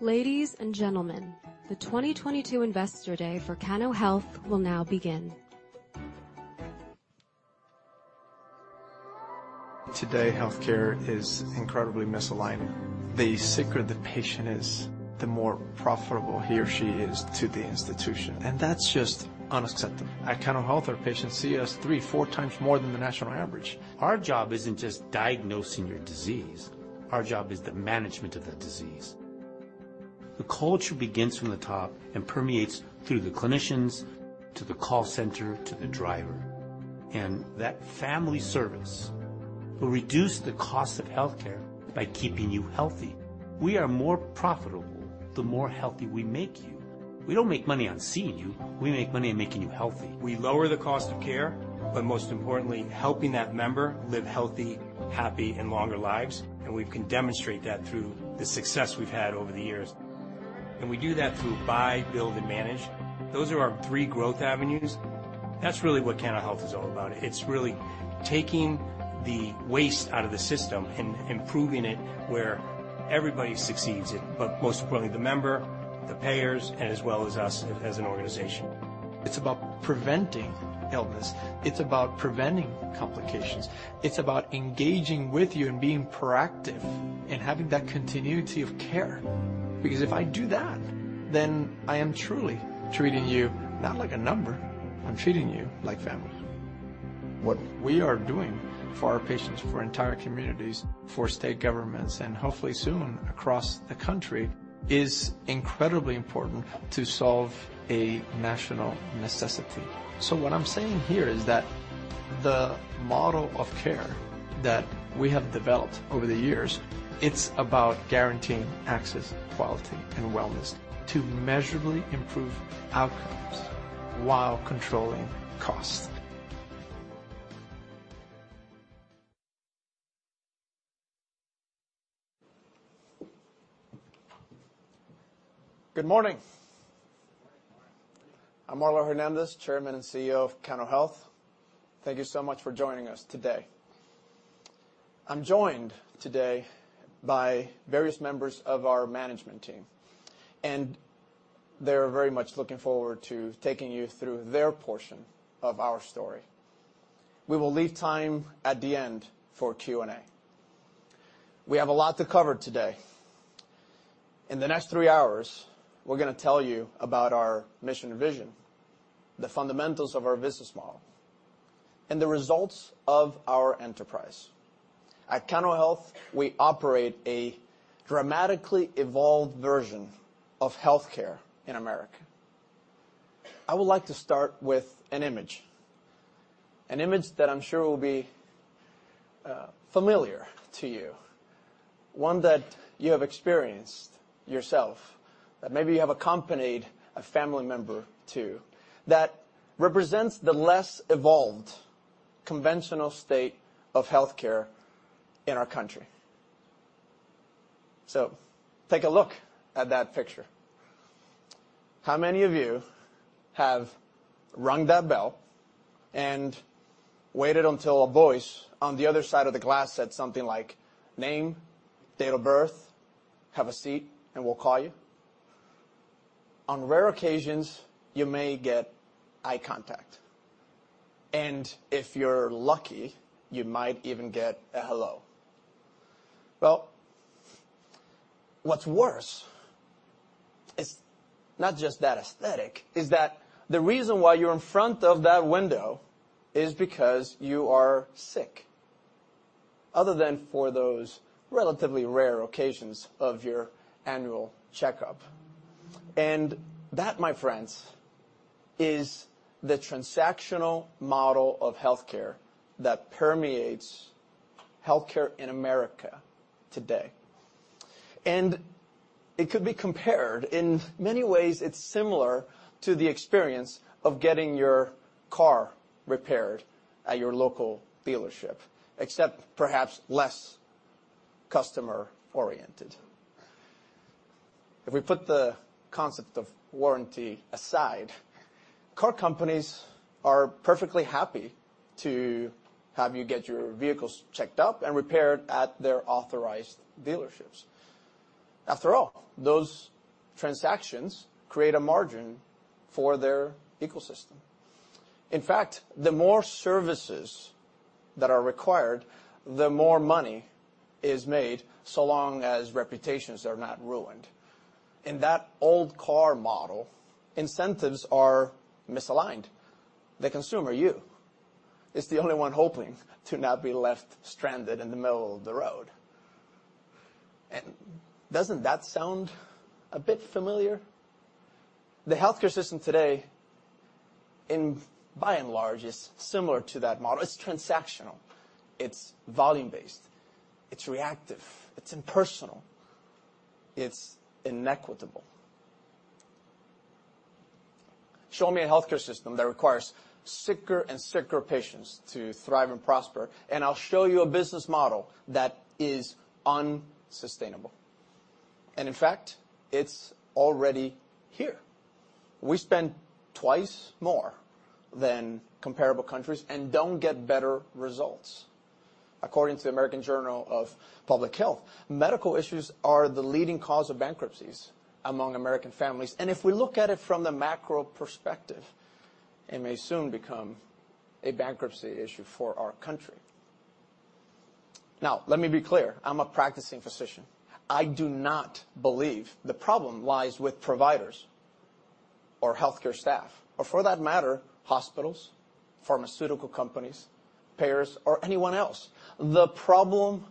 Ladies and gentlemen, the 2022 Investor Day for Cano Health will now begin. Today, healthcare is incredibly misaligned. The sicker the patient is, the more profitable he or she is to the institution, and that's just unacceptable. At Cano Health, our patients see us 3, 4 times more than the national average. Our job isn't just diagnosing your disease, our job is the management of that disease. The culture begins from the top and permeates through the clinicians to the call center, to the driver. That family service will reduce the cost of healthcare by keeping you healthy. We are more profitable the more healthy we make you. We don't make money on seeing you. We make money on making you healthy. We lower the cost of care, but most importantly, helping that member live healthy, happy and longer lives, and we can demonstrate that through the success we've had over the years. We do that through buy, build and manage. Those are our three growth avenues. That's really what Cano Health is all about. It's really taking the waste out of the system and improving it where everybody succeeds, but most importantly, the member, the payers, as well as us as an organization. It's about preventing illness. It's about preventing complications. It's about engaging with you and being proactive and having that continuity of care. Because if I do that, then I am truly treating you not like a number, I'm treating you like family. What we are doing for our patients, for entire communities, for state governments, and hopefully soon across the country, is incredibly important to solve a national necessity. What I'm saying here is that the model of care that we have developed over the years, it's about guaranteeing access, quality, and wellness to measurably improve outcomes while controlling costs. Good morning. I'm Marlow Hernandez, Chairman and CEO of Cano Health. Thank you so much for joining us today. I'm joined today by various members of our management team, and they're very much looking forward to taking you through their portion of our story. We will leave time at the end for Q&A. We have a lot to cover today. In the next three hours, we're gonna tell you about our mission and vision, the fundamentals of our business model, and the results of our enterprise. At Cano Health, we operate a dramatically evolved version of healthcare in America. I would like to start with an image. An image that I'm sure will be familiar to you, one that you have experienced yourself, that maybe you have accompanied a family member to, that represents the less evolved conventional state of healthcare in our country. Take a look at that picture. How many of you have rung that bell and waited until a voice on the other side of the glass said something like, "Name, date of birth, have a seat, and we'll call you"? On rare occasions, you may get eye contact, and if you're lucky, you might even get a hello. Well, what's worse is not just that aesthetic, is that the reason why you're in front of that window is because you are sick, other than for those relatively rare occasions of your annual checkup. That, my friends, is the transactional model of healthcare that permeates healthcare in America today. It could be compared. In many ways, it's similar to the experience of getting your car repaired at your local dealership, except perhaps less customer-oriented. If we put the concept of warranty aside, car companies are perfectly happy to have you get your vehicles checked up and repaired at their authorized dealerships. After all, those transactions create a margin for their ecosystem. In fact, the more services that are required, the more money is made, so long as reputations are not ruined. In that old car model, incentives are misaligned. The consumer, you, is the only one hoping to not be left stranded in the middle of the road. Doesn't that sound a bit familiar? The healthcare system today, by and large, is similar to that model. It's transactional, it's volume-based, it's reactive, it's impersonal, it's inequitable. Show me a healthcare system that requires sicker and sicker patients to thrive and prosper, and I'll show you a business model that is unsustainable. In fact, it's already here. We spend twice more than comparable countries and don't get better results, according to the American Journal of Public Health. Medical issues are the leading cause of bankruptcies among American families, and if we look at it from the macro perspective, it may soon become a bankruptcy issue for our country. Now, let me be clear. I'm a practicing physician. I do not believe the problem lies with providers or healthcare staff or for that matter, hospitals, pharmaceutical companies, payers, or anyone else. The problem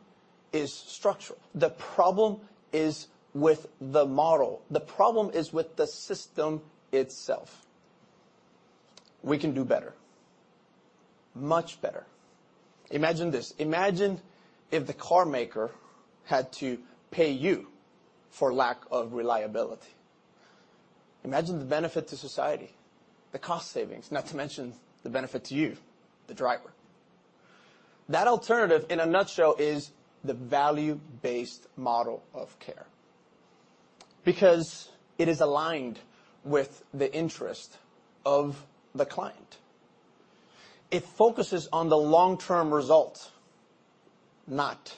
is structural. The problem is with the model. The problem is with the system itself. We can do better, much better. Imagine this. Imagine if the car maker had to pay you for lack of reliability. Imagine the benefit to society, the cost savings, not to mention the benefit to you, the driver. That alternative, in a nutshell, is the value-based model of care because it is aligned with the interest of the client. It focuses on the long-term result, not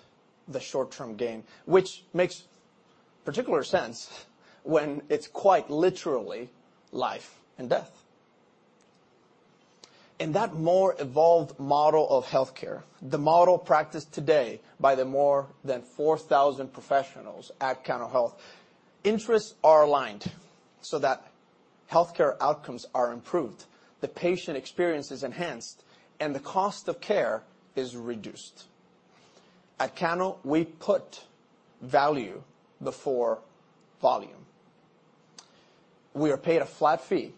the short-term gain, which makes particular sense when it's quite literally life and death. In that more evolved model of healthcare, the model practiced today by the more than 4,000 professionals at Cano Health, interests are aligned so that healthcare outcomes are improved, the patient experience is enhanced, and the cost of care is reduced. At Cano, we put value before volume. We are paid a flat fee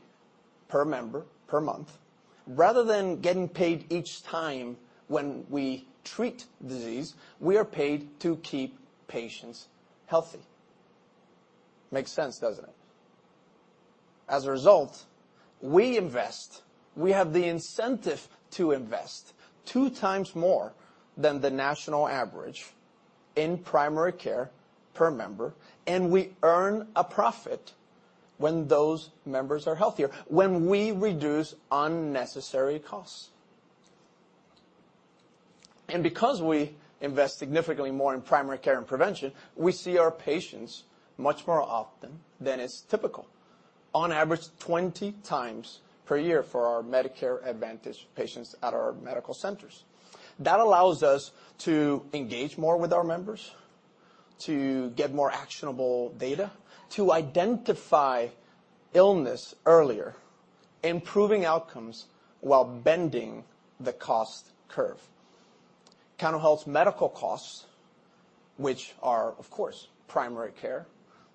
per member, per month. Rather than getting paid each time when we treat disease, we are paid to keep patients healthy. Makes sense, doesn't it? As a result, we invest. We have the incentive to invest 2 times more than the national average in primary care per member, and we earn a profit when those members are healthier, when we reduce unnecessary costs. Because we invest significantly more in primary care and prevention, we see our patients much more often than is typical. On average, 20 times per year for our Medicare Advantage patients at our medical centers. That allows us to engage more with our members, to get more actionable data, to identify illness earlier, improving outcomes while bending the cost curve. Cano Health's medical costs, which are, of course, primary care,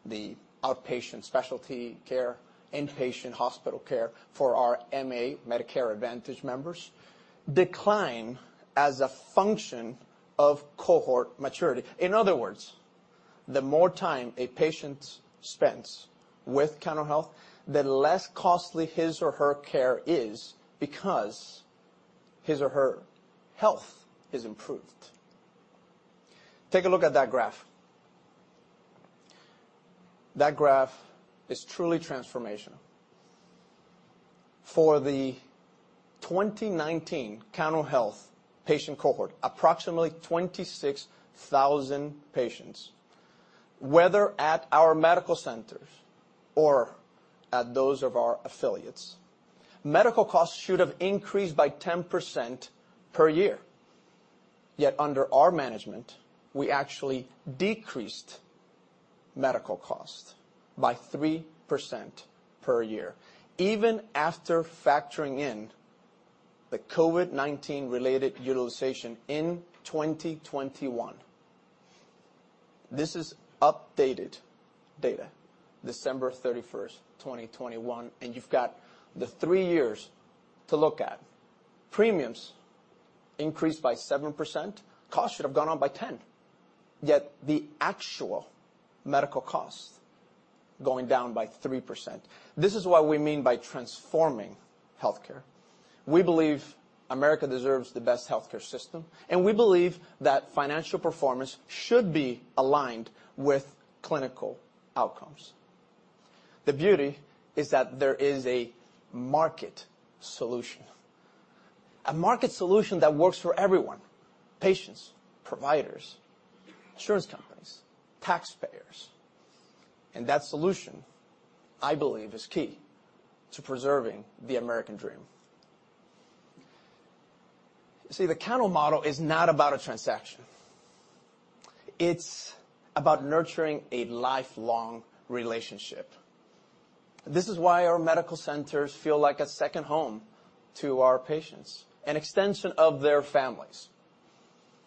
the outpatient specialty care, inpatient hospital care for our MA, Medicare Advantage members, decline as a function of cohort maturity. In other words, the more time a patient spends with Cano Health, the less costly his or her care is because his or her health is improved. Take a look at that graph. That graph is truly transformational. For the 2019 Cano Health patient cohort, approximately 26,000 patients, whether at our medical centers or at those of our affiliates, medical costs should have increased by 10% per year. Yet, under our management, we actually decreased medical cost by 3% per year, even after factoring in the COVID-19 related utilization in 2021. This is updated data, December 31, 2021, and you've got the three years to look at. Premiums increased by 7%. Costs should have gone up by 10, yet the actual medical cost going down by 3%. This is what we mean by transforming healthcare. We believe America deserves the best healthcare system, and we believe that financial performance should be aligned with clinical outcomes. The beauty is that there is a market solution, a market solution that works for everyone, patients, providers, insurance companies, taxpayers. That solution, I believe, is key to preserving the American dream. See, the Cano model is not about a transaction. It's about nurturing a lifelong relationship. This is why our medical centers feel like a second home to our patients, an extension of their families.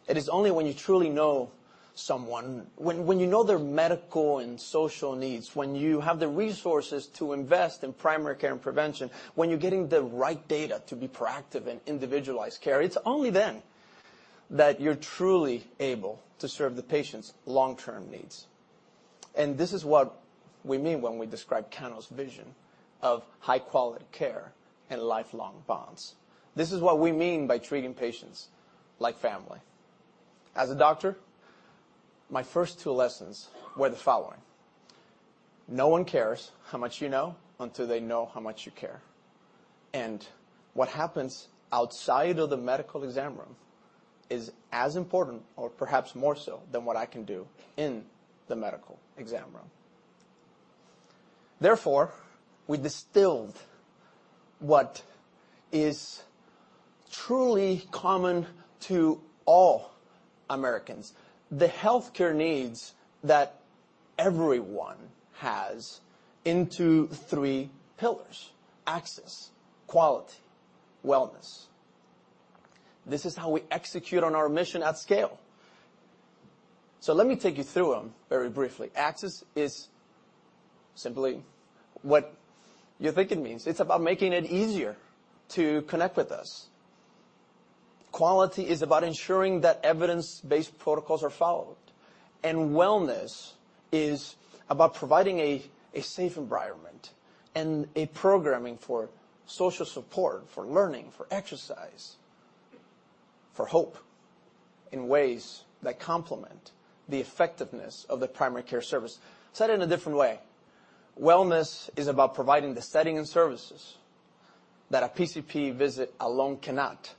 It is only when you truly know someone, when you know their medical and social needs, when you have the resources to invest in primary care and prevention, when you're getting the right data to be proactive in individualized care. It's only then that you're truly able to serve the patient's long-term needs. This is what we mean when we describe Cano's vision of high-quality care and lifelong bonds. This is what we mean by treating patients like family. As a doctor, my first two lessons were the following: No one cares how much you know until they know how much you care. What happens outside of the medical exam room is as important, or perhaps more so, than what I can do in the medical exam room. Therefore, we distilled what is truly common to all Americans, the healthcare needs that everyone has, into three pillars, access, quality, wellness. This is how we execute on our mission at scale. Let me take you through them very briefly. Access is simply what you think it means. It's about making it easier to connect with us. Quality is about ensuring that evidence-based protocols are followed, and wellness is about providing a safe environment and a programming for social support, for learning, for exercise, for hope in ways that complement the effectiveness of the primary care service. Said in a different way, wellness is about providing the setting and services that a PCP visit alone cannot,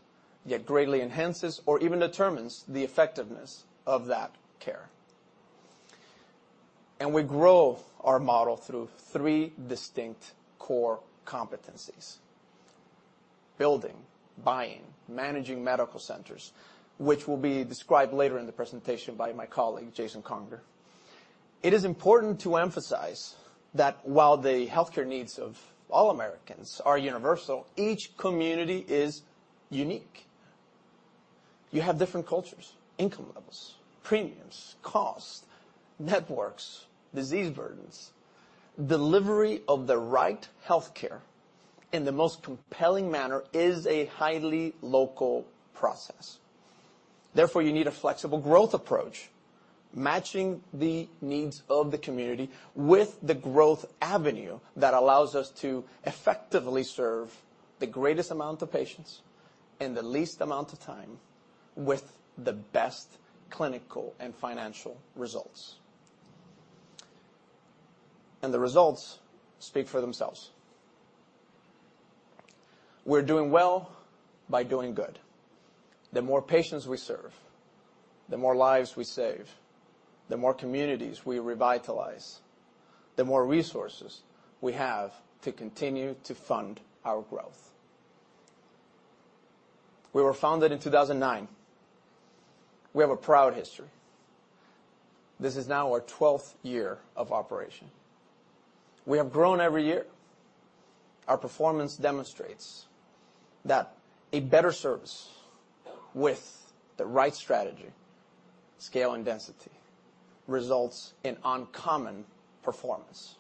yet greatly enhances or even determines the effectiveness of that care. We grow our model through three distinct core competencies, building, buying, managing medical centers, which will be described later in the presentation by my colleague, Jason Conger. It is important to emphasize that while the healthcare needs of all Americans are universal, each community is unique. You have different cultures, income levels, premiums, costs, networks, disease burdens. Delivery of the right healthcare in the most compelling manner is a highly local process. Therefore, you need a flexible growth approach, matching the needs of the community with the growth avenue that allows us to effectively serve the greatest amount of patients in the least amount of time with the best clinical and financial results. The results speak for themselves. We're doing well by doing good. The more patients we serve, the more lives we save, the more communities we revitalize, the more resources we have to continue to fund our growth. We were founded in 2009. We have a proud history. This is now our twelfth year of operation. We have grown every year. Our performance demonstrates that a better service with the right strategy, scale, and density, results in uncommon performance.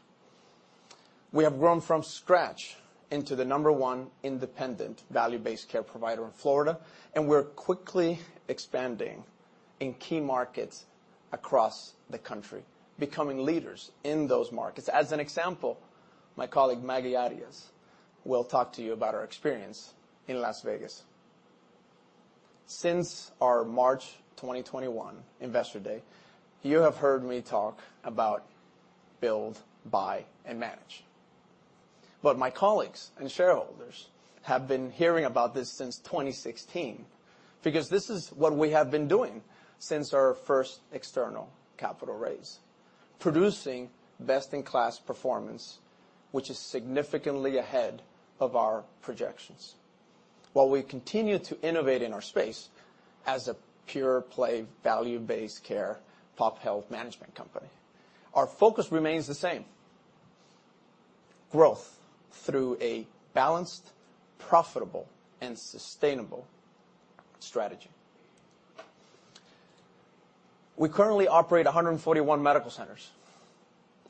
We have grown from scratch into the number one independent value-based care provider in Florida, and we're quickly expanding in key markets across the country, becoming leaders in those markets. As an example, my colleague, Maggie Arias-Petrel, will talk to you about our experience in Las Vegas. Since our March 2021 Investor Day, you have heard me talk about build, buy, and manage. My colleagues and shareholders have been hearing about this since 2016 because this is what we have been doing since our first external capital raise, producing best-in-class performance, which is significantly ahead of our projections. While we continue to innovate in our space as a pure-play, value-based care pop health management company, our focus remains the same, growth through a balanced, profitable, and sustainable strategy. We currently operate 141 medical centers,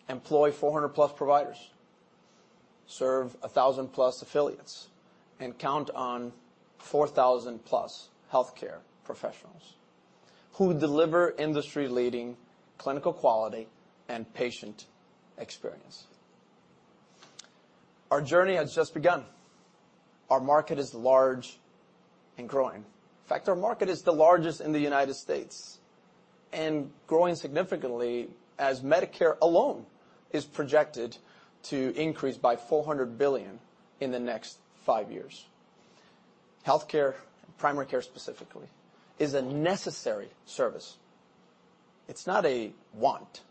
employ 400+ providers, serve 1,000+ affiliates, and count on 4,000+ healthcare professionals who deliver industry-leading clinical quality and patient experience. Our journey has just begun. Our market is large and growing. In fact, our market is the largest in the United States and growing significantly as Medicare alone is projected to increase by $400 billion in the next five years. Healthcare, primary care specifically, is a necessary service. It's not a want,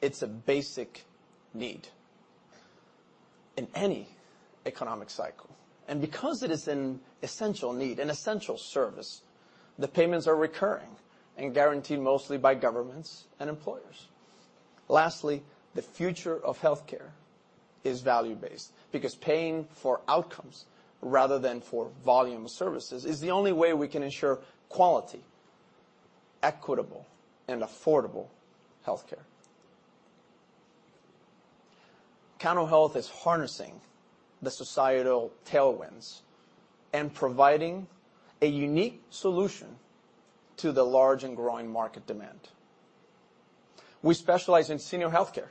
it's a basic need in any economic cycle. Because it is an essential need, an essential service, the payments are recurring and guaranteed mostly by governments and employers. Lastly, the future of healthcare is value-based because paying for outcomes rather than for volume of services is the only way we can ensure quality, equitable, and affordable healthcare. Cano Health is harnessing the societal tailwinds and providing a unique solution to the large and growing market demand. We specialize in senior healthcare,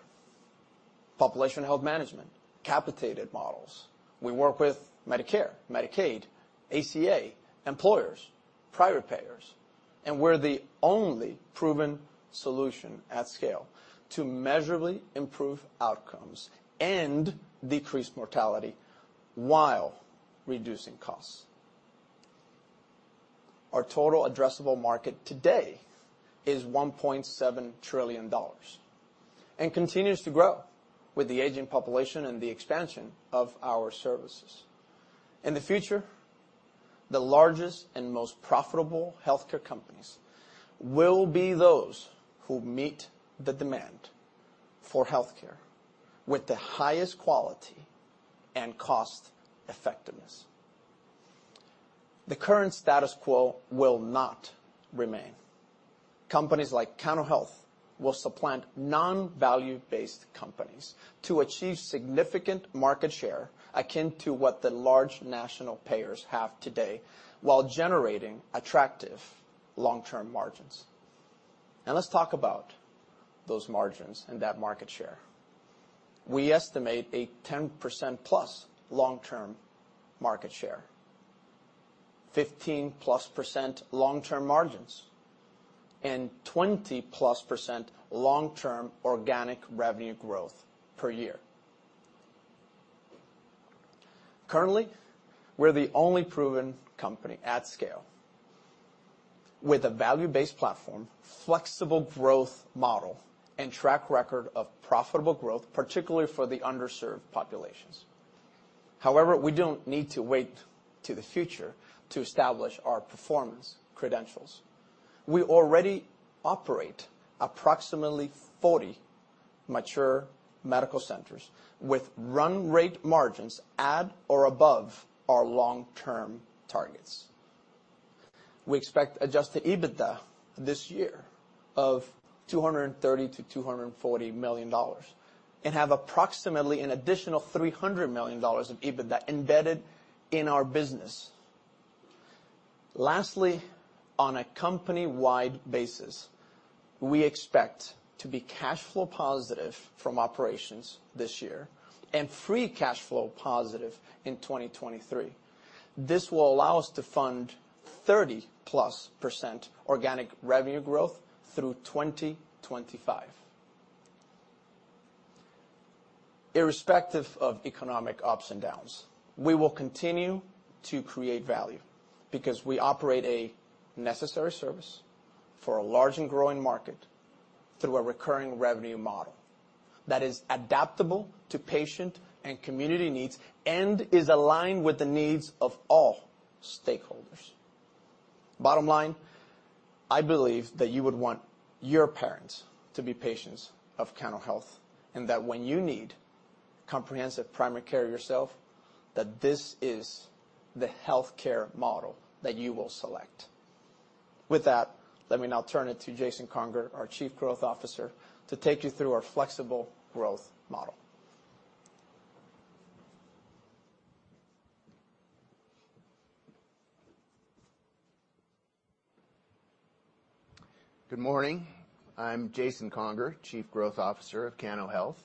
population health management, capitated models. We work with Medicare, Medicaid, ACA, employers, private payers, and we're the only proven solution at scale to measurably improve outcomes and decrease mortality while reducing costs. Our total addressable market today is $1.7 trillion and continues to grow with the aging population and the expansion of our services. In the future, the largest and most profitable healthcare companies will be those who meet the demand for healthcare with the highest quality and cost-effectiveness. The current status quo will not remain. Companies like Cano Health will supplant non-value-based companies to achieve significant market share akin to what the large national payers have today while generating attractive long-term margins. Now, let's talk about those margins and that market share. We estimate a 10%+ long-term market share, 15%+ long-term margins, and 20%+ long-term organic revenue growth per year. Currently, we're the only proven company at scale with a value-based platform, flexible growth model, and track record of profitable growth, particularly for the underserved populations. However, we don't need to wait 'til the future to establish our performance credentials. We already operate approximately 40 mature medical centers with run rate margins at or above our long-term targets. We expect adjusted EBITDA this year of $230 million-$240 million and have approximately an additional $300 million of EBITDA embedded in our business. Lastly, on a company-wide basis, we expect to be cash flow positive from operations this year and free cash flow positive in 2023. This will allow us to fund 30%+ organic revenue growth through 2025. Irrespective of economic ups and downs, we will continue to create value because we operate a necessary service for a large and growing market through a recurring revenue model that is adaptable to patient and community needs and is aligned with the needs of all stakeholders. Bottom line, I believe that you would want your parents to be patients of Cano Health, and that when you need comprehensive primary care yourself, that this is the healthcare model that you will select. With that, let me now turn it to Jason Conger, our Chief Growth Officer, to take you through our flexible growth model. Good morning. I'm Jason Conger, Chief Growth Officer of Cano Health,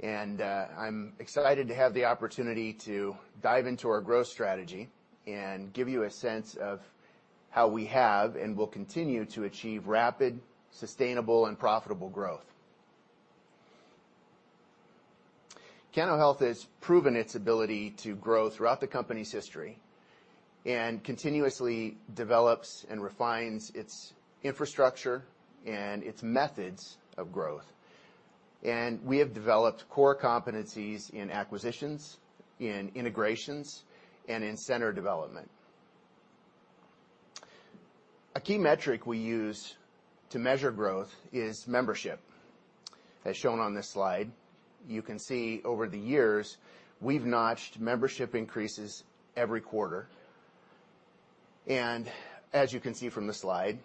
and I'm excited to have the opportunity to dive into our growth strategy and give you a sense of how we have and will continue to achieve rapid, sustainable, and profitable growth. Cano Health has proven its ability to grow throughout the company's history and continuously develops and refines its infrastructure and its methods of growth. We have developed core competencies in acquisitions, in integrations, and in center development. A key metric we use to measure growth is membership. As shown on this slide, you can see over the years we've notched membership increases every quarter. As you can see from the slide,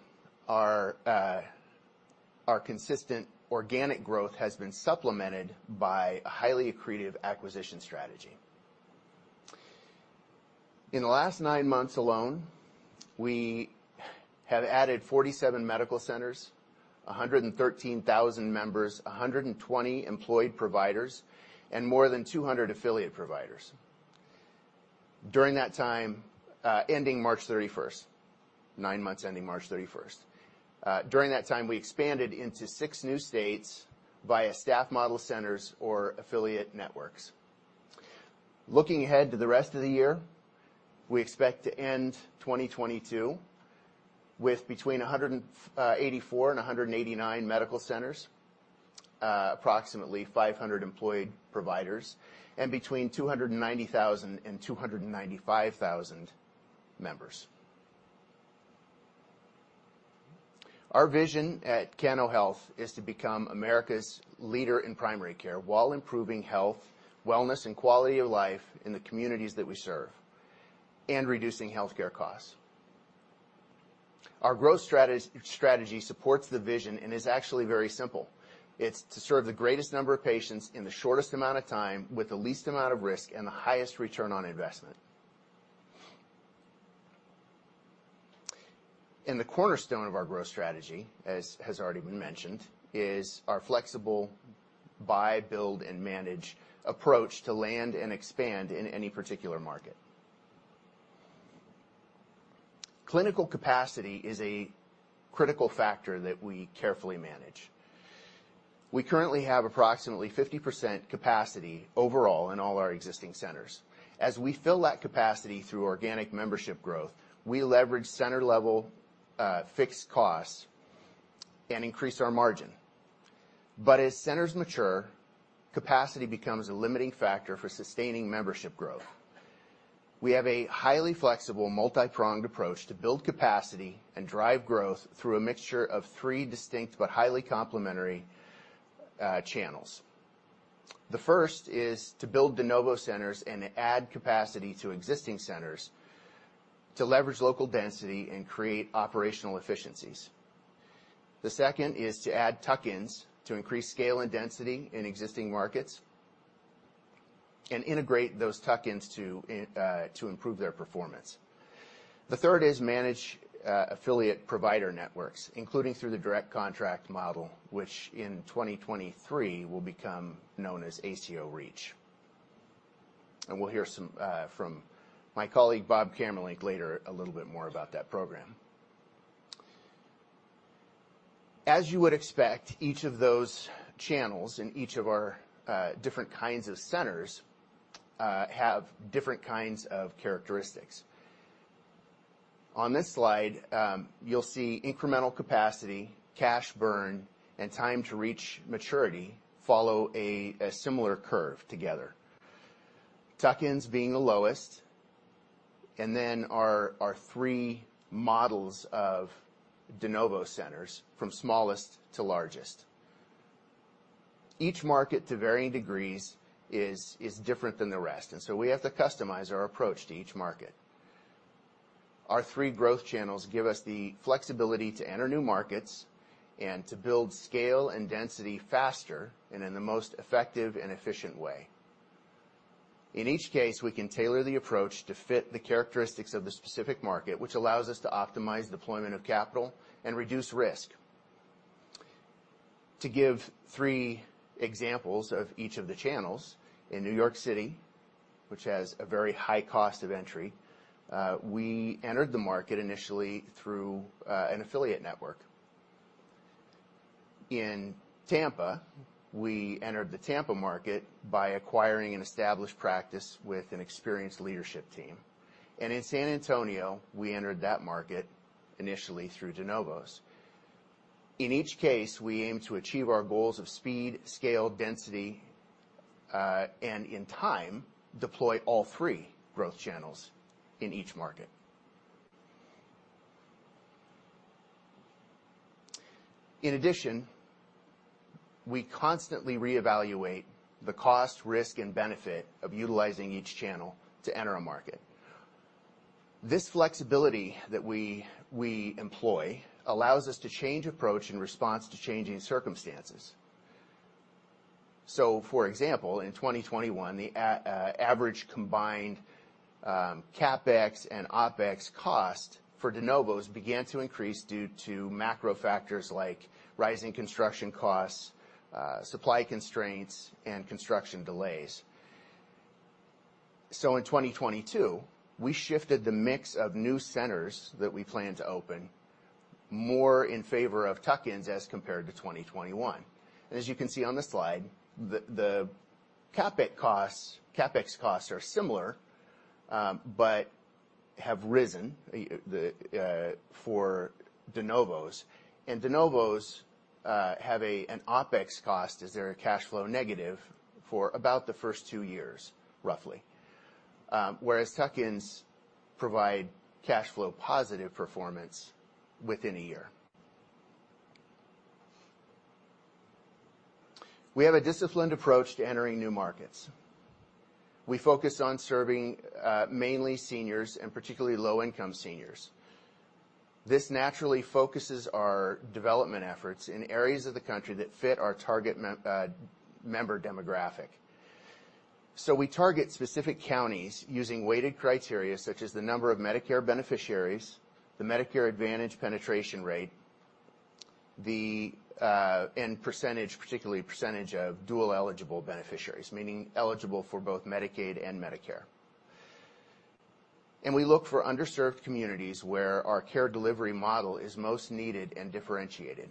our consistent organic growth has been supplemented by a highly accretive acquisition strategy. In the last nine months alone, we have added 47 medical centers, 113,000 members, 120 employed providers, and more than 200 affiliate providers. During that time, ending March 31st, nine months ending March 31st. During that time, we expanded into six new states via staff model centers or affiliate networks. Looking ahead to the rest of the year, we expect to end 2022 with between 184 and 189 medical centers, approximately 500 employed providers, and between 290,000 and 295,000 members. Our vision at Cano Health is to become America's leader in primary care while improving health, wellness, and quality of life in the communities that we serve and reducing healthcare costs. Our growth strategy supports the vision and is actually very simple. It's to serve the greatest number of patients in the shortest amount of time with the least amount of risk and the highest return on investment. The cornerstone of our growth strategy, as has already been mentioned, is our flexible buy, build and manage approach to land and expand in any particular market. Clinical capacity is a critical factor that we carefully manage. We currently have approximately 50% capacity overall in all our existing centers. As we fill that capacity through organic membership growth, we leverage center-level fixed costs and increase our margin. But as centers mature, capacity becomes a limiting factor for sustaining membership growth. We have a highly flexible multi-pronged approach to build capacity and drive growth through a mixture of three distinct but highly complementary channels. The first is to build de novo centers and add capacity to existing centers to leverage local density and create operational efficiencies. The second is to add tuck-ins to increase scale and density in existing markets and integrate those tuck-ins to improve their performance. The third is manage affiliate provider networks, including through the direct contract model, which in 2023 will become known as ACO REACH. We'll hear some from my colleague Bob Camerlinck later a little bit more about that program. As you would expect, each of those channels and each of our different kinds of centers have different kinds of characteristics. On this slide, you'll see incremental capacity, cash burn, and time to reach maturity follow a similar curve together. Tuck-ins being the lowest, and then our three models of de novo centers from smallest to largest. Each market, to varying degrees, is different than the rest, and so we have to customize our approach to each market. Our three growth channels give us the flexibility to enter new markets and to build scale and density faster and in the most effective and efficient way. In each case, we can tailor the approach to fit the characteristics of the specific market, which allows us to optimize deployment of capital and reduce risk. To give three examples of each of the channels, in New York City, which has a very high cost of entry, we entered the market initially through an affiliate network. In Tampa, we entered the Tampa market by acquiring an established practice with an experienced leadership team. In San Antonio, we entered that market initially through de novos. In each case, we aim to achieve our goals of speed, scale, density, and in time, deploy all three growth channels in each market. In addition, we constantly reevaluate the cost, risk, and benefit of utilizing each channel to enter a market. This flexibility that we employ allows us to change approach in response to changing circumstances. For example, in 2021, the average combined CapEx and OpEx cost for de novos began to increase due to macro factors like rising construction costs, supply constraints, and construction delays. In 2022, we shifted the mix of new centers that we plan to open more in favor of tuck-ins as compared to 2021. As you can see on the slide, the CapEx costs are similar but have risen for de novos. De novos have an OpEx cost as they're cash flow negative for about the first two years, roughly. Whereas tuck-ins provide cash flow positive performance within a year. We have a disciplined approach to entering new markets. We focus on serving mainly seniors and particularly low-income seniors. This naturally focuses our development efforts in areas of the country that fit our target member demographic. We target specific counties using weighted criteria such as the number of Medicare beneficiaries, the Medicare Advantage penetration rate, and the percentage of dual-eligible beneficiaries, meaning eligible for both Medicaid and Medicare. We look for underserved communities where our care delivery model is most needed and differentiated.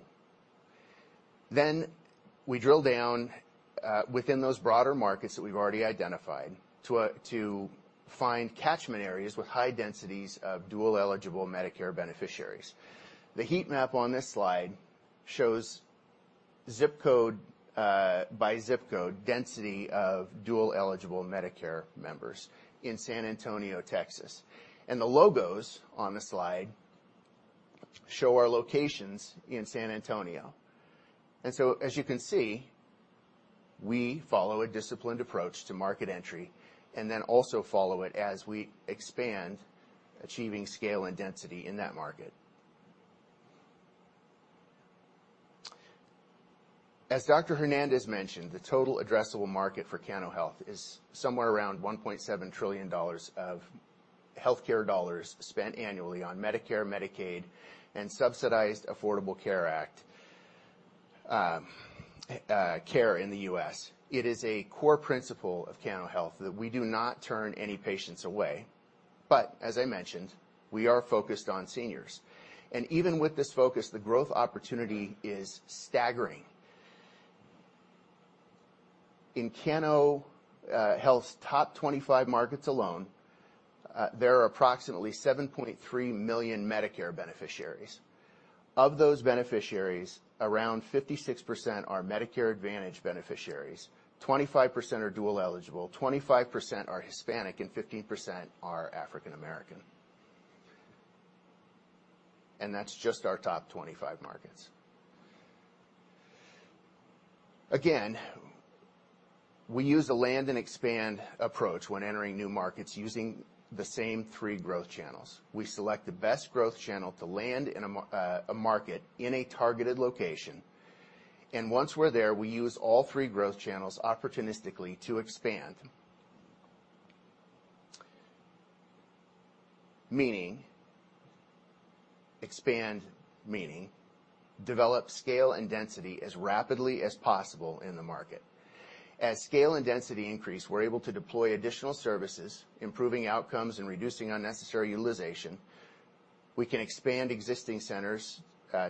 We drill down within those broader markets that we've already identified to find catchment areas with high densities of dual-eligible Medicare beneficiaries. The heat map on this slide shows zip code by zip code density of dual-eligible Medicare members in San Antonio, Texas. The logos on the slide show our locations in San Antonio. As you can see, we follow a disciplined approach to market entry and then also follow it as we expand achieving scale and density in that market. As Dr. Hernandez mentioned, the total addressable market for Cano Health is somewhere around $1.7 trillion of healthcare dollars spent annually on Medicare, Medicaid, and subsidized Affordable Care Act care in the US. It is a core principle of Cano Health that we do not turn any patients away. As I mentioned, we are focused on seniors. Even with this focus, the growth opportunity is staggering. In Cano Health's top 25 markets alone, there are approximately 7.3 million Medicare beneficiaries. Of those beneficiaries, around 56% are Medicare Advantage beneficiaries, 25% are dual eligible, 25% are Hispanic, and 15% are African-American. That's just our top 25 markets. Again, we use a land and expand approach when entering new markets using the same three growth channels. We select the best growth channel to land in a market in a targeted location. Once we're there, we use all three growth channels opportunistically to expand. Expand meaning develop scale and density as rapidly as possible in the market. As scale and density increase, we're able to deploy additional services, improving outcomes, and reducing unnecessary utilization. We can expand existing centers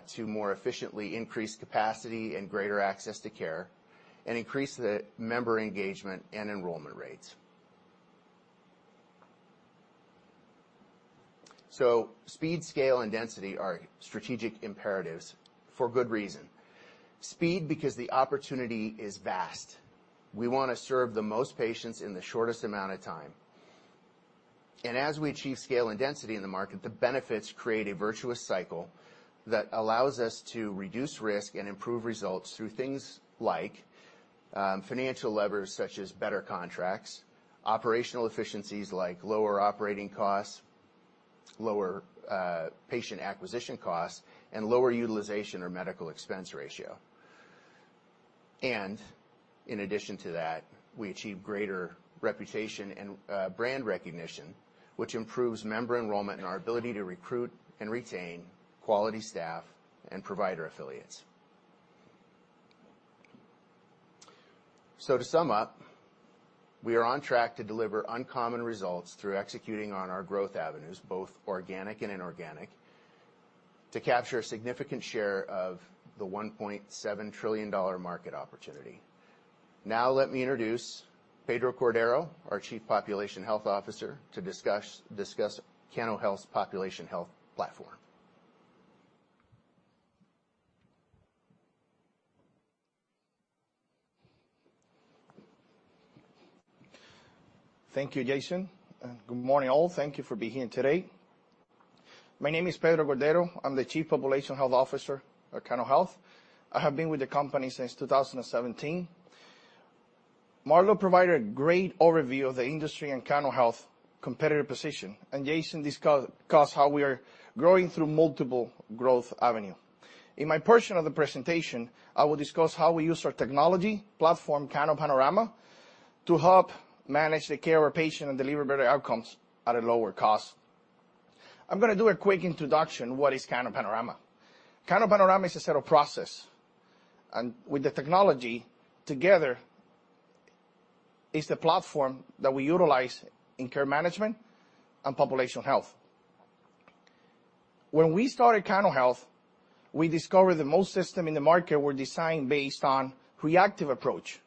to more efficiently increase capacity and greater access to care and increase the member engagement and enrollment rates. Speed, scale, and density are strategic imperatives for good reason. Speed because the opportunity is vast. We wanna serve the most patients in the shortest amount of time. As we achieve scale and density in the market, the benefits create a virtuous cycle that allows us to reduce risk and improve results through things like financial levers, such as better contracts, operational efficiencies, like lower operating costs, lower patient acquisition costs, and lower utilization or medical expense ratio. In addition to that, we achieve greater reputation and brand recognition, which improves member enrollment and our ability to recruit and retain quality staff and provider affiliates. To sum up, we are on track to deliver uncommon results through executing on our growth avenues, both organic and inorganic, to capture a significant share of the $1.7 trillion market opportunity. Now, let me introduce Pedro Cordero, our Chief Population Health Officer, to discuss Cano Health's population health platform. Thank you, Jason. Good morning, all. Thank you for being here today. My name is Pedro Cordero. I'm the Chief Population Health Officer at Cano Health. I have been with the company since 2017. Marlow provided a great overview of the industry and Cano Health competitive position, and Jason discussed how we are growing through multiple growth avenue. In my portion of the presentation, I will discuss how we use our technology platform, CanoPanorama, to help manage the care of our patient and deliver better outcomes at a lower cost. I'm gonna do a quick introduction what is CanoPanorama. CanoPanorama is a set of process, and with the technology together is the platform that we utilize in care management and population health. When we started Cano Health, we discovered that most systems in the market were designed based on reactive approach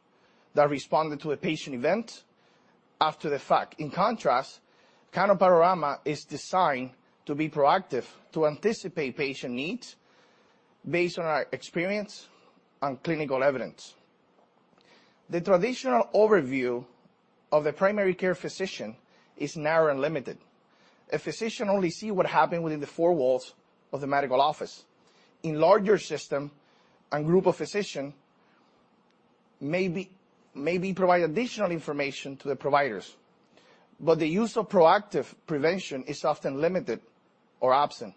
that responded to a patient event after the fact. In contrast, CanoPanorama is designed to be proactive, to anticipate patient needs based on our experience and clinical evidence. The traditional overview of the primary care physician is narrow and limited. A physician only see what happened within the four walls of the medical office. In larger systems and groups of physicians, maybe provide additional information to the providers. The use of proactive prevention is often limited or absent.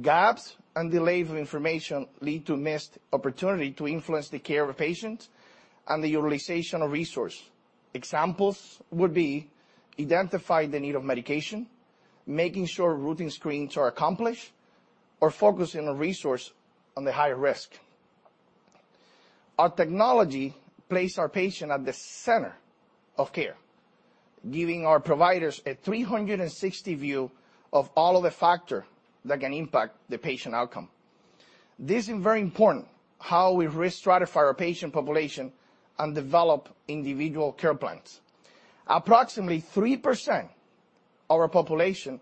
Gaps and delays of information lead to missed opportunities to influence the care of a patient and the utilization of resources. Examples would be identifying the need of medication, making sure routine screens are accomplished, or focusing on resources on the higher risk. Our technology places our patient at the center of care, giving our providers a 360 view of all of the factors that can impact the patient outcomes. This is very important how we restratify our patient population and develop individual care plans. Approximately 3% of our population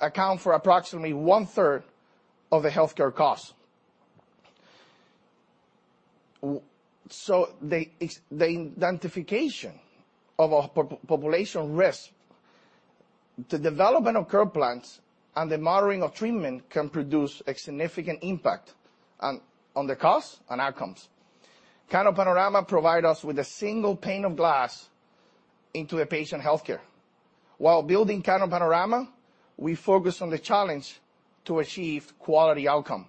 accounts for approximately one-third of the healthcare costs. The identification of a population risk, the development of care plans, and the monitoring of treatment can produce a significant impact on the costs and outcomes. CanoPanorama provides us with a single pane of glass into a patient healthcare. While building CanoPanorama, we focus on the challenges to achieve quality outcomes,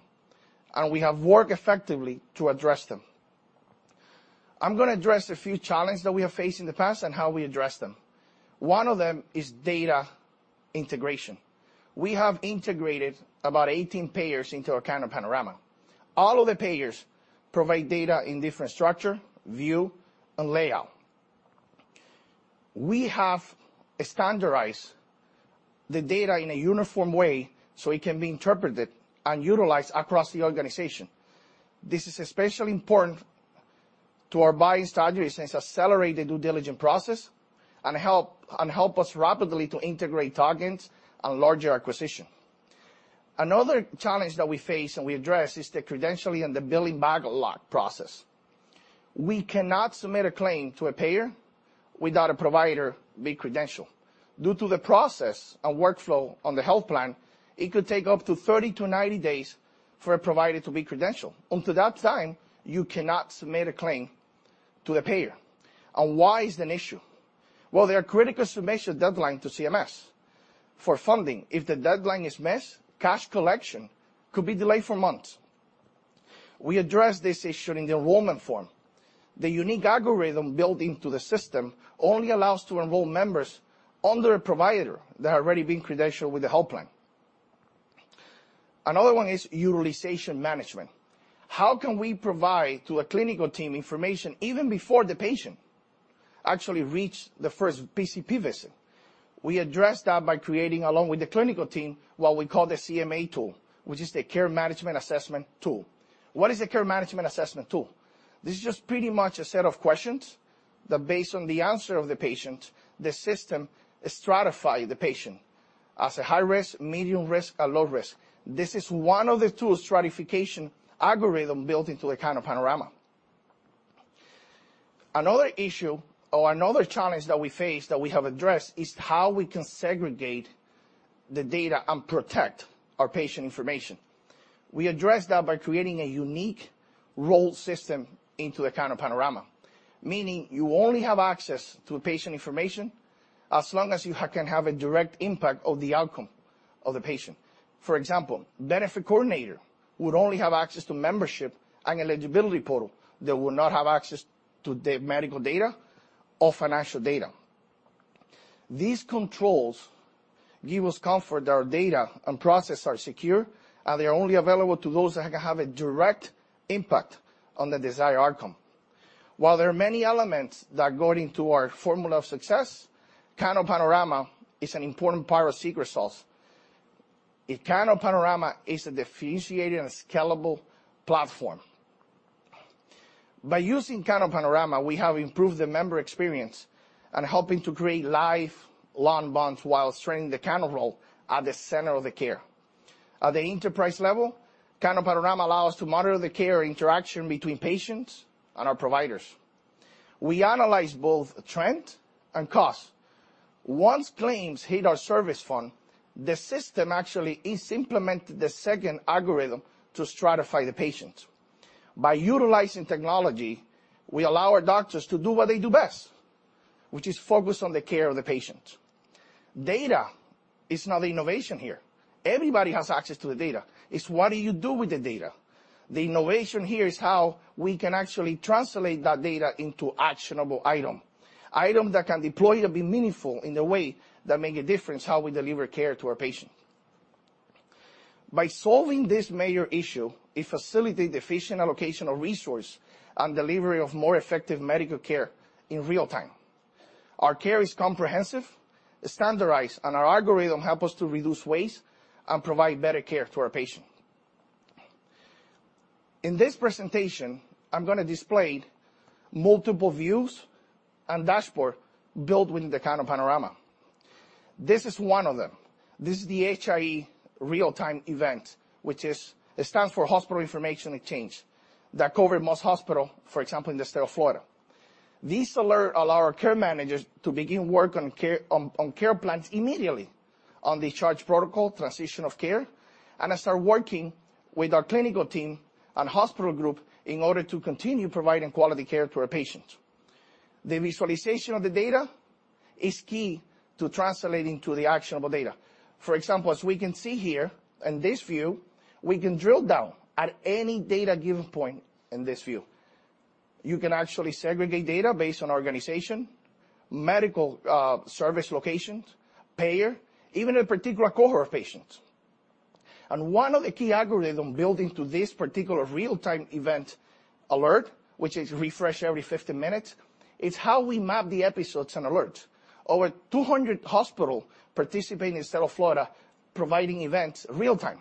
and we have worked effectively to address them. I'm gonna address a few challenges that we have faced in the past and how we address them. One of them is data integration. We have integrated about 18 payers into our CanoPanorama. All of the payers provide data in different structure, view, and layout. We have standardized the data in a uniform way so it can be interpreted and utilized across the organization. This is especially important to our buying strategy since accelerated due diligence process and help us rapidly to integrate targets and larger acquisition. Another challenge that we face and we address is the credentialing and the billing backlog process. We cannot submit a claim to a payer without a provider being credentialed. Due to the process and workflow of the health plan, it could take up to 30-90 days for a provider to be credentialed. Until that time, you cannot submit a claim to the payer. Why is that an issue? Well, there are critical submission deadlines to CMS for funding. If the deadline is missed, cash collection could be delayed for months. We address this issue in the enrollment form. The unique algorithm built into the system only allows to enroll members under a provider that are already being credentialed with the health plan. Another one is utilization management. How can we provide to a clinical team information even before the patient actually reach the first PCP visit? We address that by creating, along with the clinical team, what we call the CMA tool, which is the Care Management Assessment tool. What is the Care Management Assessment tool? This is just pretty much a set of questions that based on the answer of the patient, the system stratify the patient as a high risk, medium risk, and low risk. This is one of the tools stratification algorithm built into a CanoPanorama. Another issue or another challenge that we face that we have addressed is how we can segregate the data and protect our patient information. We address that by creating a unique role system into a CanoPanorama. Meaning you only have access to patient information as long as you can have a direct impact on the outcome of the patient. For example, benefit coordinator would only have access to membership and eligibility portal. They will not have access to the medical data or financial data. These controls give us comfort that our data and processes are secure, and they're only available to those that can have a direct impact on the desired outcome. While there are many elements that go into our formula of success, CanoPanorama is an important part of secret sauce. A CanoPanorama is a differentiated and scalable platform. By using CanoPanorama, we have improved the member experience and helping to create life-long bonds while strengthening the Cano role at the center of the care. At the enterprise level, CanoPanorama allows to monitor the care interaction between patients and our providers. We analyze both trend and cost. Once claims hit our service fund, the system actually is implemented the second algorithm to stratify the patient. By utilizing technology, we allow our doctors to do what they do best, which is focus on the care of the patient. Data is not the innovation here. Everybody has access to the data. It's what do you do with the data. The innovation here is how we can actually translate that data into actionable item. Item that can deploy to be meaningful in the way that make a difference how we deliver care to our patient. By solving this major issue, it facilitates efficient allocation of resources and delivery of more effective medical care in real-time. Our care is comprehensive, standardized, and our algorithm helps us to reduce waste and provide better care to our patients. In this presentation, I'm gonna display multiple views and dashboards built within the CanoPanorama. This is one of them. This is the HIE real-time event, which is Health Information Exchange that covers most hospitals, for example, in the state of Florida. This alert allows our care managers to begin work on care plans immediately on discharge protocol, transition of care, and start working with our clinical team and hospital group in order to continue providing quality care to our patients. The visualization of the data is key to translating to the actionable data. For example, as we can see here in this view, we can drill down at any data given point in this view. You can actually segregate data based on organization, medical, service locations, payer, even a particular cohort of patients. One of the key algorithm built into this particular real-time event alert, which is refreshed every 15 minutes, is how we map the episodes and alerts. Over 200 hospital participate in the State of Florida providing events real time.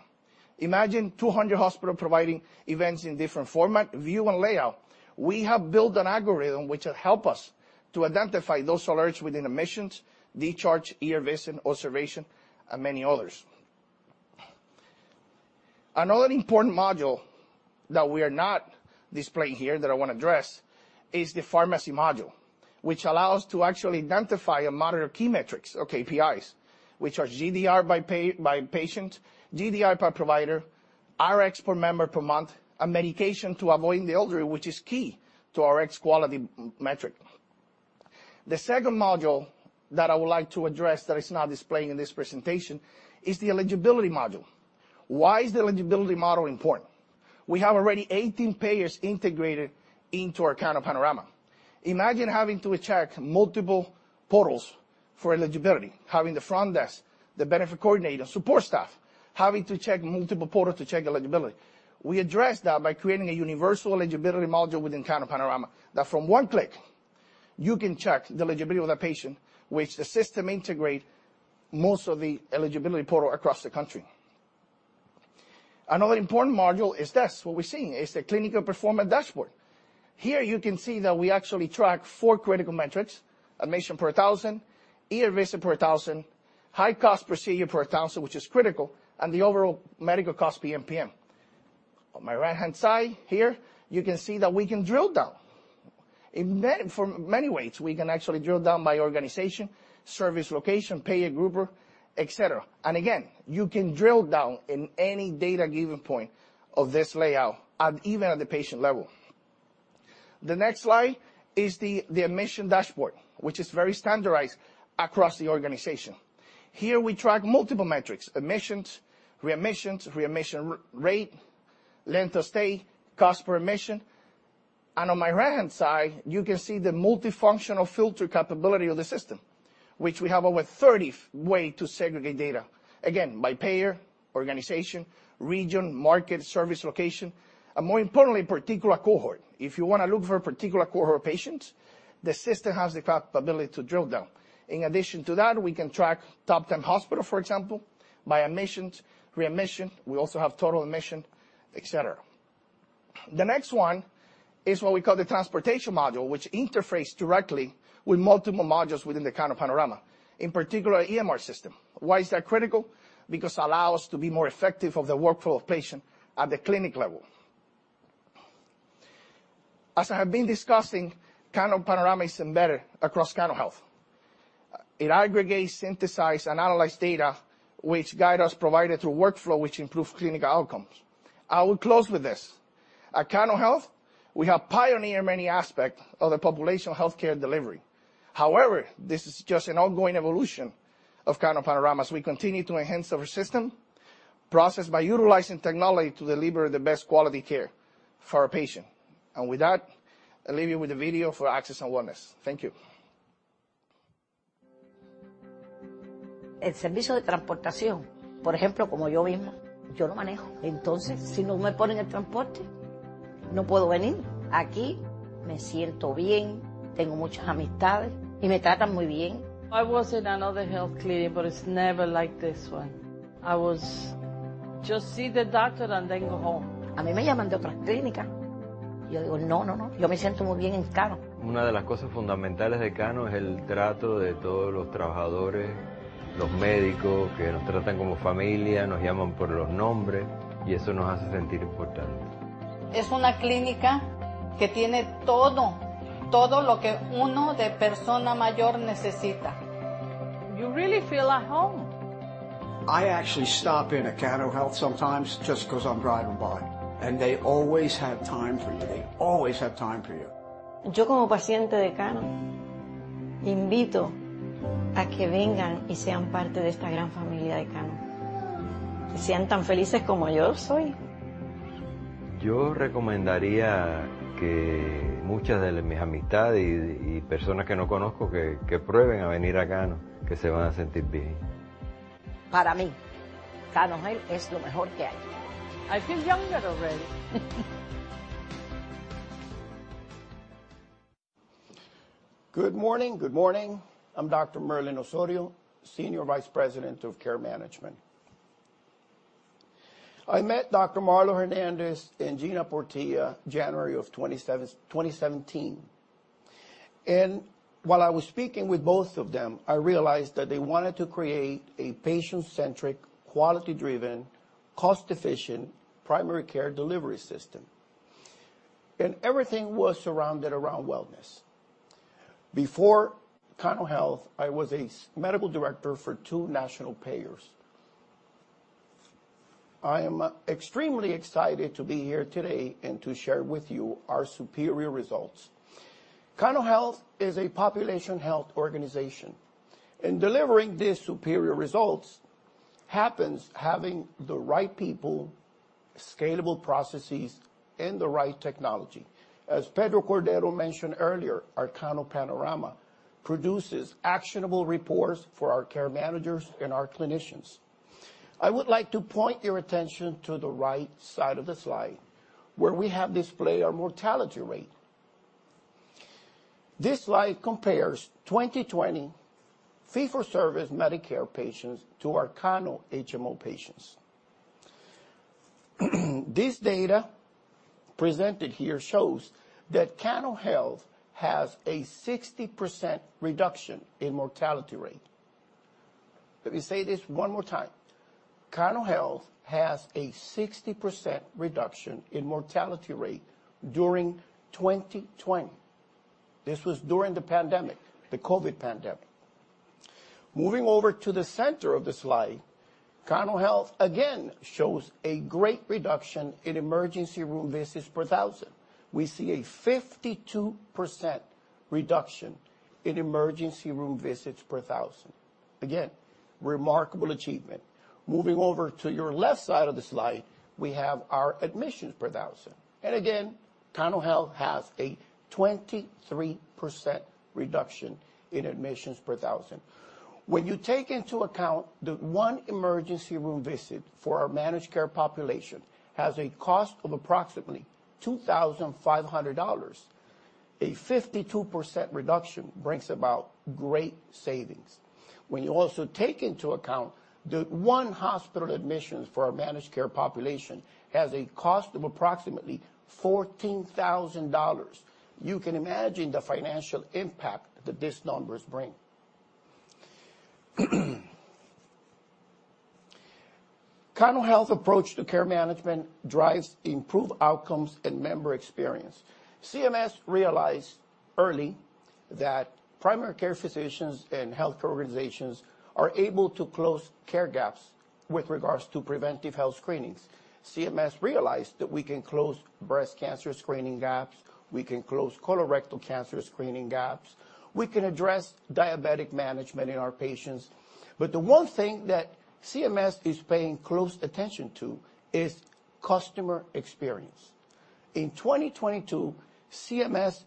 Imagine 200 hospital providing events in different format, view, and layout. We have built an algorithm which help us to identify those alerts within admissions, discharge, ER visit, observation, and many others. Another important module that we are not displaying here that I wanna address is the pharmacy module, which allow us to actually identify and monitor key metrics or KPIs, which are GDR by patient, GDR by provider, RX per member per month, a medication to avoid in the elderly, which is key to RX quality metric. The second module that I would like to address that is not displaying in this presentation is the eligibility module. Why is the eligibility module important? We have already 18 payers integrated into our CanoPanorama. Imagine having to check multiple portals for eligibility, having the front desk, the benefit coordinator, support staff, having to check multiple portals to check eligibility. We address that by creating a universal eligibility module within CanoPanorama, that from one click, you can check the eligibility of that patient, which the system integrate most of the eligibility portal across the country. Another important module is this, what we're seeing, is the clinical performance dashboard. Here you can see that we actually track four critical metrics, admissions per 1,000, ER visits per 1,000, high-cost procedures per 1,000, which is critical, and the overall medical cost PMPM. On my right-hand side here, you can see that we can drill down. For many ways, we can actually drill down by organization, service location, payer group, et cetera. Again, you can drill down in any given data point of this layout even at the patient level. The next slide is the admission dashboard, which is very standardized across the organization. Here we track multiple metrics: admissions, readmissions, readmission rate, length of stay, cost per admission. On my right-hand side, you can see the multifunctional filter capability of the system, which we have over 30 ways to segregate data. Again, by payer, organization, region, market, service location, and more importantly, particular cohort. If you wanna look for a particular cohort of patients, the system has the capability to drill down. In addition to that, we can track top 10 hospitals, for example, by admissions, readmissions. We also have total admissions, etc. The next one is what we call the transportation module, which interfaces directly with multiple modules within the CanoPanorama, in particular EMR system. Why is that critical? Because it allows us to be more effective in the workflow of patients at the clinic level. As I have been discussing, CanoPanorama is embedded across Cano Health. It aggregates, synthesize, and analyze data which guide us, provide us through workflow which improve clinical outcomes. I will close with this. At Cano Health, we have pioneered many aspects of the population healthcare delivery. However, this is just an ongoing evolution of CanoPanorama, as we continue to enhance our system, process by utilizing technology to deliver the best quality care for our patient. With that, I leave you with a video for Access and Wellness. Thank you. El servicio de transportación, por ejemplo, como yo misma, yo no manejo. Entonces, si no me ponen el transporte, no puedo venir. Aquí me siento bien, tengo muchas amistades y me tratan muy bien. I was in another health clinic, but it's never like this one. I was just seeing the doctor and then going home. A mí me llaman de otras clínicas. Yo digo, "No, no. Yo me siento muy bien en Cano. Una de las cosas fundamentales de Cano es el trato de todos los trabajadores, los médicos, que nos tratan como familia, nos llaman por los nombres y eso nos hace sentir importantes. Es una clínica que tiene todo lo que una persona mayor necesita. You really feel at home. I actually stop in at Cano Health sometimes just 'cause I'm driving by, and they always have time for you. They always have time for you. Yo como paciente de Cano invito a que vengan y sean parte de esta gran familia de Cano. Que sean tan felices como yo soy. Yo recomendaría que muchas de mis amistades y personas que no conozco que prueben a venir a Cano, que se van a sentir bien. Para mí, Cano Health es lo mejor que hay. I feel younger already. Good morning, good morning. I'm Dr. Merlin Osorio, Senior Vice President of Care Management. I met Dr. Marlow Hernandez and Gina Portilla January of 2017. While I was speaking with both of them, I realized that they wanted to create a patient-centric, quality-driven, cost-efficient primary care delivery system. Everything was surrounded around wellness. Before Cano Health, I was a medical director for two national payers. I am extremely excited to be here today and to share with you our superior results. Cano Health is a population health organization, and delivering these superior results happens having the right people, scalable processes, and the right technology. As Pedro Cordero mentioned earlier, our CanoPanorama produces actionable reports for our care managers and our clinicians. I would like to point your attention to the right side of the slide, where we have displayed our mortality rate. This slide compares 2020 fee-for-service Medicare patients to our Cano HMO patients. This data presented here shows that Cano Health has a 60% reduction in mortality rate. Let me say this one more time. Cano Health has a 60% reduction in mortality rate during 2020. This was during the pandemic, the COVID pandemic. Moving over to the center of the slide, Cano Health again shows a great reduction in emergency room visits per thousand. We see a 52% reduction in emergency room visits per thousand. Again, remarkable achievement. Moving over to your left side of the slide, we have our admissions per thousand. Again, Cano Health has a 23% reduction in admissions per thousand. When you take into account that one emergency room visit for our managed care population has a cost of approximately $2,500, a 52% reduction brings about great savings. When you also take into account that one hospital admission for our managed care population has a cost of approximately $14,000, you can imagine the financial impact that these numbers bring. Cano Health approach to care management drives improved outcomes and member experience. CMS realized early that primary care physicians and health care organizations are able to close care gaps with regards to preventive health screenings. CMS realized that we can close breast cancer screening gaps, we can close colorectal cancer screening gaps, we can address diabetic management in our patients. The one thing that CMS is paying close attention to is customer experience. In 2022, CMS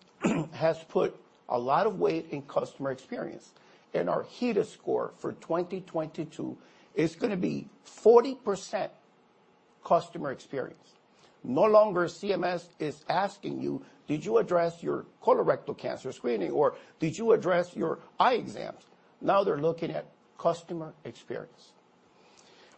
has put a lot of weight in customer experience, and our HEDIS score for 2022 is gonna be 40% customer experience. No longer CMS is asking you, "Did you address your colorectal cancer screening," or, "Did you address your eye exams?" Now they're looking at customer experience.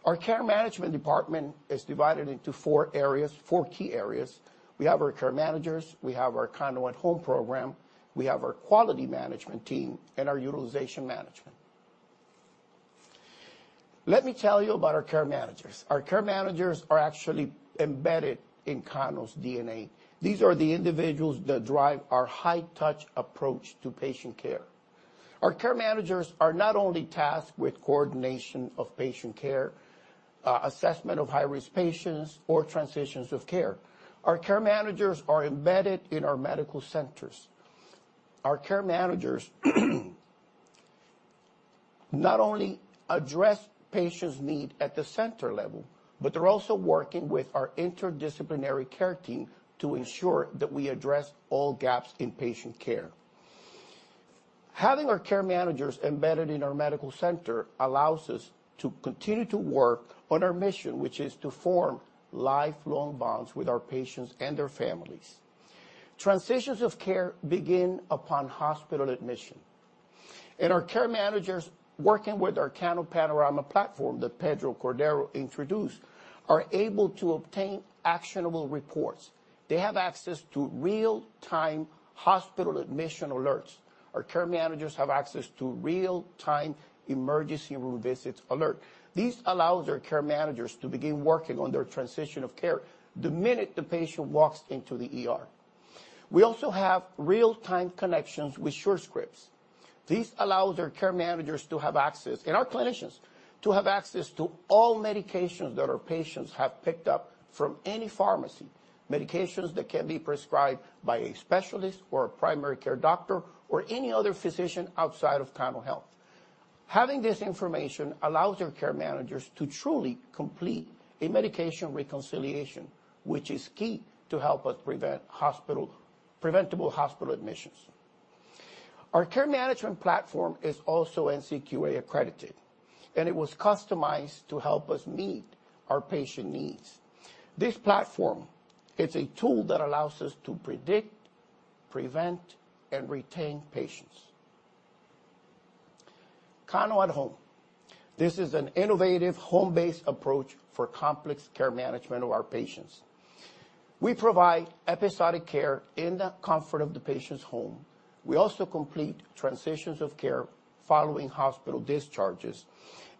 Our care management department is divided into four areas, four key areas. We have our care managers, we have our Cano at Home program, we have our quality management team, and our utilization management. Let me tell you about our care managers. Our care managers are actually embedded in Cano's DNA. These are the individuals that drive our high-touch approach to patient care. Our care managers are not only tasked with coordination of patient care, assessment of high-risk patients or transitions of care. Our care managers are embedded in our medical centers. Our care managers not only address patients' need at the center level, but they're also working with our interdisciplinary care team to ensure that we address all gaps in patient care. Having our care managers embedded in our medical center allows us to continue to work on our mission which is to form lifelong bonds with our patients and their families. Transitions of care begin upon hospital admission. Our care managers, working with our CanoPanorama platform that Pedro Cordero introduced, are able to obtain actionable reports. They have access to real-time hospital admission alerts. Our care managers have access to real-time emergency room visits alert. These allows our care managers to begin working on their transition of care the minute the patient walks into the ER. We also have real-time connections with Surescripts. These allow their care managers to have access, and our clinicians to have access to all medications that our patients have picked up from any pharmacy, medications that can be prescribed by a specialist or a primary care doctor or any other physician outside of Cano Health. Having this information allows our care managers to truly complete a medication reconciliation, which is key to help us prevent preventable hospital admissions. Our care management platform is also NCQA accredited, and it was customized to help us meet our patient needs. This platform is a tool that allows us to predict, prevent, and retain patients. Cano at Home. This is an innovative home-based approach for complex care management of our patients. We provide episodic care in the comfort of the patient's home. We also complete transitions of care following hospital discharges.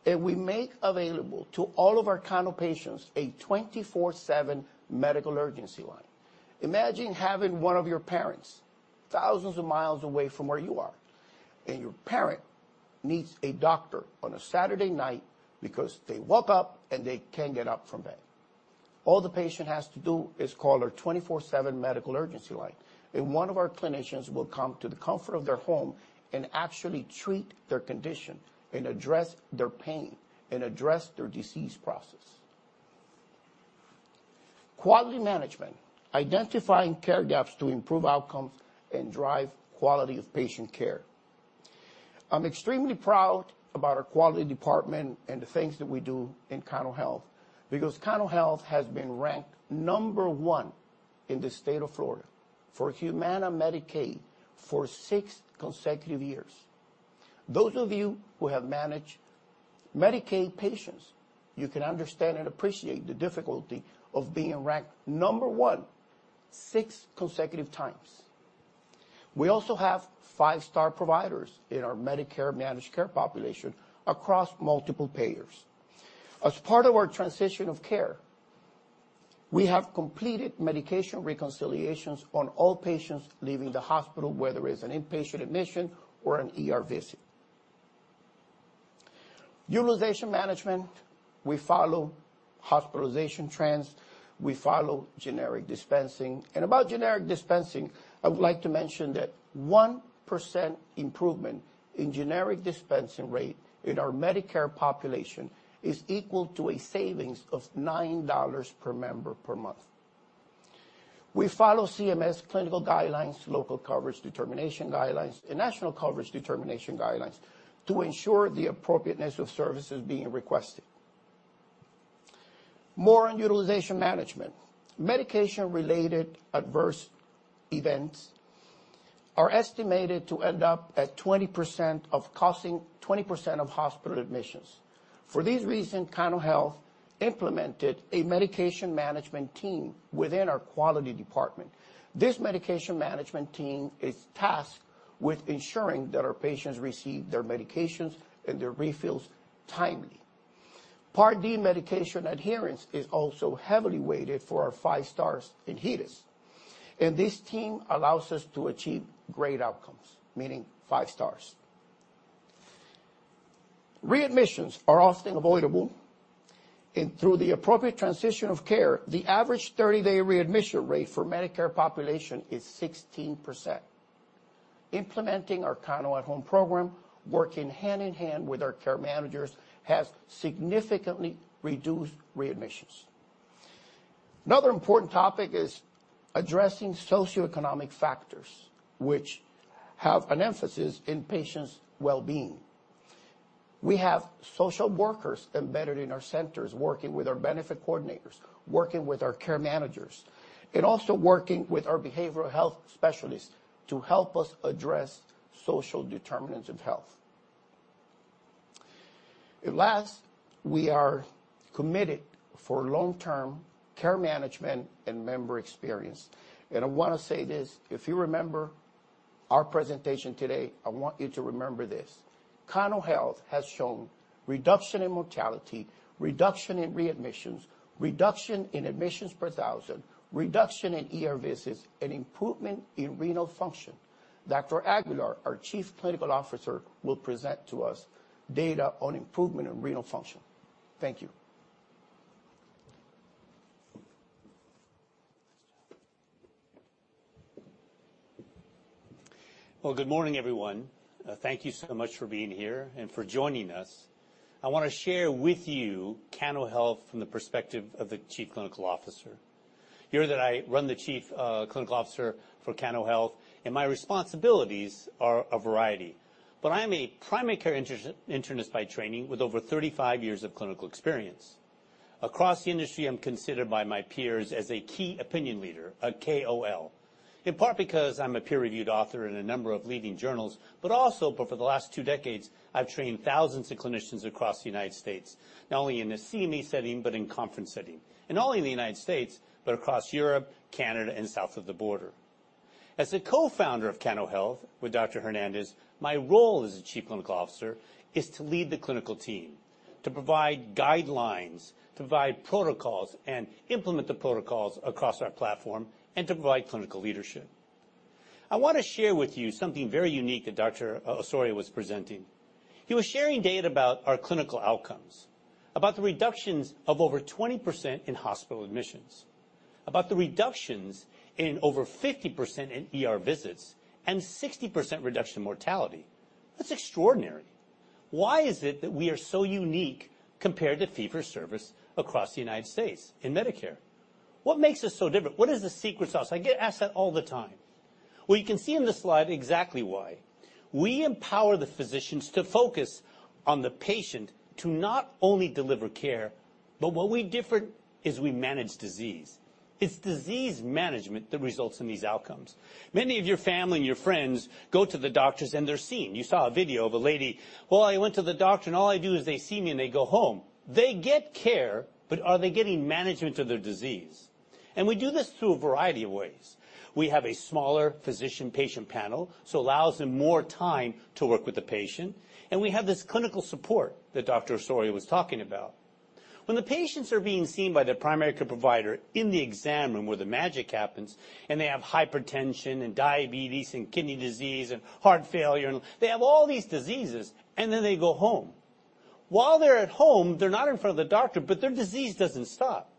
We make available to all of our Cano patients a 24/7 medical urgency line. Imagine having one of your parents thousands of miles away from where you are, and your parent needs a doctor on a Saturday night because they woke up and they can't get up from bed. All the patient has to do is call our 24/7 medical urgency line, and one of our clinicians will come to the comfort of their home and actually treat their condition and address their pain and address their disease process. Quality management. Identifying care gaps to improve outcomes and drive quality of patient care. I'm extremely proud about our quality department and the things that we do in Cano Health because Cano Health has been ranked number one in the state of Florida for Humana Medicaid for six consecutive years. Those of you who have managed Medicaid patients, you can understand and appreciate the difficulty of being ranked number one six consecutive times. We also have five-star providers in our Medicare managed care population across multiple payers. As part of our transition of care, we have completed medication reconciliations on all patients leaving the hospital, whether it's an inpatient admission or an ER visit. Utilization management, we follow hospitalization trends, we follow generic dispensing. About generic dispensing, I would like to mention that 1% improvement in generic dispensing rate in our Medicare population is equal to a savings of $9 per member per month. We follow CMS clinical guidelines, local coverage determination guidelines, and national coverage determination guidelines to ensure the appropriateness of services being requested. More on utilization management. Medication-related adverse events are estimated to account for 20%, costing 20% of hospital admissions. For this reason, Cano Health implemented a medication management team within our quality department. This medication management team is tasked with ensuring that our patients receive their medications and their refills timely. Part D medication adherence is also heavily weighted for our five stars in HEDIS, and this team allows us to achieve great outcomes, meaning five stars. Readmissions are often avoidable, and through the appropriate transition of care, the average 30-day readmission rate for Medicare population is 16%. Implementing our Cano at Home program, working hand in hand with our care managers, has significantly reduced readmissions. Another important topic is addressing socioeconomic factors which have an emphasis in patients' well-being. We have social workers embedded in our centers, working with our benefit coordinators, working with our care managers, and also working with our behavioral health specialists to help us address social determinants of health. Last, we are committed for long-term care management and member experience. I want to say this, if you remember our presentation today, I want you to remember this. Cano Health has shown reduction in mortality, reduction in readmissions, reduction in admissions per 1,000, reduction in ER visits, and improvement in renal function. Dr. Aguilar, our Chief Clinical Officer, will present to us data on improvement in renal function. Thank you. Well, good morning, everyone. Thank you so much for being here and for joining us. I want to share with you Cano Health from the perspective of the Chief Clinical Officer. I am the Chief Clinical Officer for Cano Health, and my responsibilities are a variety. I am a primary care internist by training with over 35 years of clinical experience. Across the industry, I'm considered by my peers as a key opinion leader, a KOL, in part because I'm a peer-reviewed author in a number of leading journals, but also for the last two decades, I've trained thousands of clinicians across the United States, not only in a CME setting, but in conference setting, and not only in the United States, but across Europe, Canada, and south of the border. As a co-founder of Cano Health with Dr. Hernandez, my role as a Chief Clinical Officer is to lead the clinical team, to provide guidelines, to provide protocols and implement the protocols across our platform, and to provide clinical leadership. I want to share with you something very unique that Dr. Osorio was presenting. He was sharing data about our clinical outcomes, about the reductions of over 20% in hospital admissions, about the reductions in over 50% in ER visits, and 60% reduction in mortality. That's extraordinary. Why is it that we are so unique compared to fee-for-service across the United States in Medicare? What makes us so different? What is the secret sauce? I get asked that all the time. Well, you can see in this slide exactly why. We empower the physicians to focus on the patient to not only deliver care, but what differentiates us is we manage disease. It's disease management that results in these outcomes. Many of your family and your friends go to the doctors, and they're seen. You saw a video of a lady, "Well, I went to the doctor, and all they do is see me, and I go home." They get care, but are they getting management of their disease? We do this through a variety of ways. We have a smaller physician-patient panel, so allows them more time to work with the patient, and we have this clinical support that Dr. Osorio was talking about. When the patients are being seen by their primary care provider in the exam room where the magic happens, and they have hypertension and diabetes and kidney disease and heart failure, and they have all these diseases, and then they go home. While they're at home, they're not in front of the doctor, but their disease doesn't stop.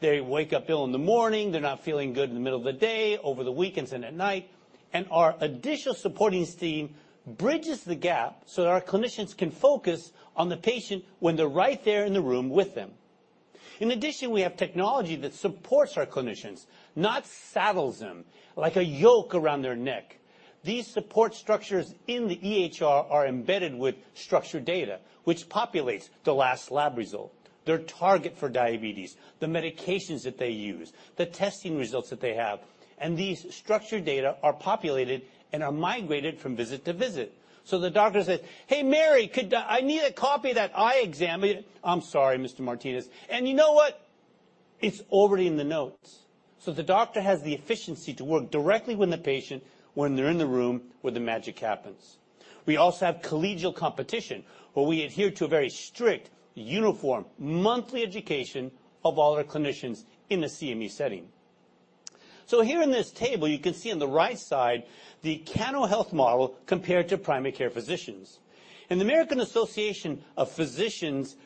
They wake up ill in the morning, they're not feeling good in the middle of the day, over the weekends, and at night. Our additional supporting team bridges the gap so that our clinicians can focus on the patient when they're right there in the room with them. In addition, we have technology that supports our clinicians, not saddles them like a yoke around their neck. These support structures in the EHR are embedded with structured data which populates the last lab result, their target for diabetes, the medications that they use, the testing results that they have. These structured data are populated and are migrated from visit to visit. The doctor says, "Hey, Mary, I need a copy of that eye exam." "I'm sorry, Mr. Martinez. You know what? It's already in the notes. The doctor has the efficiency to work directly with the patient when they're in the room where the magic happens. We also have collegial competition, where we adhere to a very strict uniform monthly education of all our clinicians in the CME setting. Here in this table, you can see on the right side the Cano Health model compared to primary care physicians. The American Academy of Family Physicians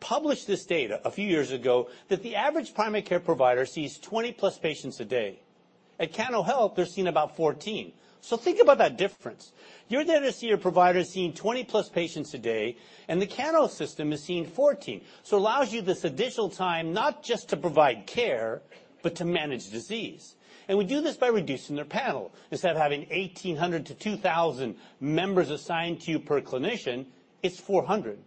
published this data a few years ago that the average primary care provider sees 20+ patients a day. At Cano Health, they're seeing about 14. Think about that difference. You're there to see your provider seeing 20+ patients a day, and the Cano system is seeing 14. It allows you this additional time not just to provide care but to manage disease. We do this by reducing their panel. Instead of having 1,800-2,000 members assigned to you per clinician, it's 400.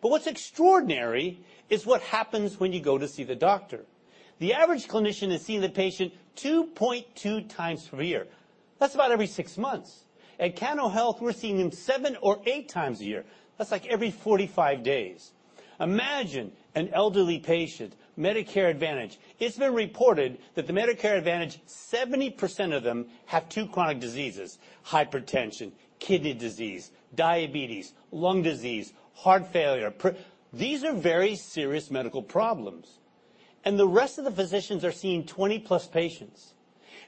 But what's extraordinary is what happens when you go to see the doctor. The average clinician is seeing the patient 2.2 times per year. That's about every six months. At Cano Health, we're seeing them 7 or 8 times a year. That's like every 45 days. Imagine an elderly patient, Medicare Advantage. It's been reported that the Medicare Advantage, 70% of them have two chronic diseases, hypertension, kidney disease, diabetes, lung disease, heart failure. These are very serious medical problems. The rest of the physicians are seeing 20+ patients,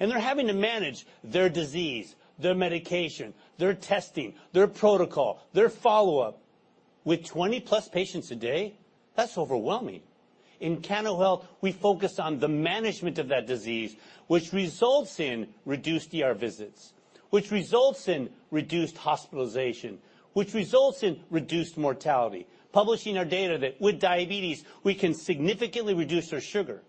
and they're having to manage their disease, their medication, their testing, their protocol, their follow-up. With 20+ patients a day, that's overwhelming. In Cano Health, we focus on the management of that disease, which results in reduced ER visits, which results in reduced hospitalization, which results in reduced mortality. Publishing our data that with diabetes, we can significantly reduce our sugar.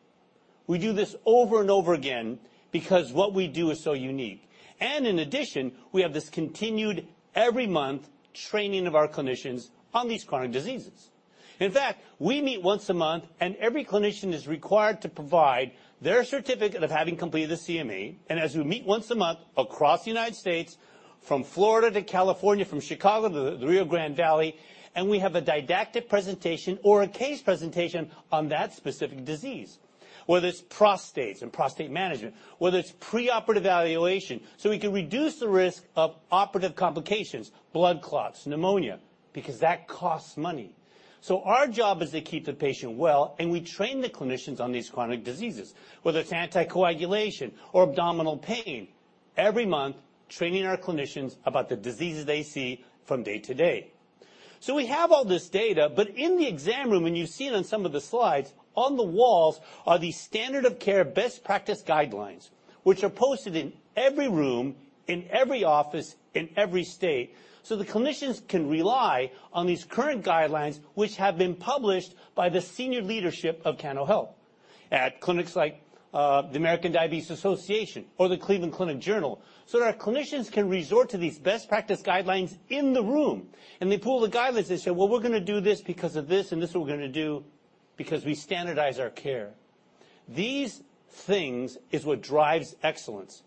We do this over and over again because what we do is so unique. In addition, we have this continued every month training of our clinicians on these chronic diseases. In fact, we meet once a month, and every clinician is required to provide their certificate of having completed the CME. We meet once a month across the United States, from Florida to California, from Chicago to the Rio Grande Valley, and we have a didactic presentation or a case presentation on that specific disease, whether it's prostate and prostate management, whether it's preoperative evaluation, so we can reduce the risk of operative complications, blood clots, pneumonia, because that costs money. Our job is to keep the patient well, and we train the clinicians on these chronic diseases, whether it's anticoagulation or abdominal pain, every month training our clinicians about the diseases they see from day to day. We have all this data, but in the exam room, and you see it on some of the slides, on the walls are the standard of care best practice guidelines, which are posted in every room, in every office, in every state. The clinicians can rely on these current guidelines, which have been published by the senior leadership of Cano Health at clinics like, the American Diabetes Association or the Cleveland Clinic Journal, so that our clinicians can resort to these best practice guidelines in the room. They pull the guidelines, they say, "Well, we're gonna do this because of this, and this we're gonna do because we standardize our care." These things is what drives excellence.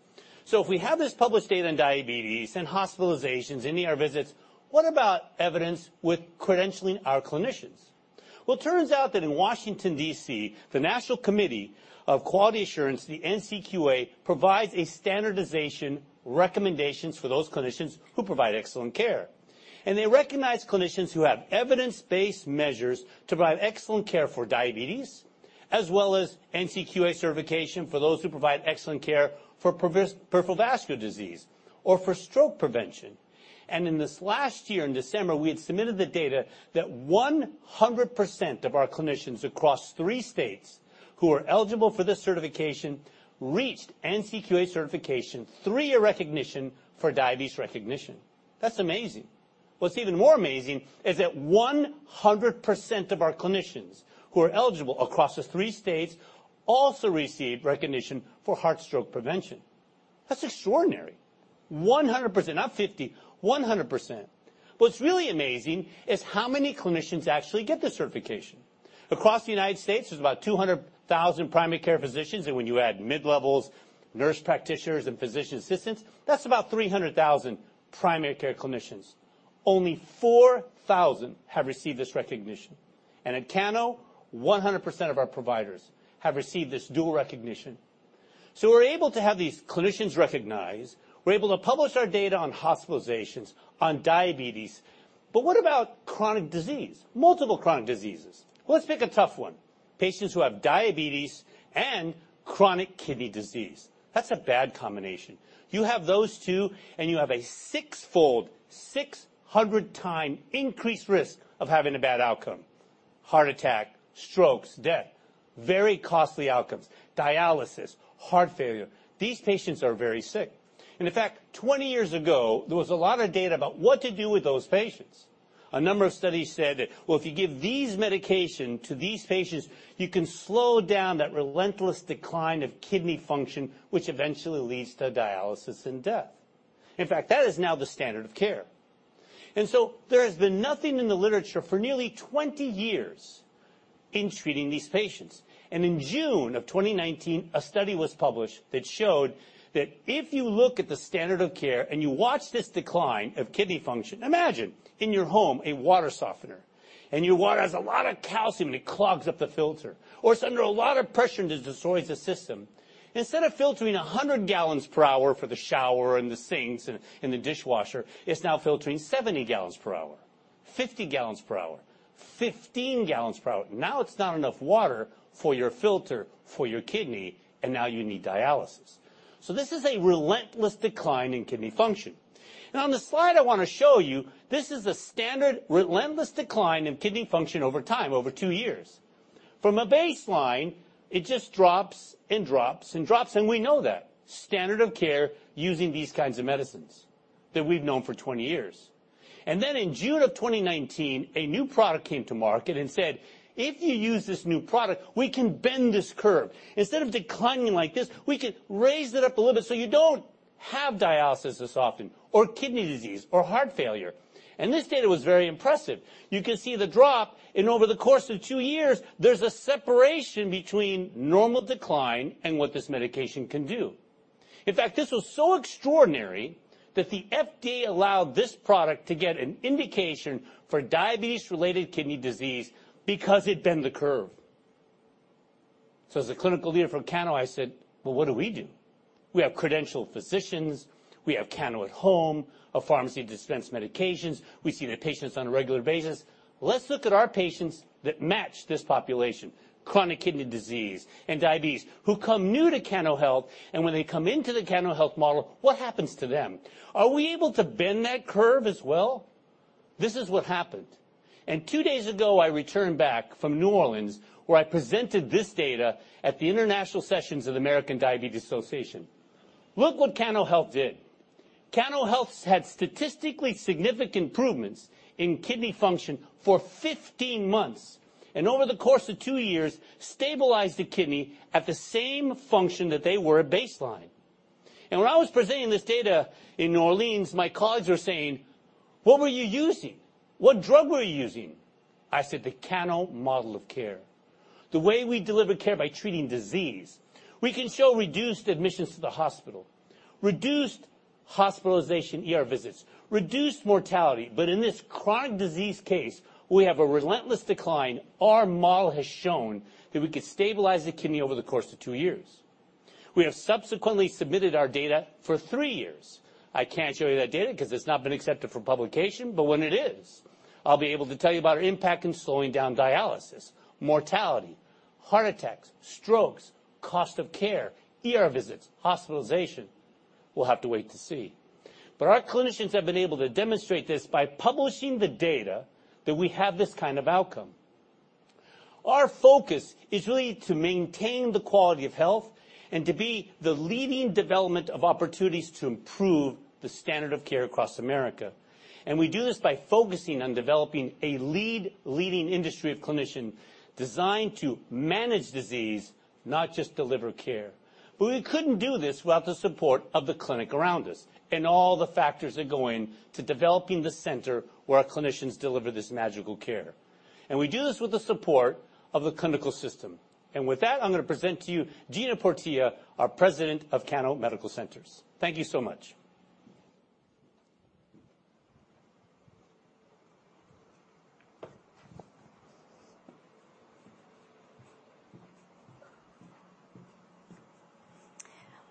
If we have this published data on diabetes and hospitalizations in ER visits, what about evidence with credentialing our clinicians? Well, it turns out that in Washington, D.C., the National Committee of Quality Assurance, the NCQA, provides a standardization recommendations for those clinicians who provide excellent care. They recognize clinicians who have evidence-based measures to provide excellent care for diabetes, as well as NCQA certification for those who provide excellent care for peripheral vascular disease or for stroke prevention. In this last year, in December, we had submitted the data that 100% of our clinicians across three states who are eligible for this certification reached NCQA certification three-year recognition for diabetes recognition. That's amazing. What's even more amazing is that 100% of our clinicians who are eligible across the three states also received recognition for heart stroke prevention. That's extraordinary. 100%, not 50, 100%. What's really amazing is how many clinicians actually get this certification. Across the United States, there's about 200,000 primary care physicians, and when you add mid-levels, nurse practitioners, and physician assistants, that's about 300,000 primary care clinicians. Only 4,000 have received this recognition. At Cano, 100% of our providers have received this dual recognition. We're able to have these clinicians recognized. We're able to publish our data on hospitalizations, on diabetes. What about chronic disease, multiple chronic diseases? Let's pick a tough one. Patients who have diabetes and chronic kidney disease. That's a bad combination. You have those two, and you have a 6-fold, 600 times increased risk of having a bad outcome, heart attack, strokes, death, very costly outcomes, dialysis, heart failure. These patients are very sick. In fact, 20 years ago, there was a lot of data about what to do with those patients. A number of studies said, "Well, if you give these medication to these patients, you can slow down that relentless decline of kidney function, which eventually leads to dialysis and death." In fact, that is now the standard of care. There has been nothing in the literature for nearly 20 years in treating these patients. In June of 2019, a study was published that showed that if you look at the standard of care and you watch this decline of kidney function. Imagine in your home a water softener. Your water has a lot of calcium, and it clogs up the filter. Or it's under a lot of pressure, and it destroys the system. Instead of filtering 100 gallons per hour for the shower and the sinks and the dishwasher, it's now filtering 70 gallons per hour, 50 gallons per hour, 15 gallons per hour. Now it's not enough water for your filter, for your kidney, and now you need dialysis. This is a relentless decline in kidney function. On the slide I wanna show you, this is a standard relentless decline in kidney function over time, over 2 years. From a baseline, it just drops and drops and drops, and we know that. Standard of care using these kinds of medicines that we've known for 20 years. Then in June of 2019, a new product came to market and said, "If you use this new product, we can bend this curve. Instead of declining like this, we could raise it up a little bit so you don't have dialysis as often or kidney disease or heart failure." This data was very impressive. You can see the drop, and over the course of two years, there's a separation between normal decline and what this medication can do. In fact, this was so extraordinary that the FDA allowed this product to get an indication for diabetes-related kidney disease because it bent the curve. As the clinical leader for Cano, I said, "Well, what do we do? We have credentialed physicians. We have Cano at Home, a pharmacy to dispense medications. We see the patients on a regular basis. Let's look at our patients that match this population, chronic kidney disease and diabetes, who come new to Cano Health, and when they come into the Cano Health model, what happens to them? Are we able to bend that curve as well?" This is what happened. Two days ago, I returned back from New Orleans, where I presented this data at the International Sessions of the American Diabetes Association. Look what Cano Health did. Cano Health's had statistically significant improvements in kidney function for 15 months, and over the course of 2 years, stabilized the kidney at the same function that they were at baseline. When I was presenting this data in New Orleans, my colleagues were saying, "What were you using? What drug were you using?" I said, "The Cano model of care." The way we deliver care by treating disease, we can show reduced admissions to the hospital, reduced hospitalization ER visits, reduced mortality. In this chronic disease case, we have a relentless decline. Our model has shown that we could stabilize the kidney over the course of two years. We have subsequently submitted our data for three years. I can't show you that data 'cause it's not been accepted for publication, but when it is, I'll be able to tell you about our impact in slowing down dialysis, mortality, heart attacks, strokes, cost of care, ER visits, hospitalization. We'll have to wait to see. Our clinicians have been able to demonstrate this by publishing the data that we have this kind of outcome. Our focus is really to maintain the quality of health and to be the leading development of opportunities to improve the standard of care across America, and we do this by focusing on developing a lead, leading industry of clinician designed to manage disease, not just deliver care. We couldn't do this without the support of the clinic around us and all the factors that go in to developing the center where our clinicians deliver this magical care. We do this with the support of the clinical system. With that, I'm gonna present to you Gina Portilla, our President of Cano Medical Centers. Thank you so much.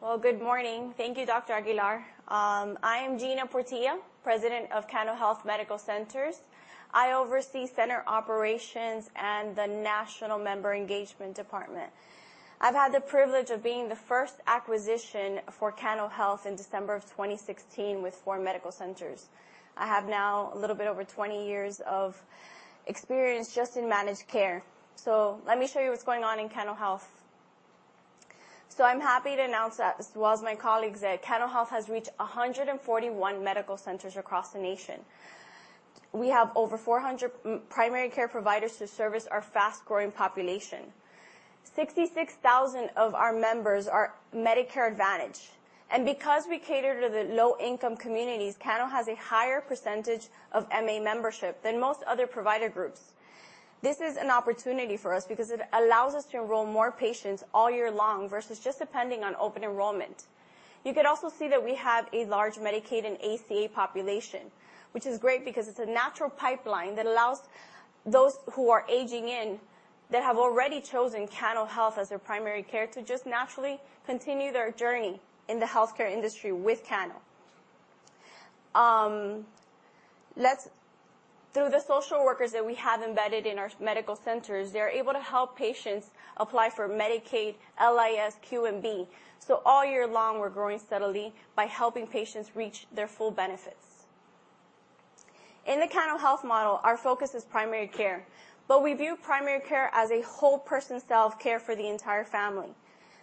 Well, good morning. Thank you, Dr. Aguilar. I am Gina Portilla, President of Cano Medical Centers. I oversee center operations and the National Member Engagement Department. I've had the privilege of being the first acquisition for Cano Health in December of 2016 with 4 medical centers. I have now a little bit over 20 years of experience just in managed care. Let me show you what's going on in Cano Health. I'm happy to announce that, as well as my colleagues, that Cano Health has reached 141 medical centers across the nation. We have over 400 primary care providers who service our fast-growing population. 66,000 of our members are Medicare Advantage, and because we cater to the low-income communities, Cano has a higher percentage of MA membership than most other provider groups. This is an opportunity for us because it allows us to enroll more patients all year long versus just depending on open enrollment. You can also see that we have a large Medicaid and ACA population, which is great because it's a natural pipeline that allows those who are aging in that have already chosen Cano Health as their primary care to just naturally continue their journey in the healthcare industry with Cano. Through the social workers that we have embedded in our medical centers, they're able to help patients apply for Medicaid, LIS, QMB, so all year long, we're growing steadily by helping patients reach their full benefits. In the Cano Health model, our focus is primary care, but we view primary care as a whole person self-care for the entire family.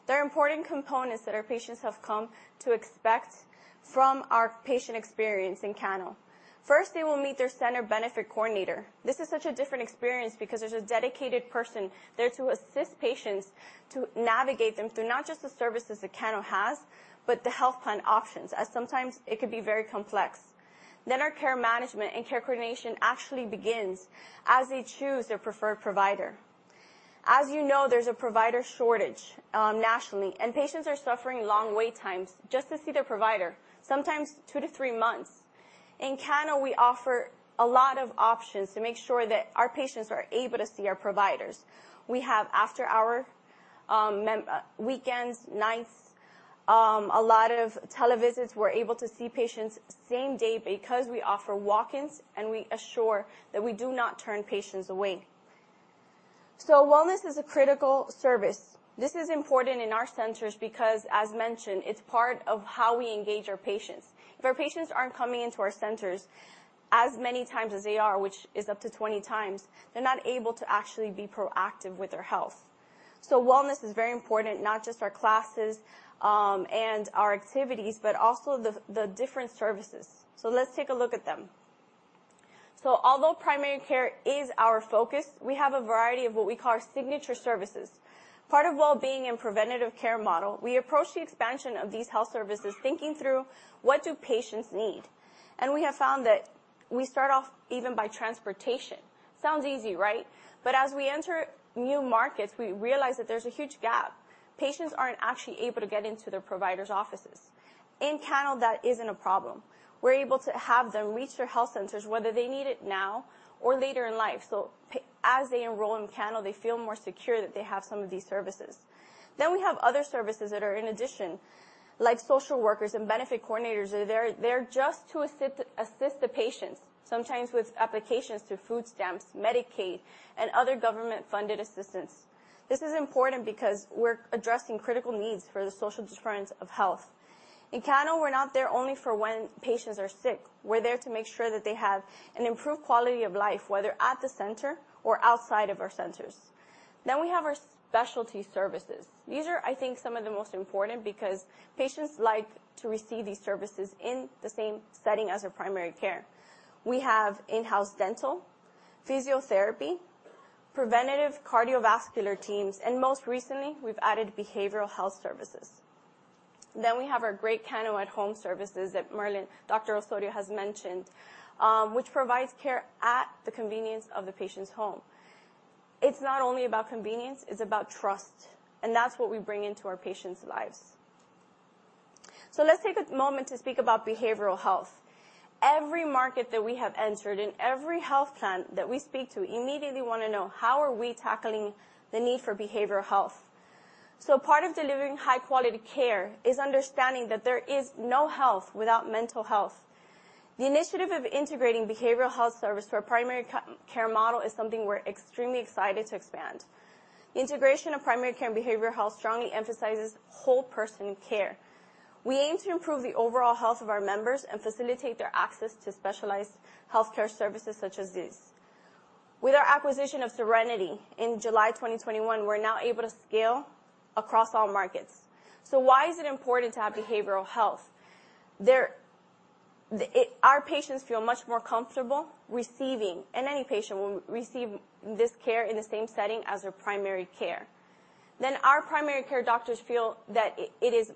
There are important components that our patients have come to expect from our patient experience in Cano. First, they will meet their center benefit coordinator. This is such a different experience because there's a dedicated person there to assist patients to navigate them through not just the services that Cano has but the health plan options, as sometimes it can be very complex. Our care management and care coordination actually begins as they choose their preferred provider. As you know, there's a provider shortage nationally, and patients are suffering long wait times just to see their provider, sometimes 2-3 months. In Cano, we offer a lot of options to make sure that our patients are able to see our providers. We have after-hour, weekends, nights, a lot of televisits. We're able to see patients same day because we offer walk-ins, and we assure that we do not turn patients away. Wellness is a critical service. This is important in our centers because, as mentioned, it's part of how we engage our patients. If our patients aren't coming into our centers as many times as they are, which is up to 20 times, they're not able to actually be proactive with their health. Wellness is very important, not just our classes, and our activities, but also the different services. Let's take a look at them. Although primary care is our focus, we have a variety of what we call our signature services. Part of well-being and preventative care model, we approach the expansion of these health services thinking through what do patients need. We have found that we start off even by transportation. Sounds easy, right? As we enter new markets, we realize that there's a huge gap. Patients aren't actually able to get into their provider's offices. In Cano, that isn't a problem. We're able to have them reach their health centers, whether they need it now or later in life. As they enroll in Cano, they feel more secure that they have some of these services. We have other services that are in addition, like social workers and benefit coordinators. They're just to assist the patients, sometimes with applications to food stamps, Medicaid, and other government-funded assistance. This is important because we're addressing critical needs for the social determinants of health. In Cano, we're not there only for when patients are sick. We're there to make sure that they have an improved quality of life, whether at the center or outside of our centers. We have our specialty services. These are, I think, some of the most important because patients like to receive these services in the same setting as their primary care. We have in-house dental, physiotherapy, preventive cardiovascular teams, and most recently, we've added behavioral health services. We have our great Cano at Home services that Dr. Osorio has mentioned, which provides care at the convenience of the patient's home. It's not only about convenience, it's about trust, and that's what we bring into our patients' lives. Let's take a moment to speak about behavioral health. Every market that we have entered and every health plan that we speak to immediately wanna know how are we tackling the need for behavioral health. Part of delivering high-quality care is understanding that there is no health without mental health. The initiative of integrating behavioral health service for a primary care model is something we're extremely excited to expand. Integration of primary care and behavioral health strongly emphasizes whole person care. We aim to improve the overall health of our members and facilitate their access to specialized healthcare services such as these. With our acquisition of Serenity in July 2021, we're now able to scale across all markets. Why is it important to have behavioral health? Our patients feel much more comfortable receiving, and any patient will receive this care in the same setting as their primary care. Our primary care doctors feel that it is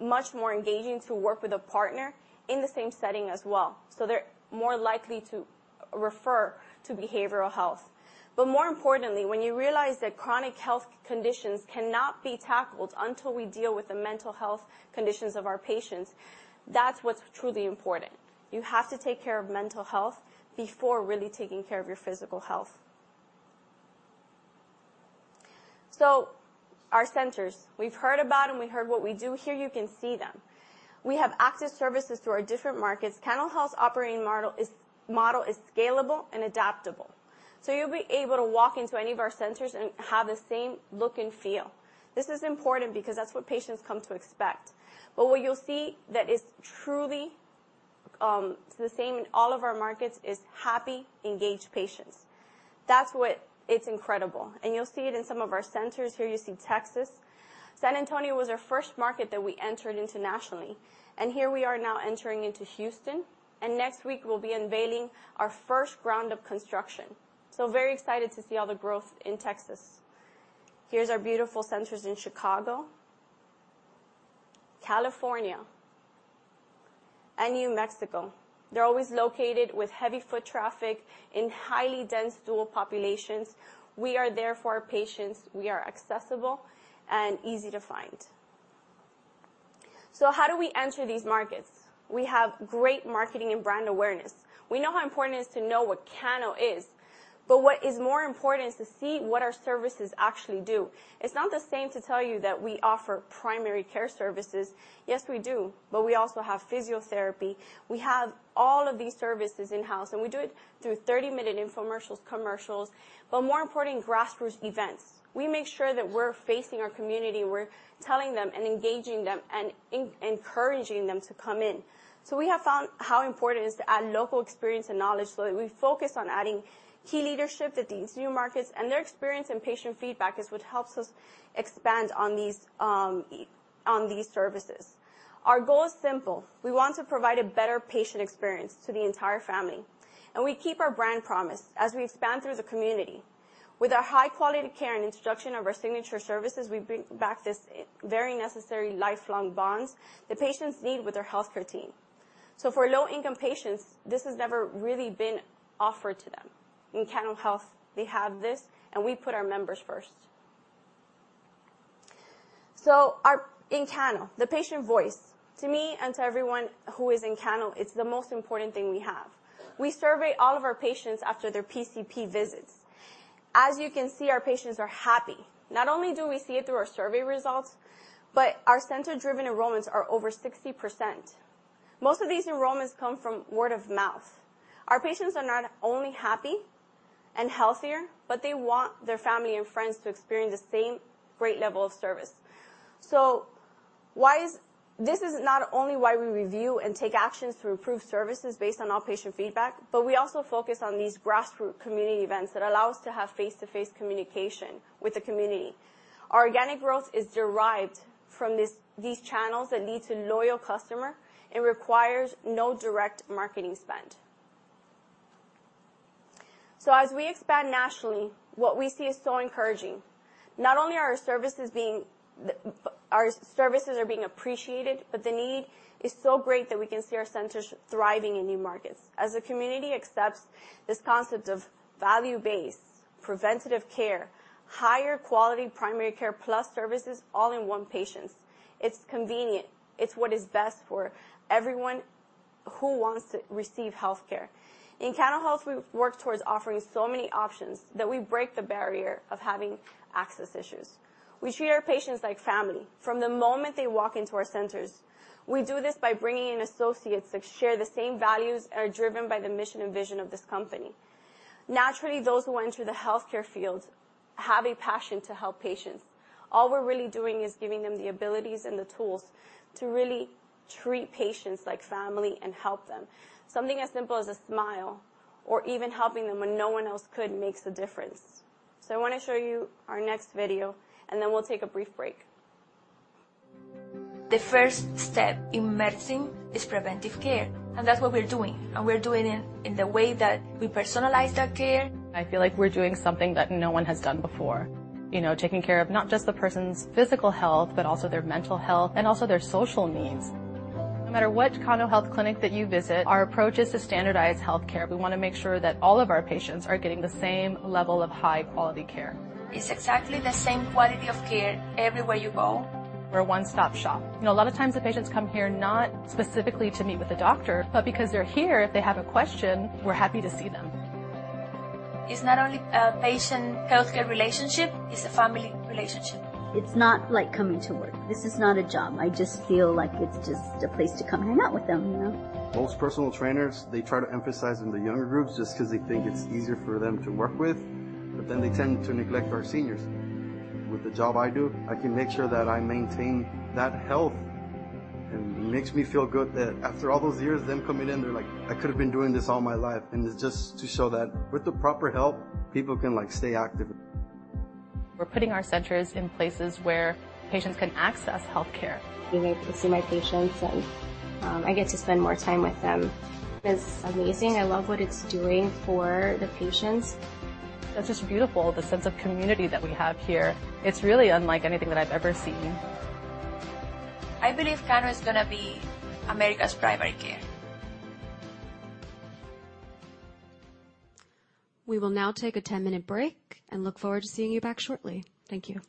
much more engaging to work with a partner in the same setting as well, so they're more likely to refer to behavioral health. More importantly, when you realize that chronic health conditions cannot be tackled until we deal with the mental health conditions of our patients, that's what's truly important. You have to take care of mental health before really taking care of your physical health. Our centers, we've heard about them, we heard what we do. Here you can see them. We have access services to our different markets. Cano Health operating model is scalable and adaptable. You'll be able to walk into any of our centers and have the same look and feel. This is important because that's what patients come to expect. What you'll see that is truly the same in all of our markets is happy, engaged patients. That's what. It's incredible. You'll see it in some of our centers. Here you see Texas. San Antonio was our first market that we entered into nationally. Here we are now entering into Houston, and next week we'll be unveiling our first ground-up construction. Very excited to see all the growth in Texas. Here's our beautiful centers in Chicago, California, and New Mexico. They're always located with heavy foot traffic in highly dense dual-eligible populations. We are there for our patients. We are accessible and easy to find. How do we enter these markets? We have great marketing and brand awareness. We know how important it is to know what Cano is, but what is more important is to see what our services actually do. It's not the same to tell you that we offer primary care services. Yes, we do, but we also have physiotherapy. We have all of these services in-house, and we do it through thirty-minute infomercials, commercials, but more importantly, grassroots events. We make sure that we're facing our community, and we're telling them and engaging them and encouraging them to come in. We have found how important it is to add local experience and knowledge, so we focus on adding key leadership at these new markets, and their experience and patient feedback is what helps us expand on these services. Our goal is simple. We want to provide a better patient experience to the entire family, and we keep our brand promise as we expand through the community. With our high-quality care and introduction of our signature services, we bring back this very necessary lifelong bonds the patients need with their healthcare team. For low-income patients, this has never really been offered to them. In Cano Health, we have this, and we put our members first. In Cano, the patient voice, to me and to everyone who is in Cano, it's the most important thing we have. We survey all of our patients after their PCP visits. As you can see, our patients are happy. Not only do we see it through our survey results, but our center-driven enrollments are over 60%. Most of these enrollments come from word of mouth. Our patients are not only happy and healthier, but they want their family and friends to experience the same great level of service. This is not only why we review and take actions to improve services based on all patient feedback, but we also focus on these grassroots community events that allow us to have face-to-face communication with the community. Our organic growth is derived from this, these channels that lead to loyal customer and requires no direct marketing spend. As we expand nationally, what we see is so encouraging. Not only are our services being appreciated, but the need is so great that we can see our centers thriving in new markets. As the community accepts this concept of value-based preventative care, higher quality primary care plus services all in one patients. It's convenient. It's what is best for everyone who wants to receive health care. In Cano Health, we work towards offering so many options that we break the barrier of having access issues. We treat our patients like family from the moment they walk into our centers. We do this by bringing in associates that share the same values and are driven by the mission and vision of this company. Naturally, those who enter the healthcare field have a passion to help patients. All we're really doing is giving them the abilities and the tools to really treat patients like family and help them. Something as simple as a smile or even helping them when no one else could makes a difference. I wanna show you our next video, and then we'll take a brief break. The first step in medicine is preventive care, and that's what we're doing, and we're doing it in the way that we personalize that care. I feel like we're doing something that no one has done before. You know, taking care of not just the person's physical health, but also their mental health and also their social needs. No matter what Cano Health clinic that you visit, our approach is to standardize health care. We wanna make sure that all of our patients are getting the same level of high-quality care. It's exactly the same quality of care everywhere you go. We're a one-stop shop. You know, a lot of times the patients come here not specifically to meet with a doctor, but because they're here, if they have a question, we're happy to see them. It's not only a patient-healthcare relationship, it's a family relationship. It's not like coming to work. This is not a job. I just feel like it's just a place to come hang out with them, you know. Most personal trainers, they try to emphasize in the younger groups just 'cause they think it's easier for them to work with, but then they tend to neglect our seniors. With the job I do, I can make sure that I maintain that health, and it makes me feel good that after all those years them coming in, they're like, "I could have been doing this all my life." It's just to show that with the proper help, people can, like, stay active. We're putting our centers in places where patients can access healthcare. Being able to see my patients and, I get to spend more time with them. It's amazing. I love what it's doing for the patients. It's just beautiful, the sense of community that we have here. It's really unlike anything that I've ever seen. I believe Cano is gonna be America's primary care. We will now take a 10-minute break and look forward to seeing you back shortly. Thank you.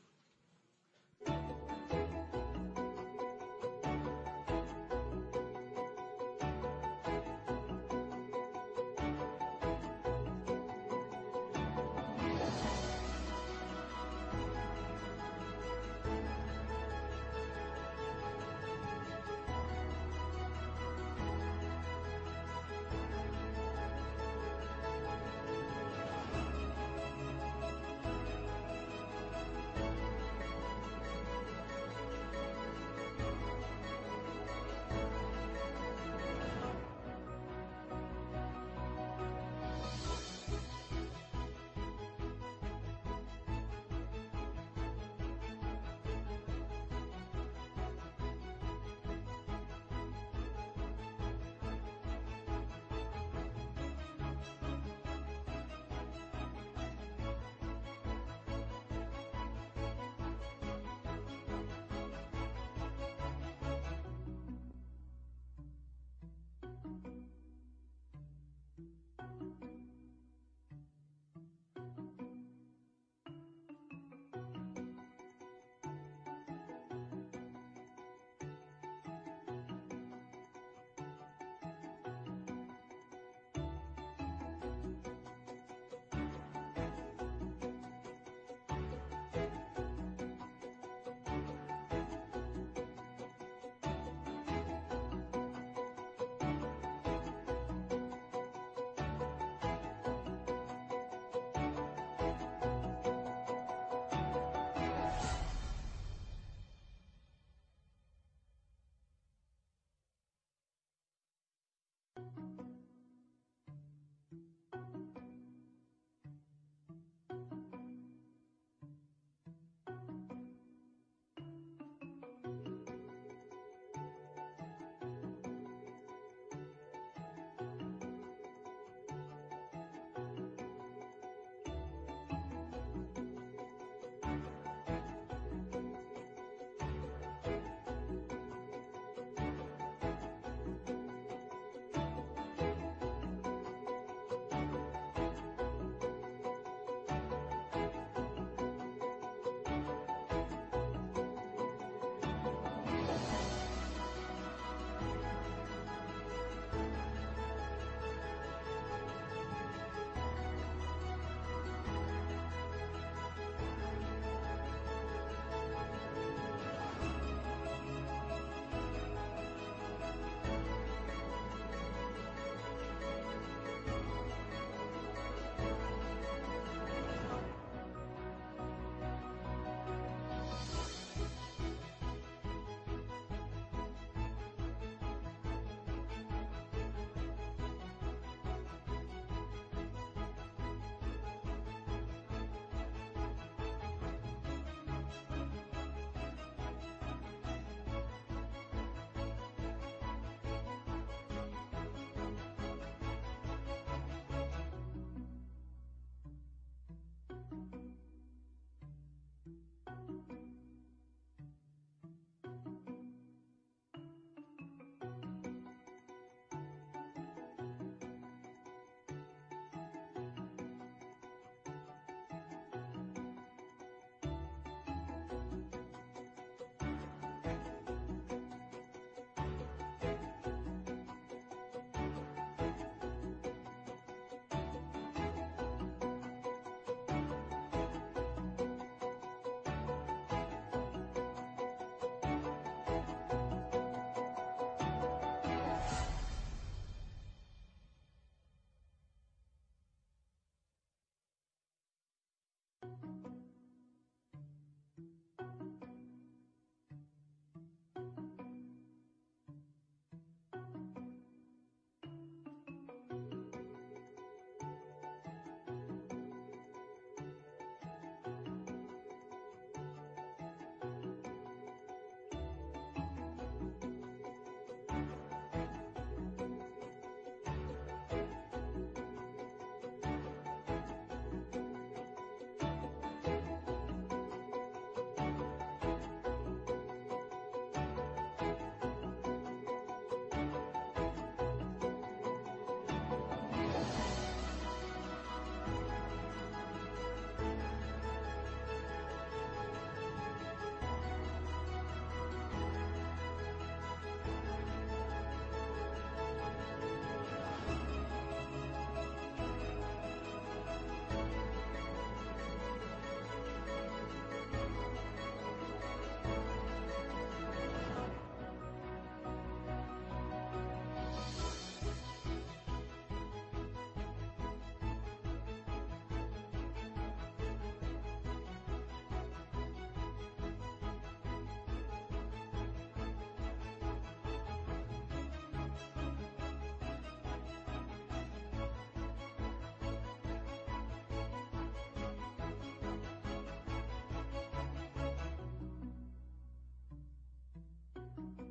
Ladies and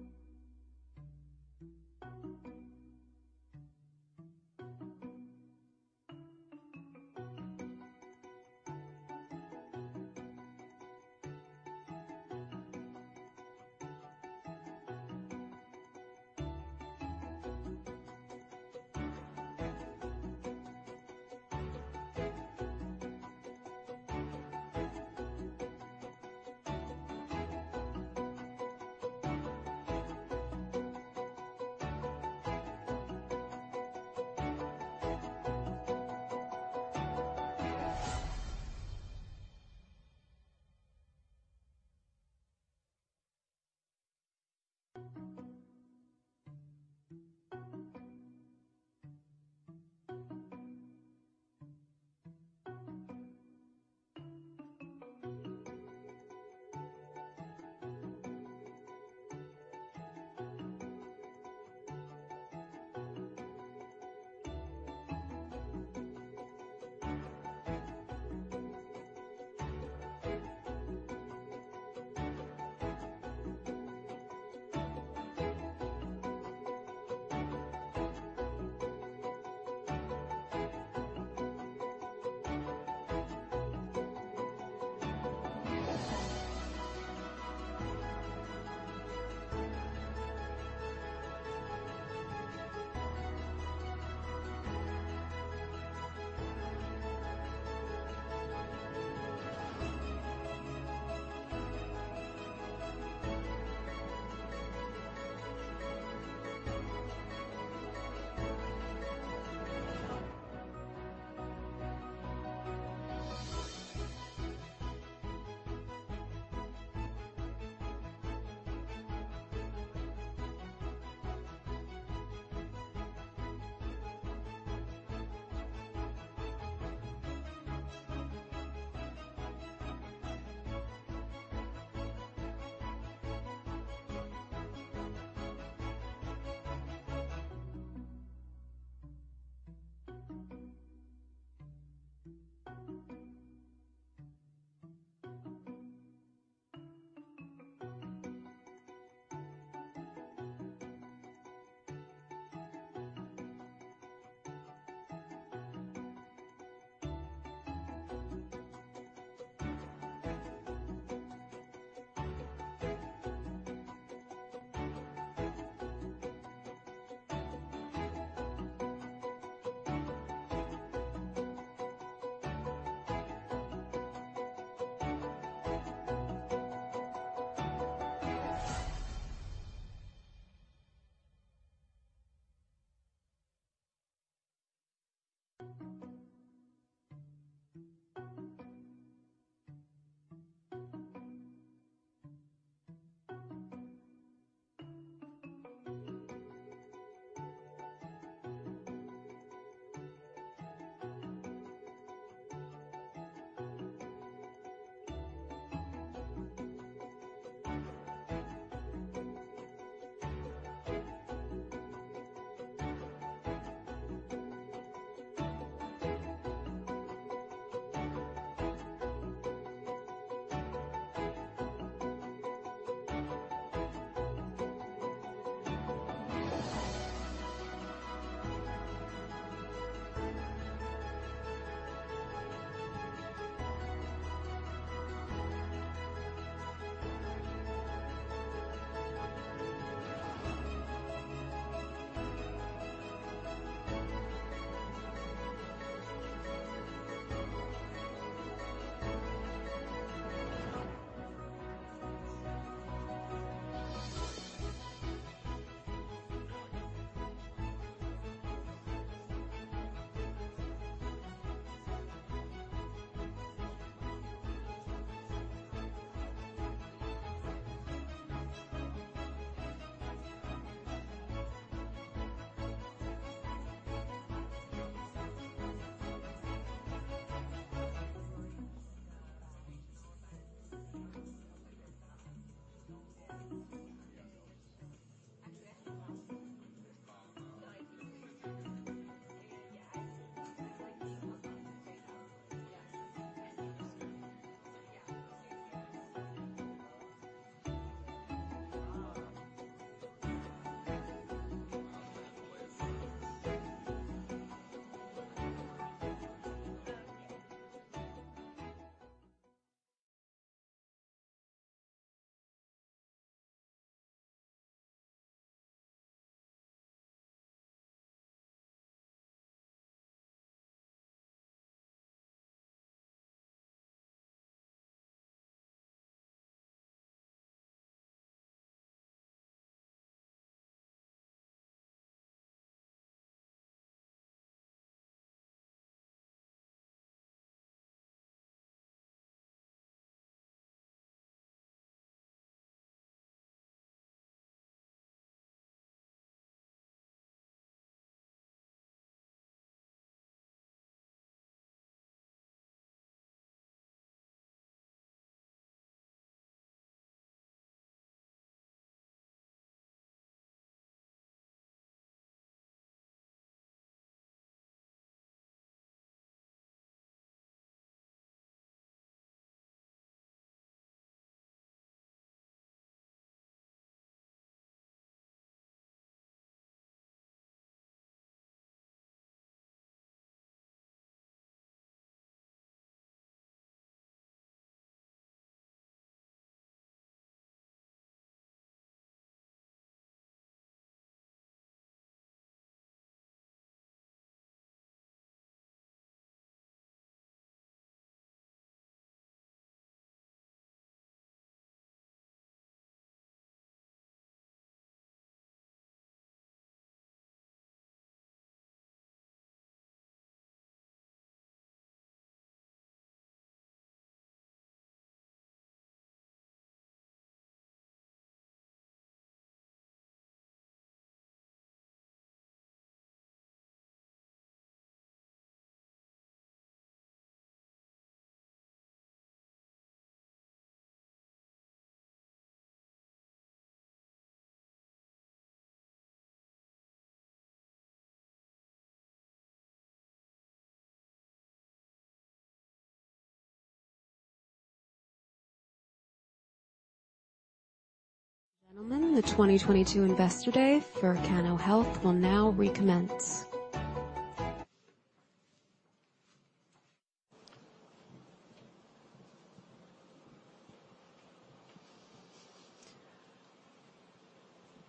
gentlemen, the 2022 Investor Day for Cano Health will now recommence.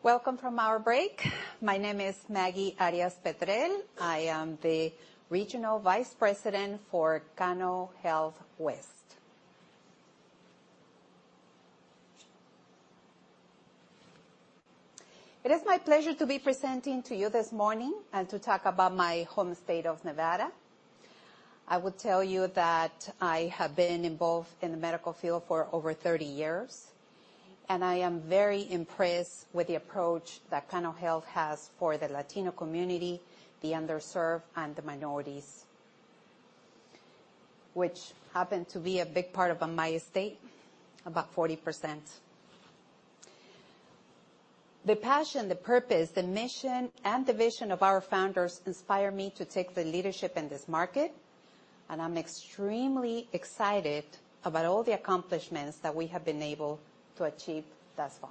Welcome from our break. My name is Maggie Arias-Petrel. I am the Regional Vice President for Cano Health West. It is my pleasure to be presenting to you this morning and to talk about my home state of Nevada. I will tell you that I have been involved in the medical field for over 30 years, and I am very impressed with the approach that Cano Health has for the Latino community, the underserved, and the minorities, which happen to be a big part of my state, about 40%. The passion, the purpose, the mission, and the vision of our founders inspire me to take the leadership in this market, and I'm extremely excited about all the accomplishments that we have been able to achieve thus far.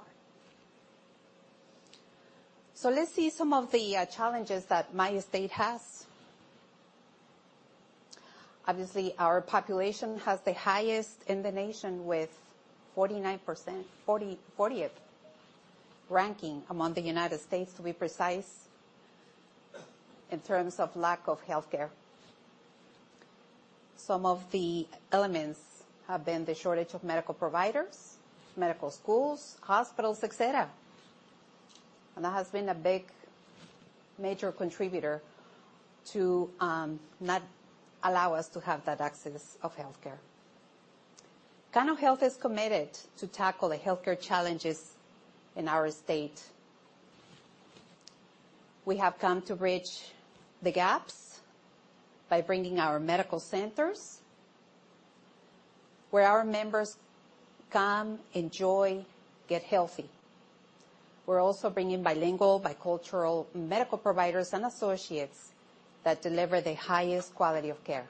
Let's see some of the challenges that my state has. Obviously, our population has the highest in the nation with 49%... 40th ranking among the United States, to be precise, in terms of lack of healthcare. Some of the elements have been the shortage of medical providers, medical schools, hospitals, et cetera, and that has been a big major contributor to not allow us to have that access of healthcare. Cano Health is committed to tackle the healthcare challenges in our state. We have come to bridge the gaps by bringing our medical centers where our members come, enjoy, get healthy. We're also bringing bilingual, bicultural medical providers and associates that deliver the highest quality of care.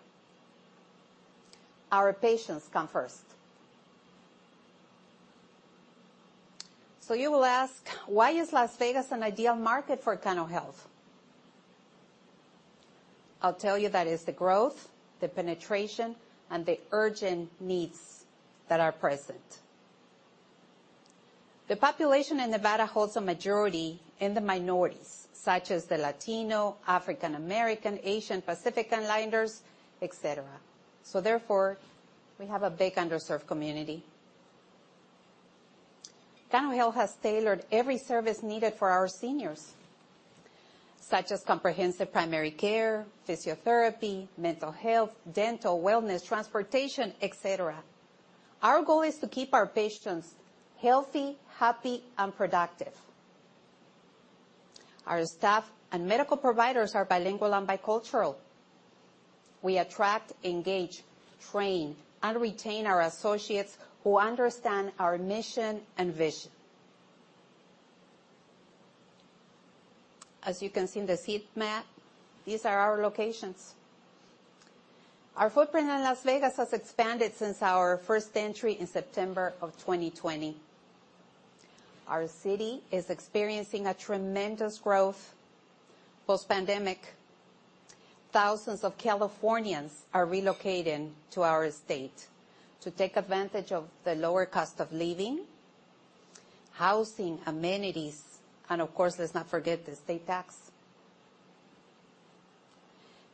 Our patients come first. You will ask, "Why is Las Vegas an ideal market for Cano Health?" I'll tell you that is the growth, the penetration, and the urgent needs that are present. The population in Nevada holds a majority in the minorities, such as the Latino, African American, Asian, Pacific Islanders, et cetera. Therefore, we have a big underserved community. Cano Health has tailored every service needed for our seniors, such as comprehensive primary care, physiotherapy, mental health, dental, wellness, transportation, et cetera. Our goal is to keep our patients healthy, happy, and productive. Our staff and medical providers are bilingual and bicultural. We attract, engage, train, and retain our associates who understand our mission and vision. As you can see in this heat map, these are our locations. Our footprint in Las Vegas has expanded since our first entry in September of 2020. Our city is experiencing a tremendous growth post-pandemic. Thousands of Californians are relocating to our state to take advantage of the lower cost of living, housing, amenities, and of course, let's not forget the state tax.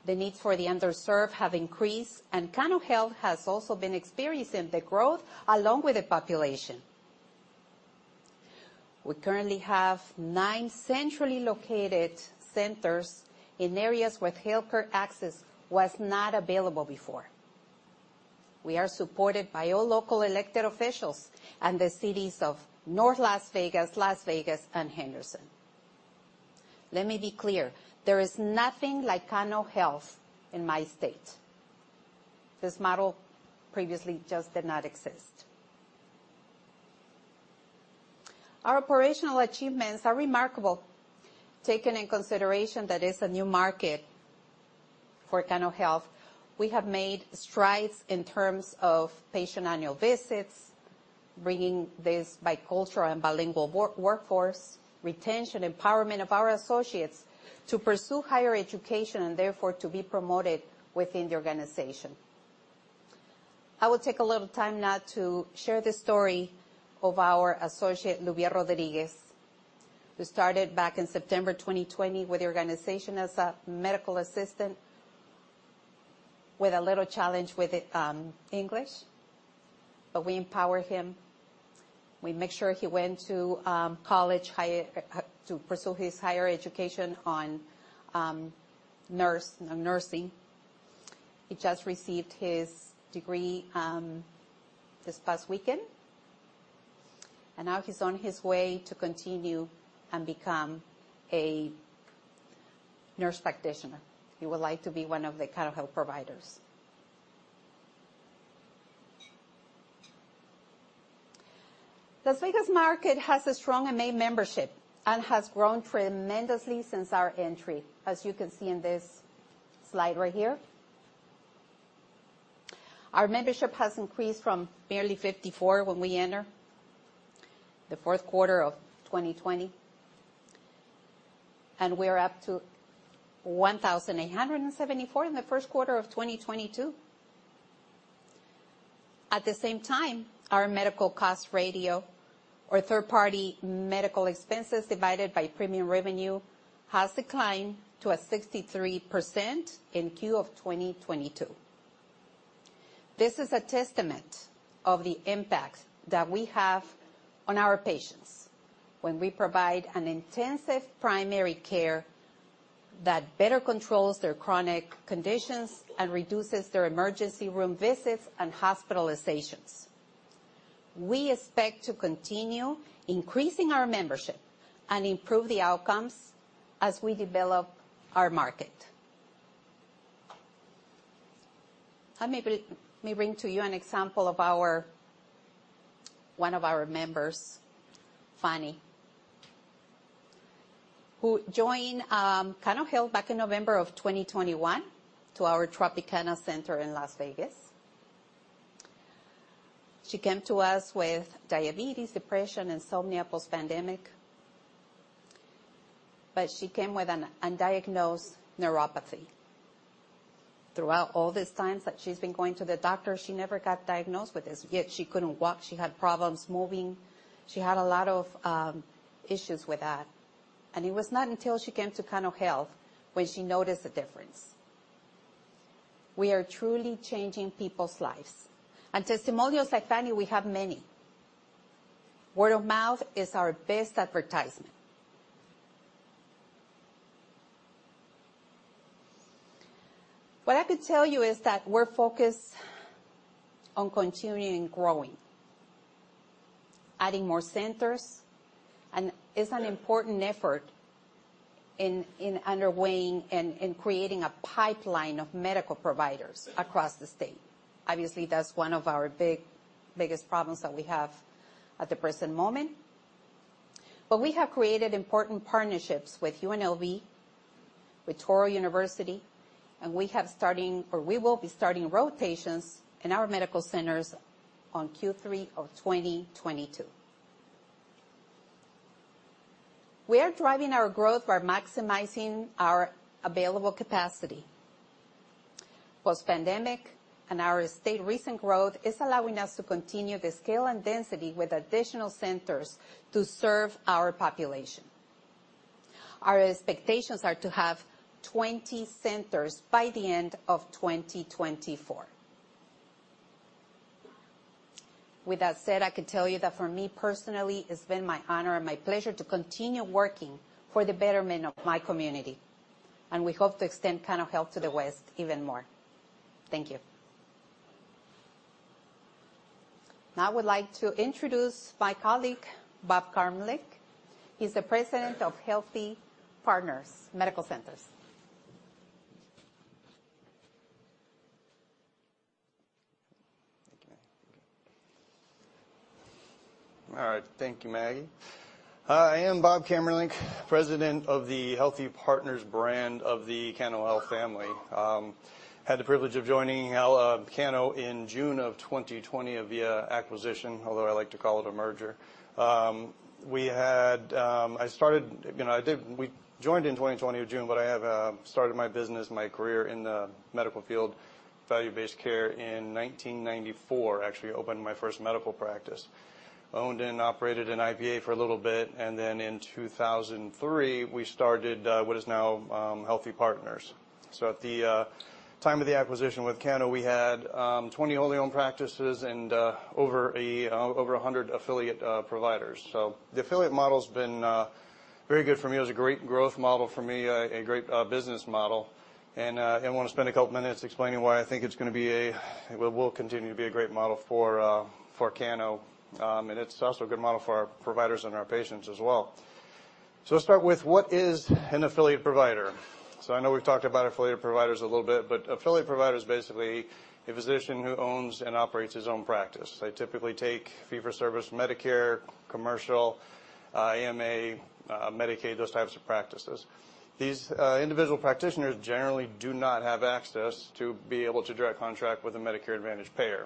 The needs for the underserved have increased, and Cano Health has also been experiencing the growth along with the population. We currently have nine centrally located centers in areas where healthcare access was not available before. We are supported by all local elected officials and the cities of North Las Vegas, Las Vegas, and Henderson. Let me be clear. There is nothing like Cano Health in my state. This model previously just did not exist. Our operational achievements are remarkable, taking into consideration that it's a new market for Cano Health. We have made strides in terms of patient annual visits, bringing this bicultural and bilingual workforce, retention, empowerment of our associates to pursue higher education and therefore to be promoted within the organization. I will take a little time now to share the story of our associate, Luvia Rodriguez, who started back in September 2020 with the organization as a medical assistant with a little challenge with English, but we empower him. We make sure he went to college higher to pursue his higher education on nursing. He just received his degree this past weekend, and now he's on his way to continue and become a nurse practitioner. He would like to be one of the Cano Health providers. Las Vegas market has a strong and main membership and has grown tremendously since our entry, as you can see in this slide right here. Our membership has increased from barely 54 when we enter the fourth quarter of 2020, and we're up to 1,874 in the first quarter of 2022. At the same time, our medical cost ratio or third-party medical expenses divided by premium revenue has declined to a 63% in Q1 of 2022. This is a testament of the impact that we have on our patients when we provide an intensive primary care that better controls their chronic conditions and reduces their emergency room visits and hospitalizations. We expect to continue increasing our membership and improve the outcomes as we develop our market. Let me bring to you an example of our One of our members, Fanny, who joined Cano Health back in November of 2021 to our Tropicana Center in Las Vegas. She came to us with diabetes, depression, insomnia post-pandemic. She came with an undiagnosed neuropathy. Throughout all these times that she's been going to the doctor, she never got diagnosed with this, yet she couldn't walk. She had problems moving. She had a lot of issues with that. It was not until she came to Cano Health when she noticed a difference. We are truly changing people's lives. Testimonials like Fanny, we have many. Word of mouth is our best advertisement. What I could tell you is that we're focused on continuing growing, adding more centers, and it's an important effort underway and creating a pipeline of medical providers across the state. Obviously, that's one of our biggest problems that we have at the present moment. We have created important partnerships with UNLV, with Touro University, and we will be starting rotations in our medical centers on Q3 of 2022. We are driving our growth by maximizing our available capacity. Post-pandemic and our state recent growth is allowing us to continue the scale and density with additional centers to serve our population. Our expectations are to have 20 centers by the end of 2024. With that said, I can tell you that for me personally, it's been my honor and my pleasure to continue working for the betterment of my community. We hope to extend Cano Health to the West even more. Thank you. Now, I would like to introduce my colleague, Bob Camerlinck. He's the President of Healthy Partners Medical Centers. All right. Thank you, Maggie. I am Bob Camerlinck, President of the Healthy Partners brand of the Cano Health family. I had the privilege of joining Cano in June 2020 via acquisition, although I like to call it a merger. We joined in June 2020, but I started my business, my career in the medical field, value-based care in 1994, actually opened my first medical practice. I owned and operated an IPA for a little bit, and then in 2003, we started what is now Healthy Partners. So at the time of the acquisition with Cano, we had 20 wholly-owned practices and over 100 affiliate providers. So the affiliate model's been very good for me. It was a great growth model for me, a great business model, and wanna spend a couple of minutes explaining why I think it's gonna be a well, will continue to be a great model for Cano. And it's also a good model for our providers and our patients as well. Let's start with what is an affiliate provider. I know we've talked about affiliate providers a little bit, but affiliate provider is basically a physician who owns and operates his own practice. They typically take fee-for-service Medicare, commercial, MA, Medicaid, those types of practices. These individual practitioners generally do not have access to be able to direct contract with a Medicare Advantage payer.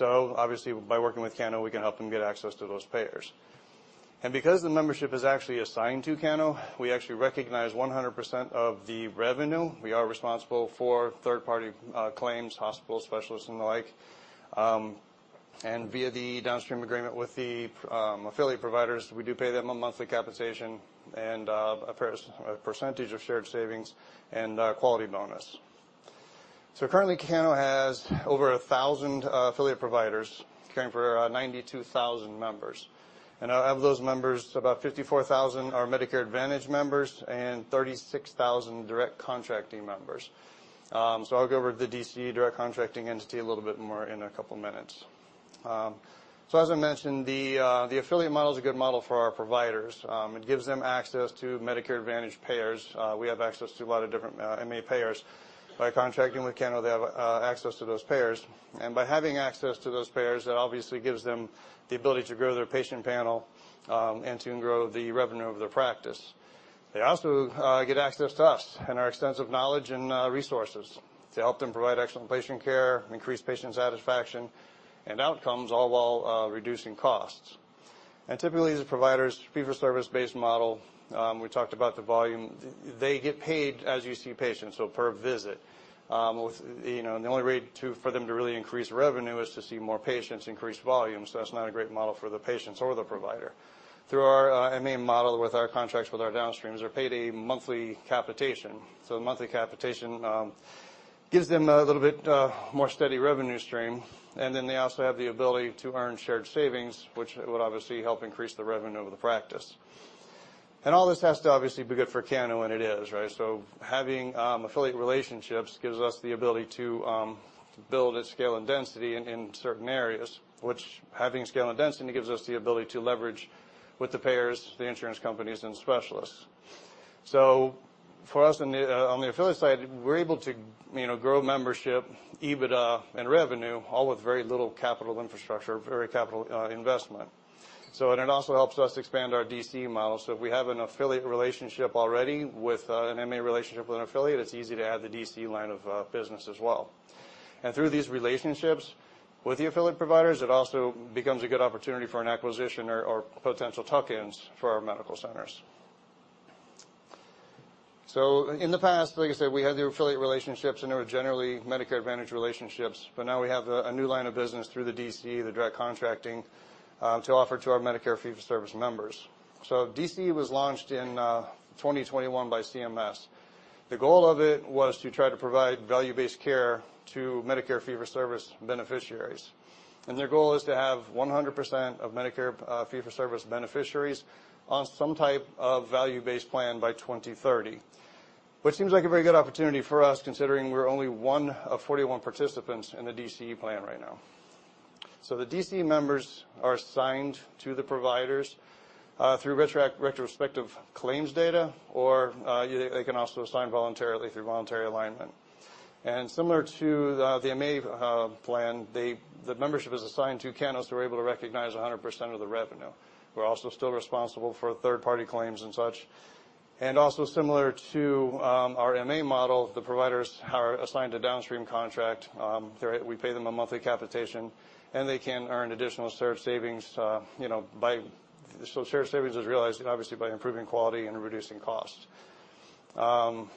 Obviously, by working with Cano, we can help them get access to those payers. Because the membership is actually assigned to Cano, we actually recognize 100% of the revenue. We are responsible for third-party claims, hospital specialists and the like. Via the downstream agreement with the affiliate providers, we do pay them a monthly compensation and a percentage of shared savings and a quality bonus. Currently, Cano has over 1,000 affiliate providers caring for 92,000 members. Of those members, about 54,000 are Medicare Advantage members and 36,000 direct contracting members. I'll go over the DCE, direct contracting entity a little bit more in a couple of minutes. As I mentioned, the affiliate model is a good model for our providers. It gives them access to Medicare Advantage payers. We have access to a lot of different MA payers. By contracting with Cano, they have access to those payers. By having access to those payers, that obviously gives them the ability to grow their patient panel, and to grow the revenue of their practice. They also get access to us and our extensive knowledge and resources to help them provide excellent patient care, increase patient satisfaction and outcomes, all while reducing costs. Typically, the providers' fee-for-service-based model, we talked about the volume. They get paid as you see patients, so per visit. You know, the only way for them to really increase revenue is to see more patients increase volume. That's not a great model for the patients or the provider. Through our MA model with our contracts with our downstreams, they're paid a monthly capitation. The monthly capitation gives them a little bit more steady revenue stream. They also have the ability to earn shared savings, which would obviously help increase the revenue of the practice. All this has to obviously be good for Cano, and it is, right? Having affiliate relationships gives us the ability to build its scale and density in certain areas, which having scale and density gives us the ability to leverage with the payers, the insurance companies and specialists. For us on the affiliate side, we're able to, you know, grow membership, EBITDA and revenue, all with very little capital infrastructure, very capital investment. It also helps us expand our DCE model. If we have an affiliate relationship already with an MA relationship with an affiliate, it's easy to add the DCE line of business as well. Through these relationships with the affiliate providers, it also becomes a good opportunity for an acquisition or potential tuck-ins for our medical centers. In the past, like I said, we had the affiliate relationships, and they were generally Medicare Advantage relationships, but now we have a new line of business through the DCE, the direct contracting, to offer to our Medicare fee-for-service members. DCE was launched in 2021 by CMS. The goal of it was to try to provide value-based care to Medicare fee-for-service beneficiaries. Their goal is to have 100% of Medicare fee-for-service beneficiaries on some type of value-based plan by 2030. Which seems like a very good opportunity for us, considering we're only one of 41 participants in the DCE plan right now. The DCE members are assigned to the providers through retrospective claims data or they can also assign voluntarily through voluntary alignment. Similar to the MA plan, the membership is assigned to Cano so we're able to recognize 100% of the revenue. We're also still responsible for third-party claims and such. Similar to our MA model, the providers are assigned a downstream contract. We pay them a monthly capitation, and they can earn additional shared savings, you know. Shared savings is realized, obviously, by improving quality and reducing costs. Part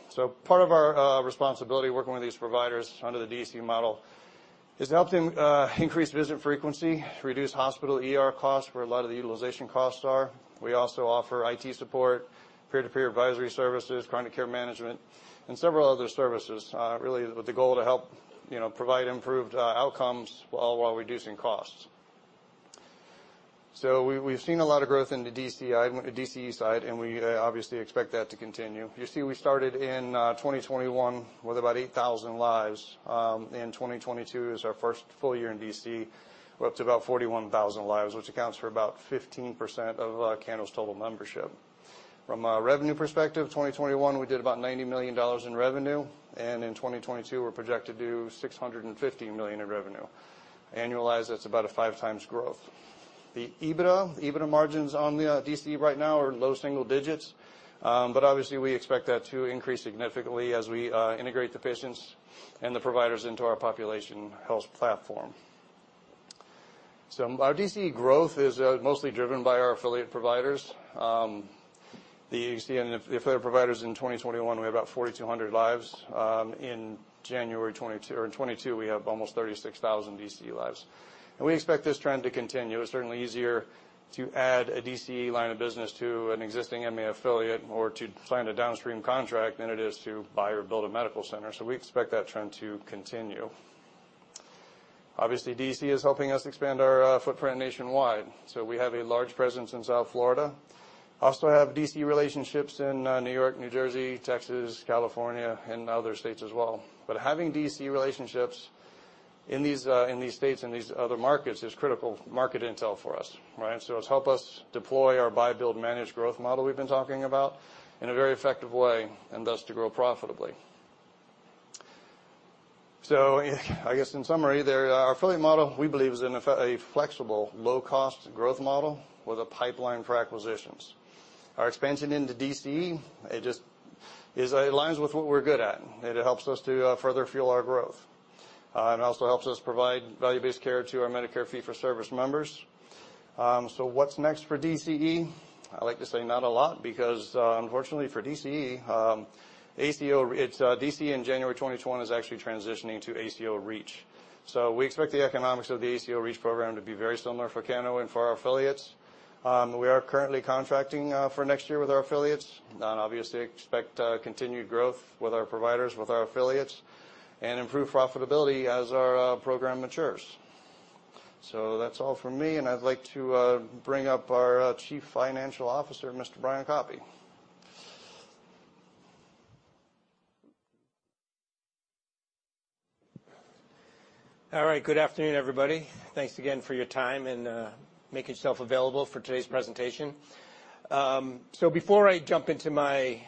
of our responsibility working with these providers under the DCE model is to help them increase visit frequency, reduce hospital ER costs, where a lot of the utilization costs are. We also offer IT support, peer-to-peer advisory services, chronic care management, and several other services really with the goal to help, you know, provide improved outcomes all while reducing costs. We've seen a lot of growth in the DCE side, and we obviously expect that to continue. You see we started in 2021 with about 8,000 lives. In 2022 is our first full year in DCE. We're up to about 41,000 lives, which accounts for about 15% of Cano's total membership. From a revenue perspective, in 2021 we did about $90 million in revenue, and in 2022 we're projected to do $650 million in revenue. Annualized, that's about a 5x growth. The EBITDA margins on the DCE right now are low single digits%. But obviously we expect that to increase significantly as we integrate the patients and the providers into our population health platform. Our DCE growth is mostly driven by our affiliate providers. The DCE and affiliate providers in 2021, we had about 4,200 lives. In January 2022 or in 2022 we have almost 36,000 DCE lives. We expect this trend to continue. It's certainly easier to add a DCE line of business to an existing MA affiliate or to sign a downstream contract than it is to buy or build a medical center. We expect that trend to continue. Obviously, DCE is helping us expand our footprint nationwide. We have a large presence in South Florida. Also have DCE relationships in New York, New Jersey, Texas, California, and other states as well. Having DCE relationships in these states and these other markets is critical market intel for us, right? It helps us deploy our buy, build, manage growth model we've been talking about in a very effective way, and thus to grow profitably. I guess in summary there, our affiliate model, we believe, is a flexible, low-cost growth model with a pipeline for acquisitions. Our expansion into DCE aligns with what we're good at, and it helps us to further fuel our growth. It also helps us provide value-based care to our Medicare fee-for-service members. What's next for DCE? I like to say not a lot because unfortunately for DCE, ACO, it's DCE in January 2021 is actually transitioning to ACO REACH. We expect the economics of the ACO REACH program to be very similar for Cano and for our affiliates. We are currently contracting for next year with our affiliates, obviously expect continued growth with our providers, with our affiliates, and improved profitability as our program matures. That's all from me, and I'd like to bring up our Chief Financial Officer, Mr. Brian Koppy. All right. Good afternoon, everybody. Thanks again for your time and making yourself available for today's presentation. So before I jump into my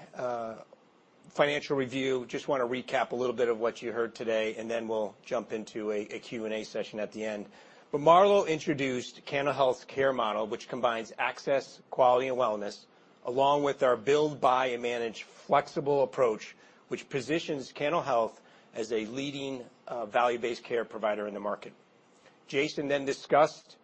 financial review, just wanna recap a little bit of what you heard today, and then we'll jump into a Q&A session at the end. Marlow introduced Cano Health's care model, which combines access, quality, and wellness, along with our build, buy, and manage flexible approach, which positions Cano Health as a leading value-based care provider in the market. Jason then discussed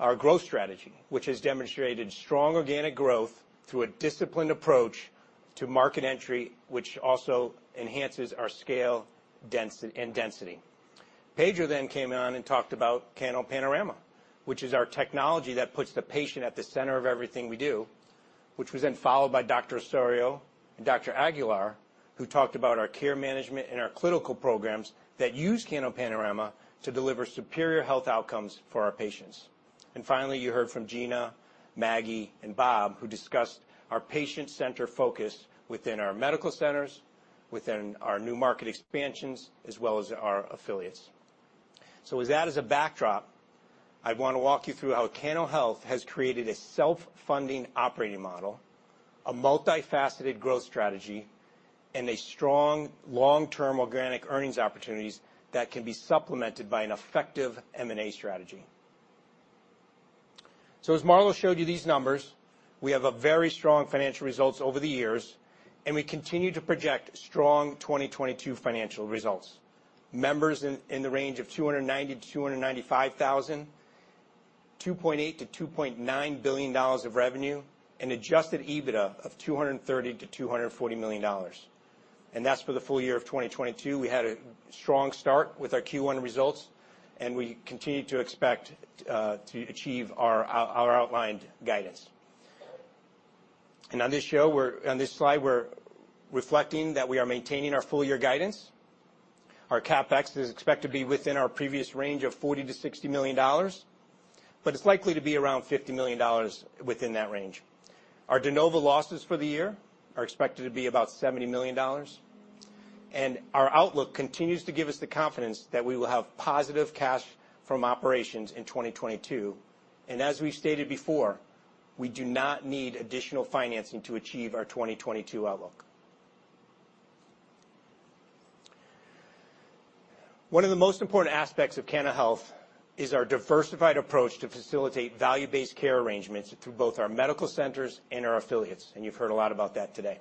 our growth strategy, which has demonstrated strong organic growth through a disciplined approach to market entry, which also enhances our scale density. Pedro then came on and talked about CanoPanorama, which is our technology that puts the patient at the center of everything we do, which was then followed by Merlin Osorio and Dr. Aguilar, who talked about our care management and our clinical programs that use CanoPanorama to deliver superior health outcomes for our patients. Finally, you heard from Gina, Maggie, and Bob, who discussed our patient-centered focus within our medical centers, within our new market expansions, as well as our affiliates. With that as a backdrop, I wanna walk you through how Cano Health has created a self-funding operating model, a multifaceted growth strategy, and a strong long-term organic earnings opportunities that can be supplemented by an effective M&A strategy. As Marlow showed you these numbers, we have a very strong financial results over the years, and we continue to project strong 2022 financial results. Members in the range of 290-295 thousand, $2.8-$2.9 billion of revenue, and adjusted EBITDA of $230-$240 million. That's for the full year of 2022. We had a strong start with our Q1 results, and we continue to expect to achieve our outlined guidance. On this slide, we're reflecting that we are maintaining our full year guidance. Our CapEx is expected to be within our previous range of $40-$60 million, but it's likely to be around $50 million within that range. Our de novo losses for the year are expected to be about $70 million. Our outlook continues to give us the confidence that we will have positive cash from operations in 2022. As we stated before, we do not need additional financing to achieve our 2022 outlook. One of the most important aspects of Cano Health is our diversified approach to facilitate value-based care arrangements through both our medical centers and our affiliates, and you've heard a lot about that today.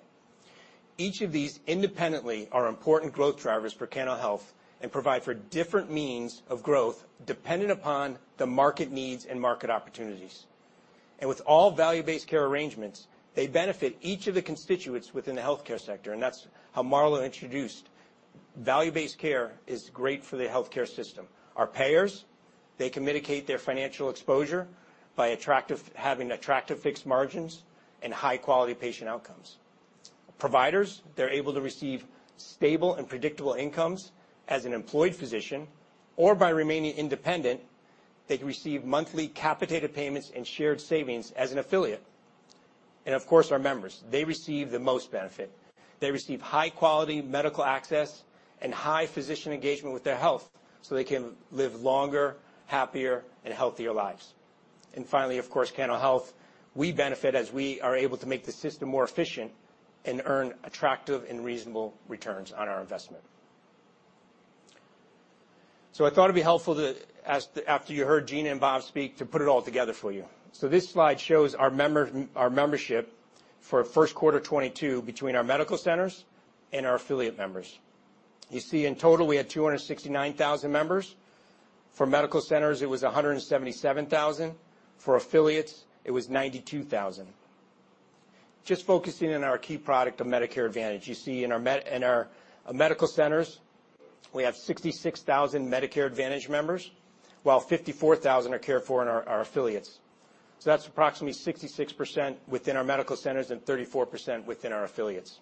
Each of these independently are important growth drivers for Cano Health and provide for different means of growth depending upon the market needs and market opportunities. With all value-based care arrangements, they benefit each of the constituents within the healthcare sector, and that's how Marlow introduced. Value-based care is great for the healthcare system. Our payers, they can mitigate their financial exposure by having attractive fixed margins and high-quality patient outcomes. Providers, they're able to receive stable and predictable incomes as an employed physician or by remaining independent, they receive monthly capitated payments and shared savings as an affiliate. Of course, our members, they receive the most benefit. They receive high-quality medical access and high physician engagement with their health so they can live longer, happier, and healthier lives. Finally, of course, Cano Health, we benefit as we are able to make the system more efficient and earn attractive and reasonable returns on our investment. I thought it'd be helpful to, as, after you heard Gina and Bob speak, to put it all together for you. This slide shows our members, our membership for first quarter 2022 between our medical centers and our affiliate members. You see in total, we had 269,000 members. For medical centers, it was 177,000. For affiliates, it was 92,000. Just focusing on our key product of Medicare Advantage. You see in our medical centers, we have 66,000 Medicare Advantage members, while 54,000 are cared for in our affiliates. That's approximately 66% within our medical centers and 34% within our affiliates.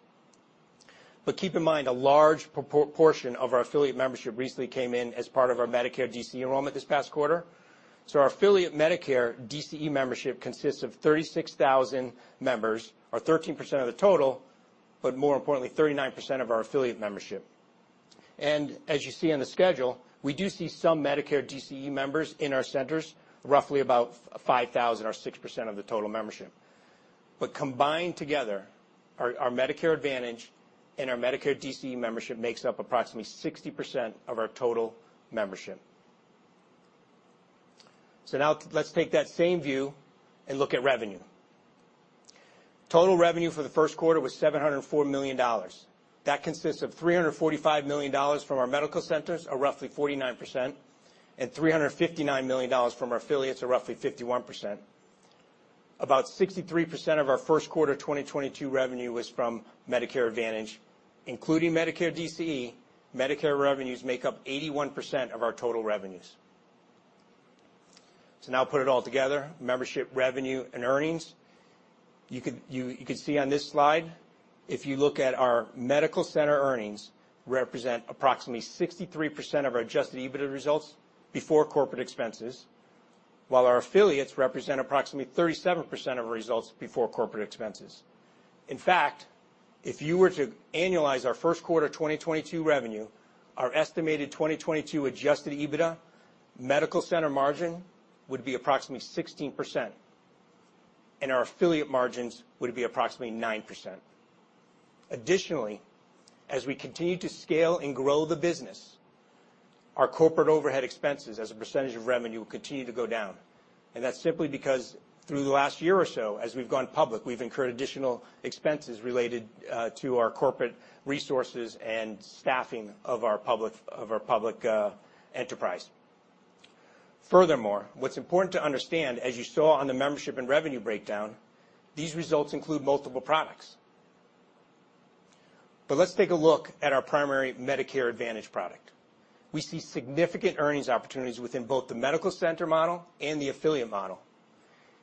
Keep in mind, a large portion of our affiliate membership recently came in as part of our Medicare DCE enrollment this past quarter. Our affiliate Medicare DCE membership consists of 36,000 members, or 13% of the total, but more importantly, 39% of our affiliate membership. As you see on the schedule, we do see some Medicare DCE members in our centers, roughly about 5,000 or 6% of the total membership. Combined together, our Medicare Advantage and our Medicare DCE membership makes up approximately 60% of our total membership. Now let's take that same view and look at revenue. Total revenue for the first quarter was $704 million. That consists of $345 million from our medical centers, or roughly 49%, and $359 million from our affiliates, or roughly 51%. About 63% of our first quarter 2022 revenue was from Medicare Advantage, including Medicare DCE. Medicare revenues make up 81% of our total revenues. Now put it all together, membership, revenue, and earnings. You could see on this slide, if you look at our medical center earnings represent approximately 63% of our adjusted EBITDA results before corporate expenses, while our affiliates represent approximately 37% of our results before corporate expenses. In fact, if you were to annualize our first quarter 2022 revenue, our estimated 2022 adjusted EBITDA medical center margin would be approximately 16%, and our affiliate margins would be approximately 9%. Additionally, as we continue to scale and grow the business, our corporate overhead expenses as a percentage of revenue will continue to go down. That's simply because through the last year or so, as we've gone public, we've incurred additional expenses related to our corporate resources and staffing of our public enterprise. Furthermore, what's important to understand, as you saw on the membership and revenue breakdown, these results include multiple products. Let's take a look at our primary Medicare Advantage product. We see significant earnings opportunities within both the medical center model and the affiliate model.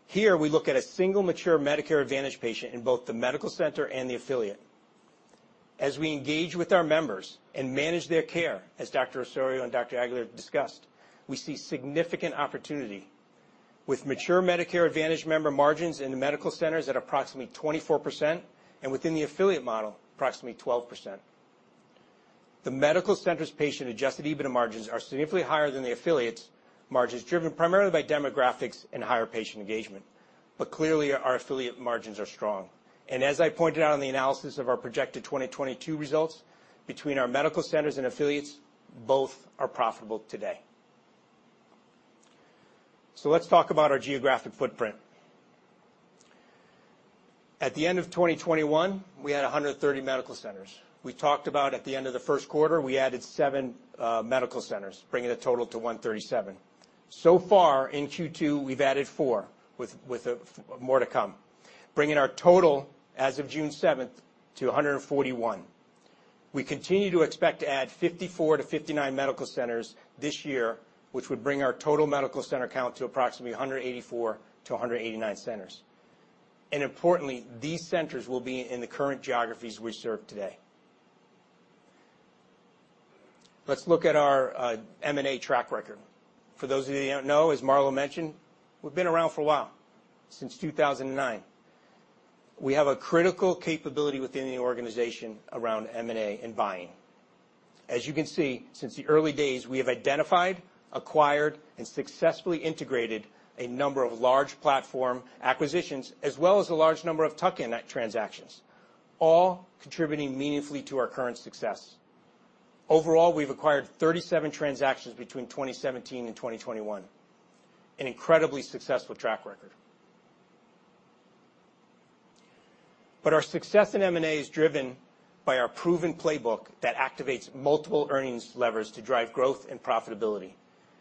Here, we look at a single mature Medicare Advantage patient in both the medical center and the affiliate. As we engage with our members and manage their care, as Merlin Osorio and Dr. Aguilar discussed, we see significant opportunity with mature Medicare Advantage member margins in the medical centers at approximately 24% and within the affiliate model, approximately 12%. The medical centers patient adjusted EBITDA margins are significantly higher than the affiliates margins, driven primarily by demographics and higher patient engagement. Clearly, our affiliate margins are strong. As I pointed out on the analysis of our projected 2022 results, between our medical centers and affiliates, both are profitable today. Let's talk about our geographic footprint. At the end of 2021, we had 130 medical centers. We talked about at the end of the first quarter, we added seven medical centers, bringing the total to 137. So far in Q2, we've added four with more to come, bringing our total as of June seventh to 141. We continue to expect to add 54-59 medical centers this year, which would bring our total medical center count to approximately 184-189 centers. Importantly, these centers will be in the current geographies we serve today. Let's look at our M&A track record. For those of you that don't know, as Marlow mentioned, we've been around for a while, since 2009. We have a critical capability within the organization around M&A and buying. As you can see, since the early days, we have identified, acquired, and successfully integrated a number of large platform acquisitions, as well as a large number of tuck-in transactions, all contributing meaningfully to our current success. Overall, we've acquired 37 transactions between 2017 and 2021, an incredibly successful track record. But our success in M&A is driven by our proven playbook that activates multiple earnings levers to drive growth and profitability.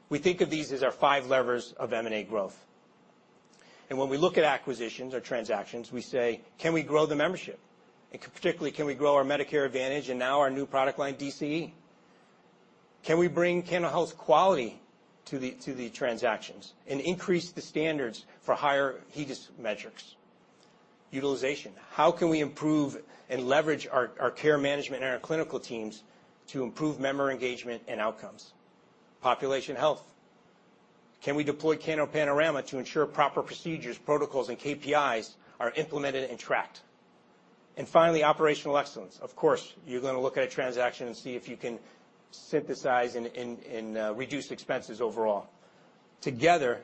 We think of these as our five levers of M&A growth. When we look at acquisitions or transactions, we say, "Can we grow the membership? And particularly, can we grow our Medicare Advantage and now our new product line, DCE? Can we bring Cano Health quality to the transactions and increase the standards for higher HEDIS metrics? Utilization, how can we improve and leverage our care management and our clinical teams to improve member engagement and outcomes? Population health, can we deploy CanoPanorama to ensure proper procedures, protocols, and KPIs are implemented and tracked? Finally, operational excellence. Of course, you're gonna look at a transaction and see if you can synthesize and reduce expenses overall. Together,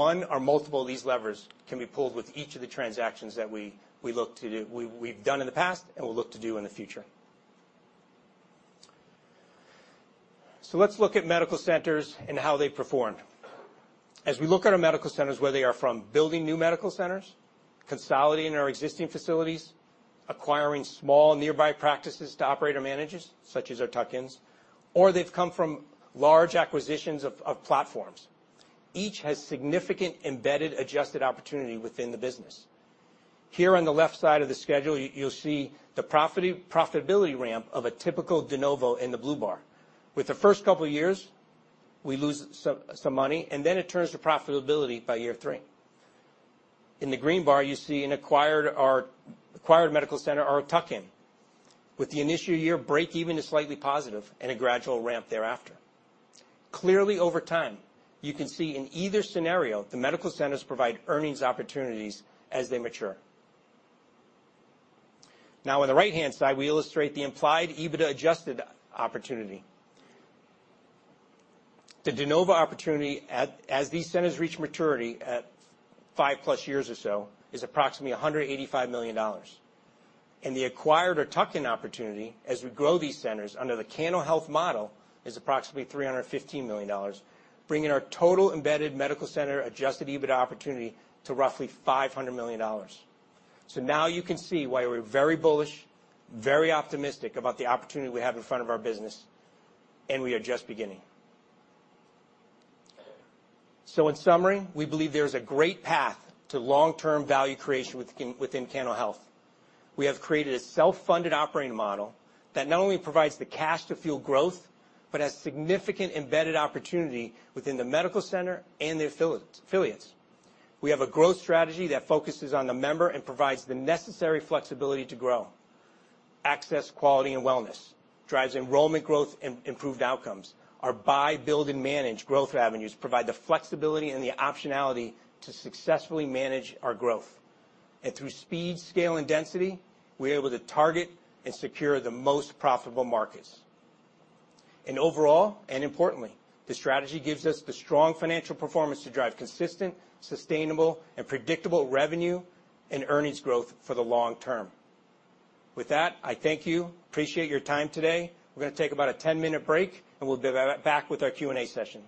one or multiple of these levers can be pulled with each of the transactions that we look to do, we've done in the past and will look to do in the future. Let's look at medical centers and how they performed. As we look at our medical centers, whether they are from building new medical centers, consolidating our existing facilities, acquiring small nearby practices to operate or manage, such as our tuck-ins, or they've come from large acquisitions of platforms, each has significant embedded adjusted opportunity within the business. Here on the left side of the schedule, you'll see the profitability ramp of a typical de novo in the blue bar. With the first couple of years, we lose some money, and then it turns to profitability by year three. In the green bar, you see an acquired medical center or a tuck-in. With the initial year, break-even is slightly positive and a gradual ramp thereafter. Clearly, over time, you can see in either scenario, the medical centers provide earnings opportunities as they mature. Now, on the right-hand side, we illustrate the implied EBITDA adjusted opportunity. The de novo opportunity as these centers reach maturity at 5+ years or so, is approximately $185 million. The acquired or tuck-in opportunity as we grow these centers under the Cano Health model is approximately $315 million, bringing our total embedded medical center adjusted EBITDA opportunity to roughly $500 million. Now you can see why we're very bullish, very optimistic about the opportunity we have in front of our business, and we are just beginning. In summary, we believe there's a great path to long-term value creation within Cano Health. We have created a self-funded operating model that not only provides the cash to fuel growth, but has significant embedded opportunity within the medical center and the affiliates. We have a growth strategy that focuses on the member and provides the necessary flexibility to grow. Access, quality, and wellness drives enrollment growth and improved outcomes. Our buy, build, and manage growth avenues provide the flexibility and the optionality to successfully manage our growth. Through speed, scale, and density, we're able to target and secure the most profitable markets. Overall, and importantly, the strategy gives us the strong financial performance to drive consistent, sustainable, and predictable revenue and earnings growth for the long term. With that, I thank you. Appreciate your time today. We're gonna take about a 10-minute break, and we'll be right back with our Q&A session.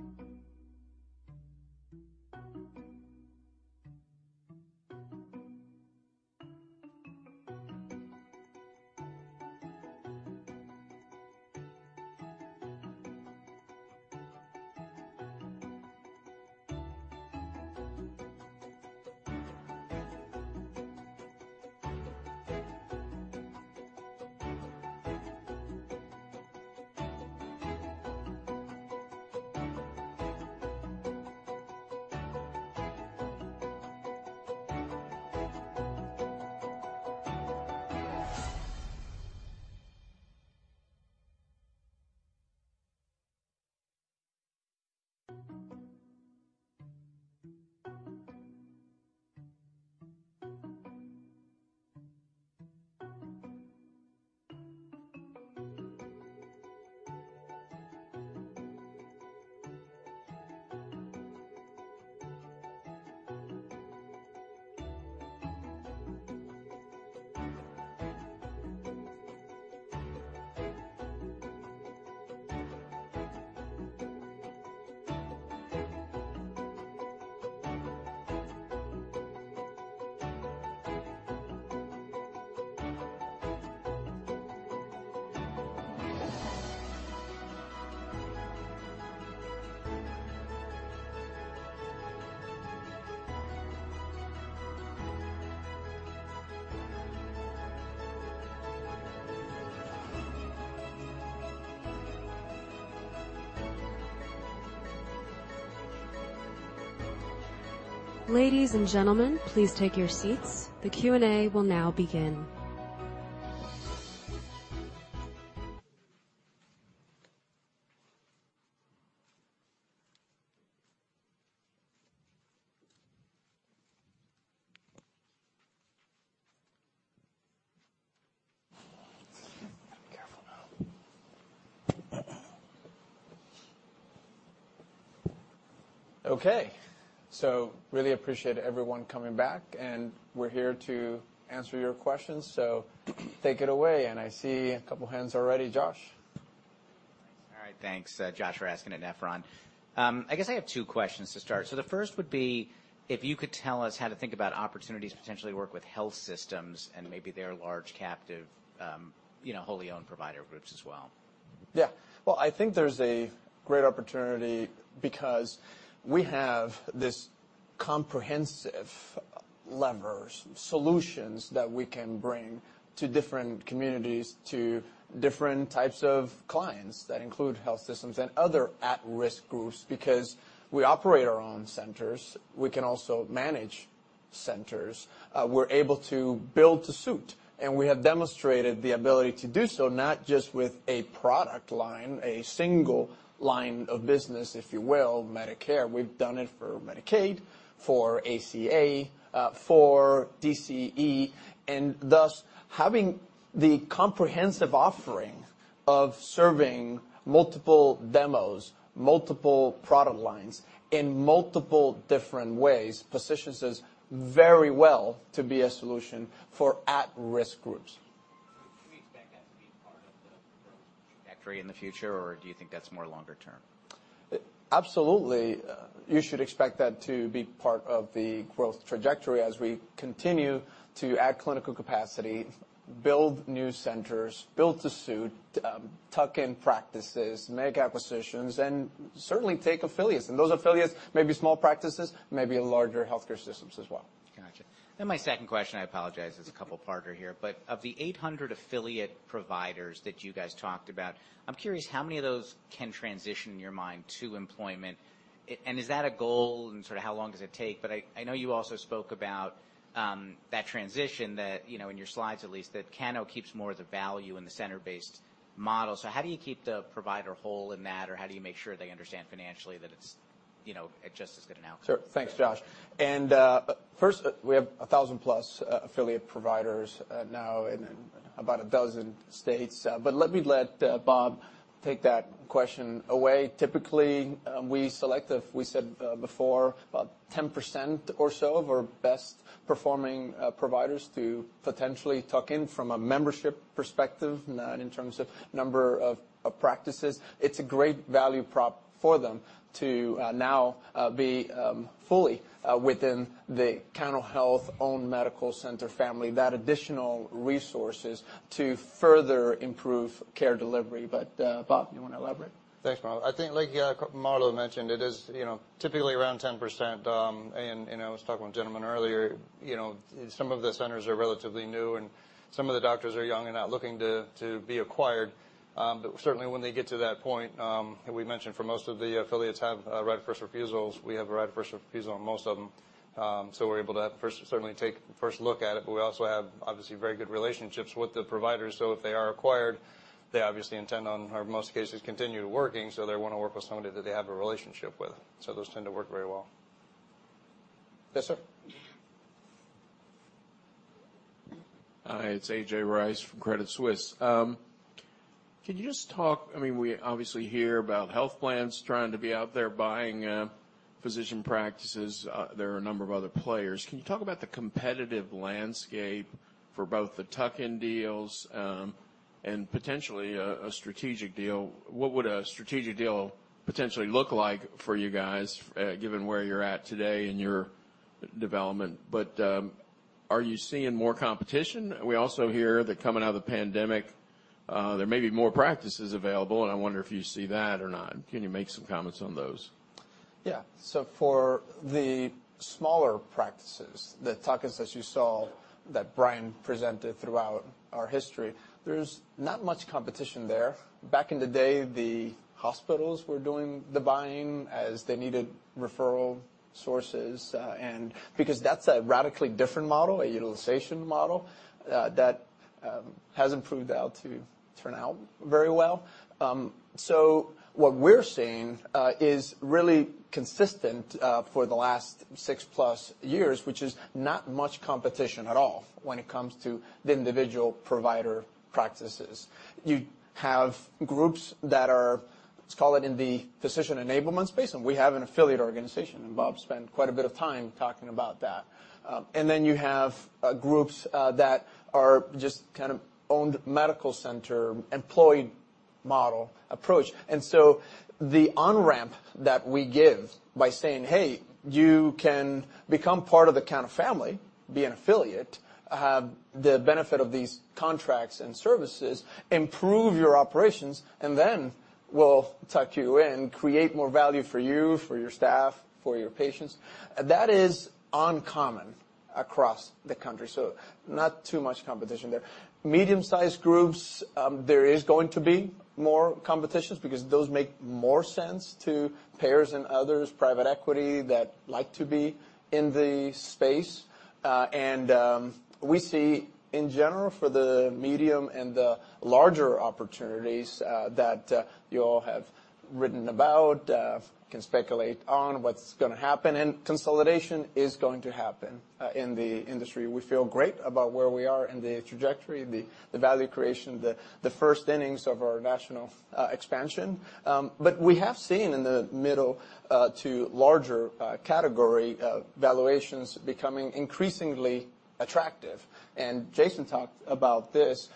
Thank you. Ladies and gentlemen, please take your seats. The Q&A will now begin. Okay. Really appreciate everyone coming back, and we're here to answer your questions, so take it away. I see a couple hands already. Josh? All right, thanks. Josh Raskin at Nephron. I guess I have two questions to start. The first would be, if you could tell us how to think about opportunities to potentially work with health systems and maybe their large captive, you know, wholly owned provider groups as well? Well, I think there's a great opportunity because we have this comprehensive leverage solutions that we can bring to different communities, to different types of clients that include health systems and other at-risk groups. Because we operate our own centers, we can also manage centers. We're able to build to suit, and we have demonstrated the ability to do so not just with a product line, a single line of business, if you will, Medicare. We've done it for Medicaid, for ACA, for DCE. Thus, having the comprehensive offering of serving multiple demos, multiple product lines in multiple different ways positions us very well to be a solution for at-risk groups. Do you expect that to be part of the growth trajectory in the future or do you think that's more longer term? Absolutely. You should expect that to be part of the growth trajectory as we continue to add clinical capacity, build new centers, build to suit, tuck-in practices, make acquisitions, and certainly take affiliates. Those affiliates may be small practices, may be larger healthcare systems as well. Gotcha. My second question, I apologize, it's a couple parter here. Of the 800 affiliate providers that you guys talked about, I'm curious how many of those can transition in your mind to employment? And is that a goal and sort of how long does it take? I know you also spoke about that transition, you know, in your slides at least, that Cano keeps more of the value in the center-based model. How do you keep the provider whole in that, or how do you make sure they understand financially that it's? You know, that's just as good an answer. Sure. Thanks, Josh. First, we have 1,000 plus affiliate providers now in about a dozen states. Let Bob take that question away. Typically, we said before, about 10% or so of our best-performing providers to potentially tuck in from a membership perspective, not in terms of number of practices. It's a great value prop for them to now be fully within the Cano Health-owned medical center family. That additional resources to further improve care delivery. Bob, you wanna elaborate? Thanks, Marlow. I think like Marlow mentioned, it is, you know, typically around 10%, and, you know, I was talking with a gentleman earlier, you know, some of the centers are relatively new, and some of the doctors are young and not looking to be acquired. Certainly when they get to that point, and we mentioned for most of the affiliates have right of first refusals, we have a right of first refusal on most of them. We're able to first certainly take the first look at it, but we also have, obviously, very good relationships with the providers, so if they are acquired, they obviously intend on, or in most cases, continue working, so they wanna work with somebody that they have a relationship with. Those tend to work very well. Yes, sir. Hi, it's A.J. Rice from Credit Suisse. Can you just talk? I mean, we obviously hear about health plans trying to be out there buying physician practices. There are a number of other players. Can you talk about the competitive landscape for both the tuck-in deals and potentially a strategic deal? What would a strategic deal potentially look like for you guys, given where you're at today in your development? Are you seeing more competition? We also hear that coming out of the pandemic, there may be more practices available, and I wonder if you see that or not. Can you make some comments on those? Yeah. For the smaller practices, the tuck-ins that you saw that Brian presented throughout our history, there's not much competition there. Back in the day, the hospitals were doing the buying as they needed referral sources, and because that's a radically different model, a utilization model, that hasn't proved out to turn out very well. What we're seeing is really consistent for the last six-plus years, which is not much competition at all when it comes to the individual provider practices. You have groups that are, let's call it, in the physician enablement space, and we have an affiliate organization, and Bob spent quite a bit of time talking about that. You have groups that are just kind of owned medical center employee model approach. The on-ramp that we give by saying, "Hey, you can become part of the Cano family, be an affiliate, have the benefit of these contracts and services, improve your operations, and then we'll tuck you in, create more value for you, for your staff, for your patients." That is uncommon across the country, so not too much competition there. Medium-sized groups, there is going to be more competitions because those make more sense to payers and others, private equity that like to be in the space. We see in general for the medium and the larger opportunities, that you all have written about, can speculate on what's gonna happen. Consolidation is going to happen in the industry. We feel great about where we are in the trajectory, the value creation, the first innings of our national expansion. We have seen in the middle to larger category valuations becoming increasingly attractive. Jason talked about this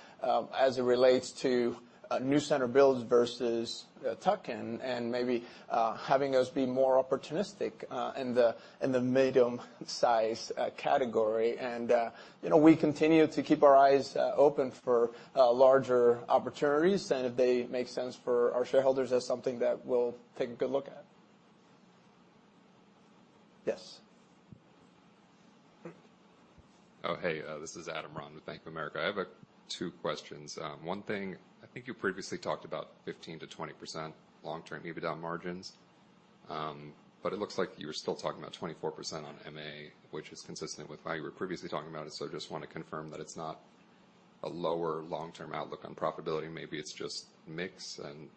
as it relates to new center builds versus tuck-in and maybe having us be more opportunistic in the medium-size category. You know, we continue to keep our eyes open for larger opportunities. If they make sense for our shareholders, that's something that we'll take a good look at. Yes. Oh, hey. This is Adam Ron with Bank of America. I have two questions. One thing, I think you previously talked about 15%-20% long-term EBITDA margins. But it looks like you're still talking about 24% on MA, which is consistent with what you were previously talking about. I just want to confirm that it's not a lower long-term outlook on profitability. Maybe it's just mix and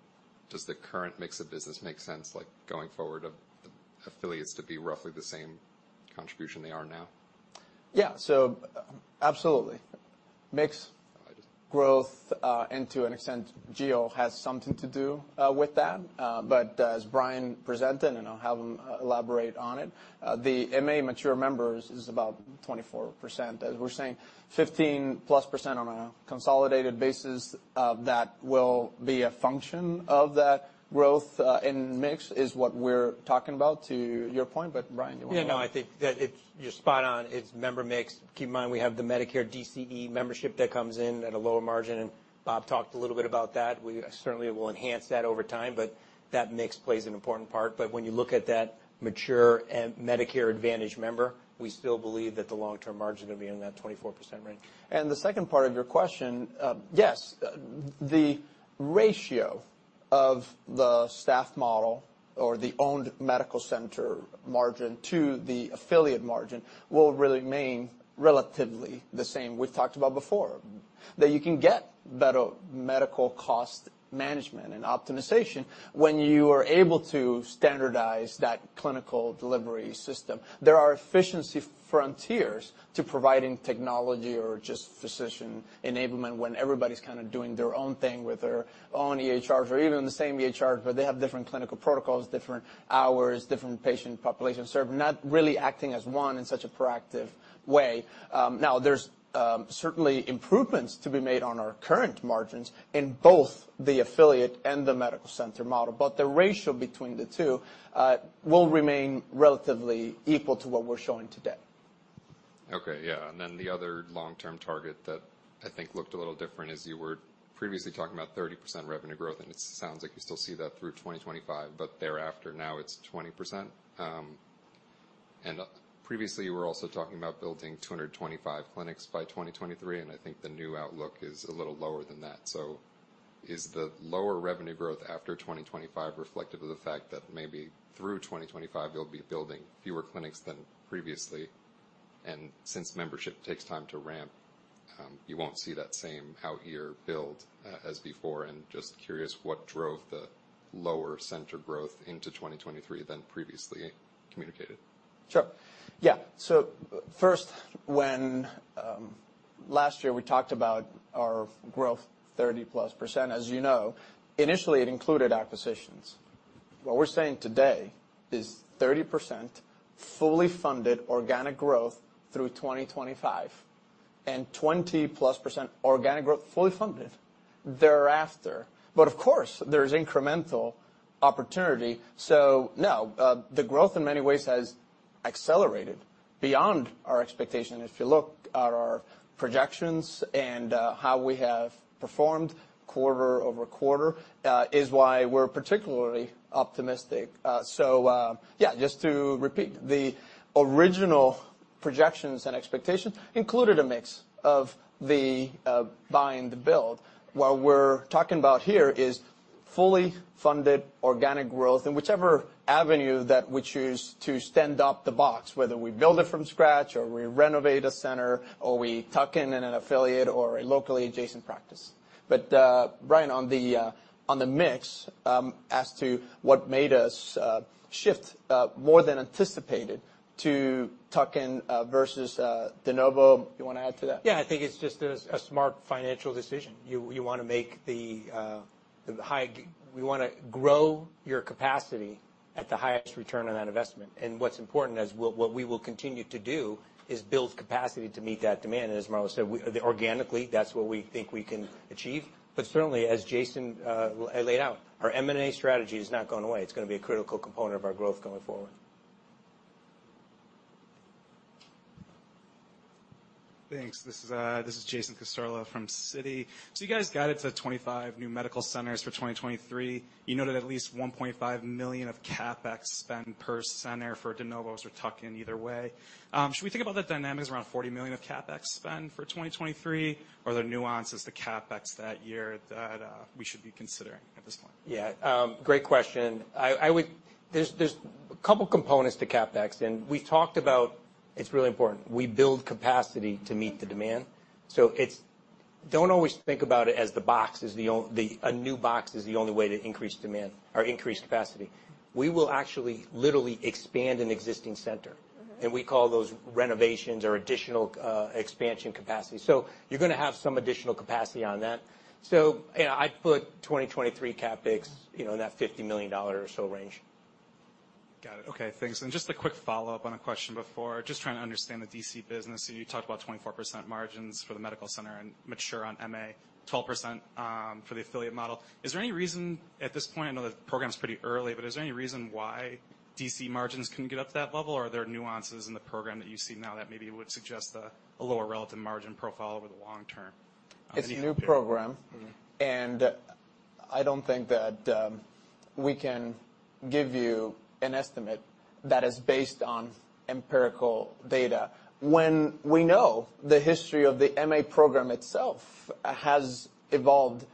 does the current mix of business make sense, like, going forward of affiliates to be roughly the same contribution they are now? Yeah. Absolutely. Mix growth, and to an extent, geo has something to do with that. As Brian presented, and I'll have him elaborate on it, the MA mature members is about 24%. As we're saying, 15%+ on a consolidated basis of that will be a function of that growth, and mix is what we're talking about to your point. Brian, do you wanna- Yeah. No, I think that you're spot on. It's member mix. Keep in mind, we have the Medicare DCE membership that comes in at a lower margin, and Bob talked a little bit about that. We certainly will enhance that over time, but that mix plays an important part. When you look at that mature and Medicare Advantage member, we still believe that the long-term margin will be in that 24% range. The second part of your question, yes, the ratio of the staff model or the owned medical center margin to the affiliate margin will remain relatively the same. We've talked about before that you can get better medical cost management and optimization when you are able to standardize that clinical delivery system. There are efficiency frontiers to providing technology or just physician enablement when everybody's kind of doing their own thing with their own EHR, or even the same EHR, but they have different clinical protocols, different hours, different patient populations served, not really acting as one in such a proactive way. Now there's certainly improvements to be made on our current margins in both the affiliate and the medical center model. The ratio between the two will remain relatively equal to what we're showing today. Okay. Yeah. Then the other long-term target that I think looked a little different is you were previously talking about 30% revenue growth, and it sounds like you still see that through 2025, but thereafter, now it's 20%. Previously, you were also talking about building 225 clinics by 2023, and I think the new outlook is a little lower than that. Is the lower revenue growth after 2025 reflective of the fact that maybe through 2025 you'll be building fewer clinics than previously, and since membership takes time to ramp, you won't see that same out year build, as before? Just curious what drove the lower center growth into 2023 than previously communicated. Sure. Yeah. First, when last year we talked about our growth, 30+%, as you know, initially it included acquisitions. What we're saying today is 30% fully funded organic growth through 2025, and 20+% organic growth, fully funded, thereafter. Of course, there's incremental opportunity. No, the growth in many ways has accelerated beyond our expectation. If you look at our projections and how we have performed quarter-over-quarter, is why we're particularly optimistic. Just to repeat, the original projections and expectations included a mix of the buy and the build. What we're talking about here is fully funded organic growth in whichever avenue that we choose to stand up the box, whether we build it from scratch, or we renovate a center, or we tuck in in an affiliate or a locally adjacent practice. Brian, on the mix, as to what made us shift more than anticipated to tuck-in versus de novo. You wanna add to that? Yeah. I think it's just a smart financial decision. You wanna grow your capacity at the highest return on that investment. What's important as we will continue to do is build capacity to meet that demand. As Marlow said, organically, that's what we think we can achieve. Certainly, as Jason laid out, our M&A strategy is not going away. It's gonna be a critical component of our growth going forward. Thanks. This is Jason Cassorla from Citi. You guys guided to 25 new medical centers for 2023. You noted at least $1.5 million of CapEx spend per center for de novo or tuck-in either way. Should we think about the dynamics around $40 million of CapEx spend for 2023, or are there nuances to CapEx that year that we should be considering at this point? Yeah. Great question. There's a couple components to CapEx, and we talked about it's really important. We build capacity to meet the demand. Don't always think about it as a new box is the only way to increase demand or increase capacity. We will actually literally expand an existing center, and we call those renovations or additional expansion capacity. You're gonna have some additional capacity on that. You know, I'd put 2023 CapEx, you know, in that $50 million or so range. Got it. Okay. Thanks. Just a quick follow-up on a question before. Just trying to understand the DCE business. So you talked about 24% margins for the medical center and mature on MA, 12%, for the affiliate model. Is there any reason at this point, I know the program's pretty early, but is there any reason why DCE margins couldn't get up to that level, or are there nuances in the program that you see now that maybe would suggest a lower relative margin profile over the long term? It's a new program. Mm-hmm. I don't think that we can give you an estimate that is based on empirical data when we know the history of the MA program itself has evolved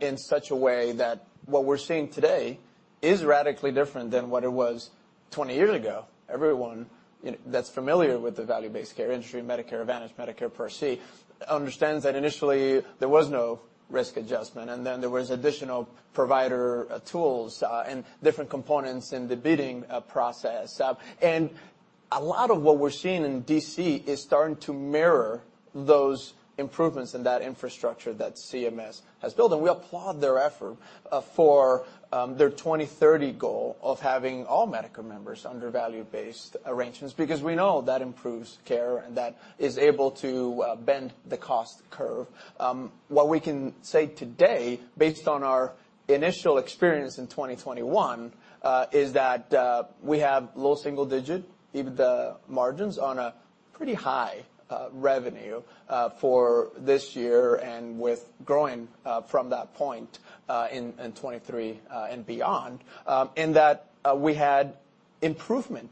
in such a way that what we're seeing today is radically different than what it was 20 years ago. Everyone, you know, that's familiar with the value-based care industry, Medicare Advantage, Medicare Part C, understands that initially there was no risk adjustment, and then there was additional provider tools and different components in the bidding process. A lot of what we're seeing in DCE is starting to mirror those improvements in that infrastructure that CMS has built. We applaud their effort for their 2030 goal of having all Medicare members under value-based arrangements, because we know that improves care, and that is able to bend the cost curve. What we can say today, based on our initial experience in 2021, is that we have low single-digit EBITDA margins on a pretty high revenue for this year and with growing from that point in 2023 and beyond, in that we had improvement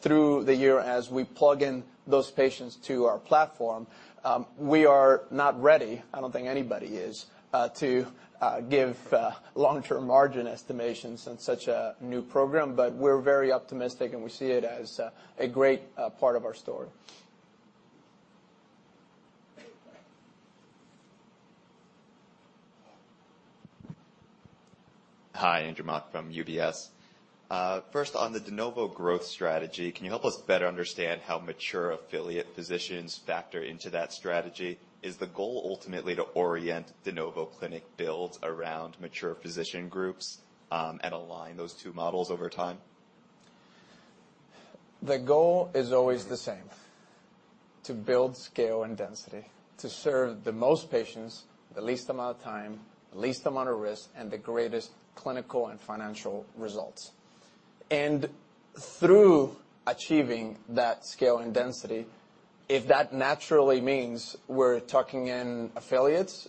through the year as we plug in those patients to our platform. We are not ready, I don't think anybody is, to give long-term margin estimations in such a new program, but we're very optimistic, and we see it as a great part of our story. Hi, Andy Mok from UBS. First, on the de novo growth strategy, can you help us better understand how mature affiliate physicians factor into that strategy? Is the goal ultimately to orient de novo clinic builds around mature physician groups, and align those two models over time? The goal is always the same, to build scale and density, to serve the most patients the least amount of time, the least amount of risk, and the greatest clinical and financial results. Through achieving that scale and density, if that naturally means we're tucking in affiliates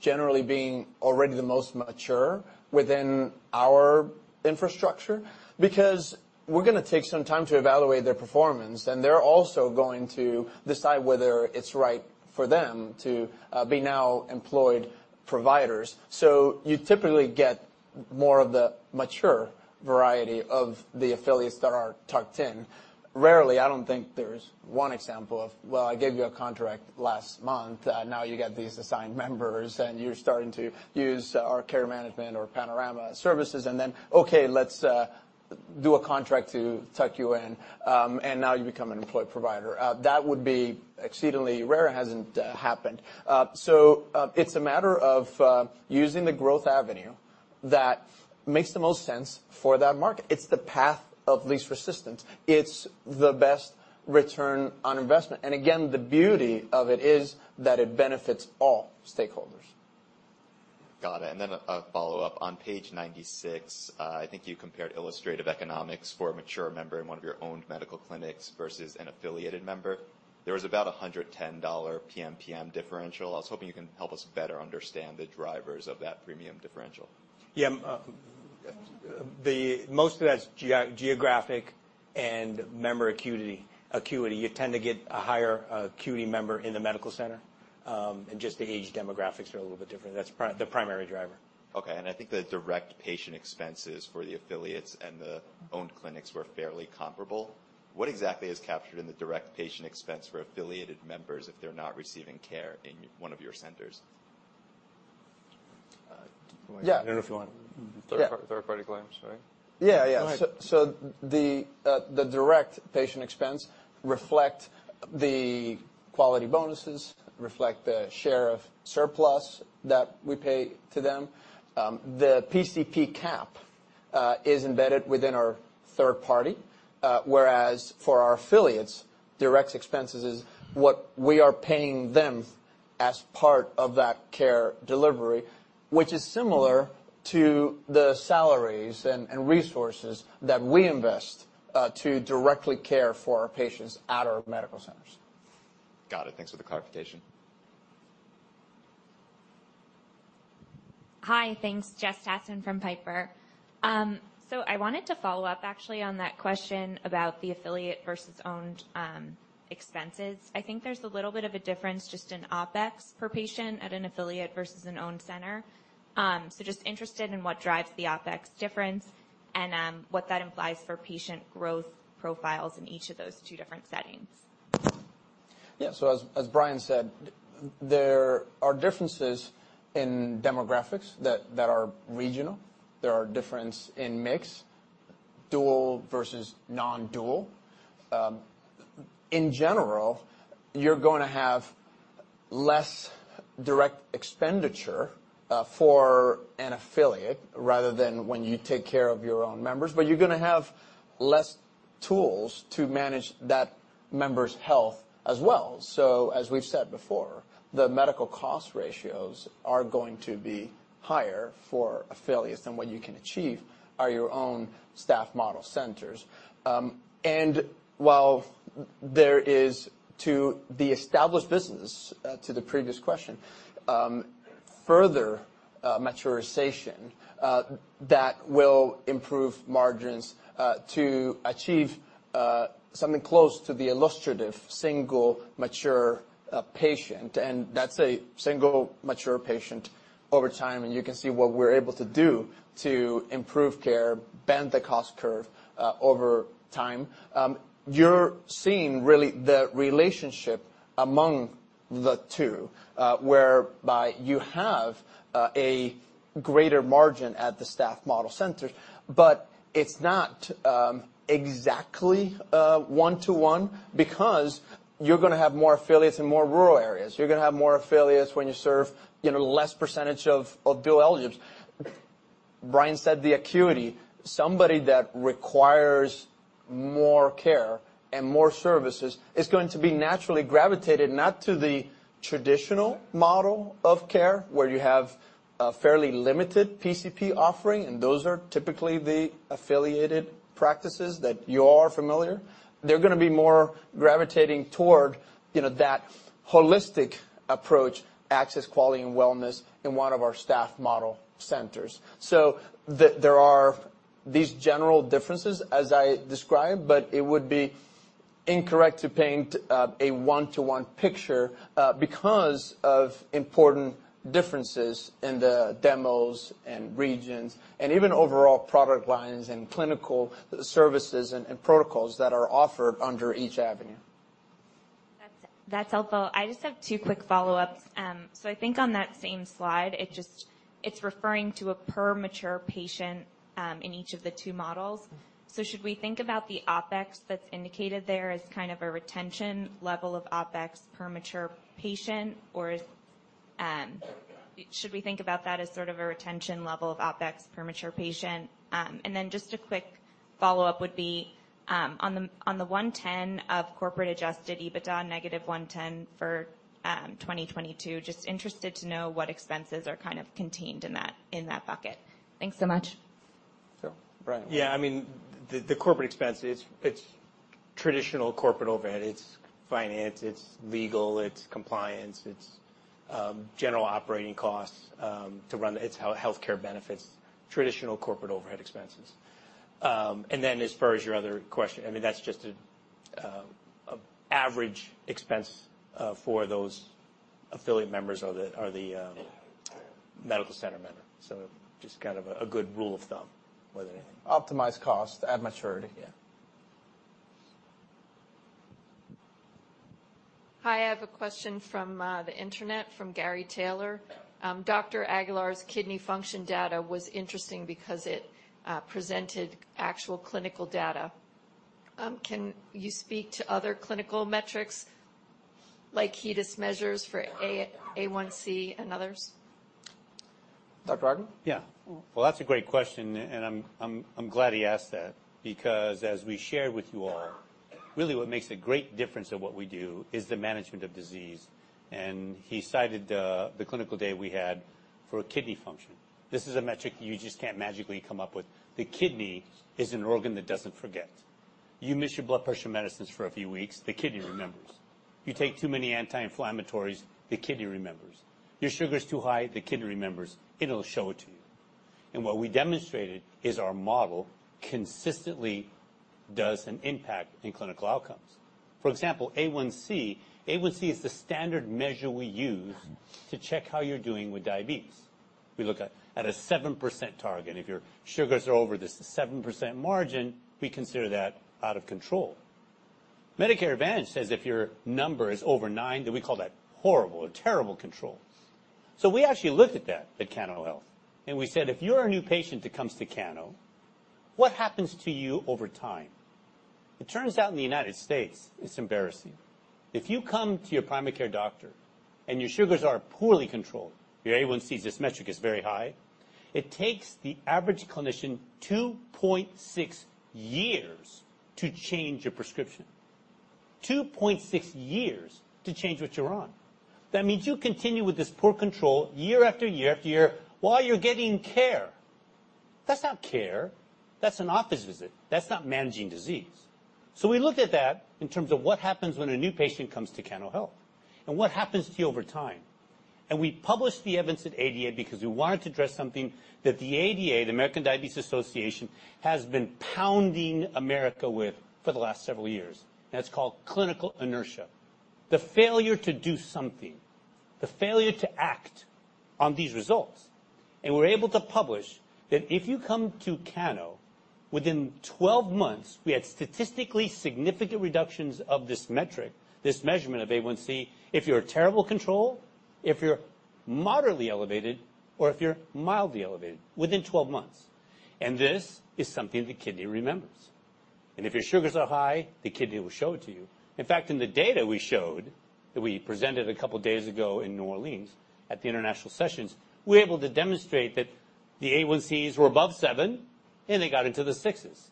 generally being already the most mature within our infrastructure, because we're gonna take some time to evaluate their performance and they're also going to decide whether it's right for them to be now employed providers. You typically get more of the mature variety of the affiliates that are tucked in. Rarely, I don't think there's one example of, well, I gave you a contract last month, now you get these assigned members, and you're starting to use our care management or Panorama services, and then, okay, let's do a contract to tuck you in, and now you become an employed provider. That would be exceedingly rare. It hasn't happened. It's a matter of using the growth avenue that makes the most sense for that market. It's the path of least resistance. It's the best return on investment. Again, the beauty of it is that it benefits all stakeholders. Got it. A follow-up. On page 96, I think you compared illustrative economics for a mature member in one of your own medical clinics versus an affiliated member. There was about a $110 PMPM differential. I was hoping you can help us better understand the drivers of that premium differential. Yeah. The most of that's geographic and member acuity. You tend to get a higher acuity member in the medical center, and just the age demographics are a little bit different. That's the primary driver. Okay. I think the direct patient expenses for the affiliates and the owned clinics were fairly comparable. What exactly is captured in the direct patient expense for affiliated members if they're not receiving care in one of your centers? Do you want- Yeah. I don't know if you want. Yeah. Third party claims, right? The direct patient expense reflect the quality bonuses, the share of surplus that we pay to them. The PCP cap is embedded within our third party, whereas for our affiliates, direct expenses is what we are paying them as part of that care delivery, which is similar to the salaries and resources that we invest to directly care for our patients at our medical centers. Got it. Thanks for the clarification. Hi. Thanks. Jess Tassan from Piper. I wanted to follow up actually on that question about the affiliate versus owned expenses. I think there's a little bit of a difference just in OpEx per patient at an affiliate versus an owned center. Just interested in what drives the OpEx difference and what that implies for patient growth profiles in each of those two different settings. Yeah. As Brian said, there are differences in demographics that are regional. There are differences in mix, dual versus non-dual. In general, you're gonna have less direct expenditure for an affiliate rather than when you take care of your own members, but you're gonna have less tools to manage that member's health as well. As we've said before, the medical cost ratios are going to be higher for affiliates than what you can achieve at your own staff model centers. While there is to the established business, to the previous question, further maturation that will improve margins to achieve something close to the illustrative single mature patient, and that's a single mature patient over time, and you can see what we're able to do to improve care, bend the cost curve over time. You're seeing really the relationship among the two, whereby you have a greater margin at the staff model centers, but it's not exactly one-to-one because you're gonna have more affiliates in more rural areas. You're gonna have more affiliates when you serve, you know, less percentage of dual eligibles. Brian said the acuity. Somebody that requires more care and more services is going to be naturally gravitated not to the traditional model of care, where you have a fairly limited PCP offering, and those are typically the affiliated practices that you all are familiar. They're gonna be more gravitating toward, you know, that holistic approach, access, quality, and wellness in one of our staff model centers. There are these general differences as I described, but it would be incorrect to paint a one-to-one picture because of important differences in the demos and regions and even overall product lines and clinical services and protocols that are offered under each avenue. That's helpful. I just have two quick follow-ups. I think on that same slide, it's referring to a per mature patient in each of the two models. Should we think about the OpEx that's indicated there as kind of a retention level of OpEx per mature patient, or should we think about that as sort of a retention level of OpEx per mature patient? Just a quick follow-up would be on the $110 of corporate adjusted EBITDA, negative 110 for 2022, just interested to know what expenses are kind of contained in that bucket. Thanks so much. Brian? Yeah. I mean, the corporate expense, it's traditional corporate overhead. It's finance, it's legal, it's compliance, it's general operating costs, healthcare benefits, traditional corporate overhead expenses. As far as your other question, I mean, that's just a average expense for those affiliate members or the medical center members. Just kind of a good rule of thumb, whether- Optimized cost at maturity. Yeah. Hi, I have a question from the internet from Gary Taylor. Dr. Aguilar's kidney function data was interesting because it presented actual clinical data. Can you speak to other clinical metrics like HEDIS measures for A1C and others? Dr. Aguilar. Yeah. Well, that's a great question and I'm glad he asked that because as we shared with you all, really what makes a great difference of what we do is the management of disease, and he cited the clinical data we had for kidney function. This is a metric you just can't magically come up with. The kidney is an organ that doesn't forget. You miss your blood pressure medicines for a few weeks, the kidney remembers. You take too many anti-inflammatories, the kidney remembers. Your sugar's too high, the kidney remembers. It'll show it to you. What we demonstrated is our model consistently does an impact in clinical outcomes. For example, A1C. A1C is the standard measure we use to check how you're doing with diabetes. We look at a 7% target. If your sugars are over this 7% margin, we consider that out of control. Medicare Advantage says if your number is over 9, that we call that horrible or terrible control. We actually looked at that at Cano Health, and we said, "If you're a new patient that comes to Cano, what happens to you over time?" It turns out in the United States, it's embarrassing. If you come to your primary care doctor and your sugars are poorly controlled, your A1C, this metric is very high, it takes the average clinician 2.6 years to change a prescription. 2.6 years to change what you're on. That means you continue with this poor control year after year after year while you're getting care. That's not care. That's an office visit. That's not managing disease. We looked at that in terms of what happens when a new patient comes to Cano Health and what happens to you over time. We published the evidence at ADA because we wanted to address something that the ADA, the American Diabetes Association, has been pounding America with for the last several years, and it's called clinical inertia. The failure to do something, the failure to act on these results. We're able to publish that if you come to Cano, within 12 months, we had statistically significant reductions of this metric, this measurement of A1C, if you're a terrible control, if you're moderately elevated, or if you're mildly elevated within 12 months. This is something the kidney remembers. If your sugars are high, the kidney will show it to you. In fact, in the data we showed that we presented a couple days ago in New Orleans at the international sessions, we're able to demonstrate that the A1Cs were above seven, and they got into the sixes.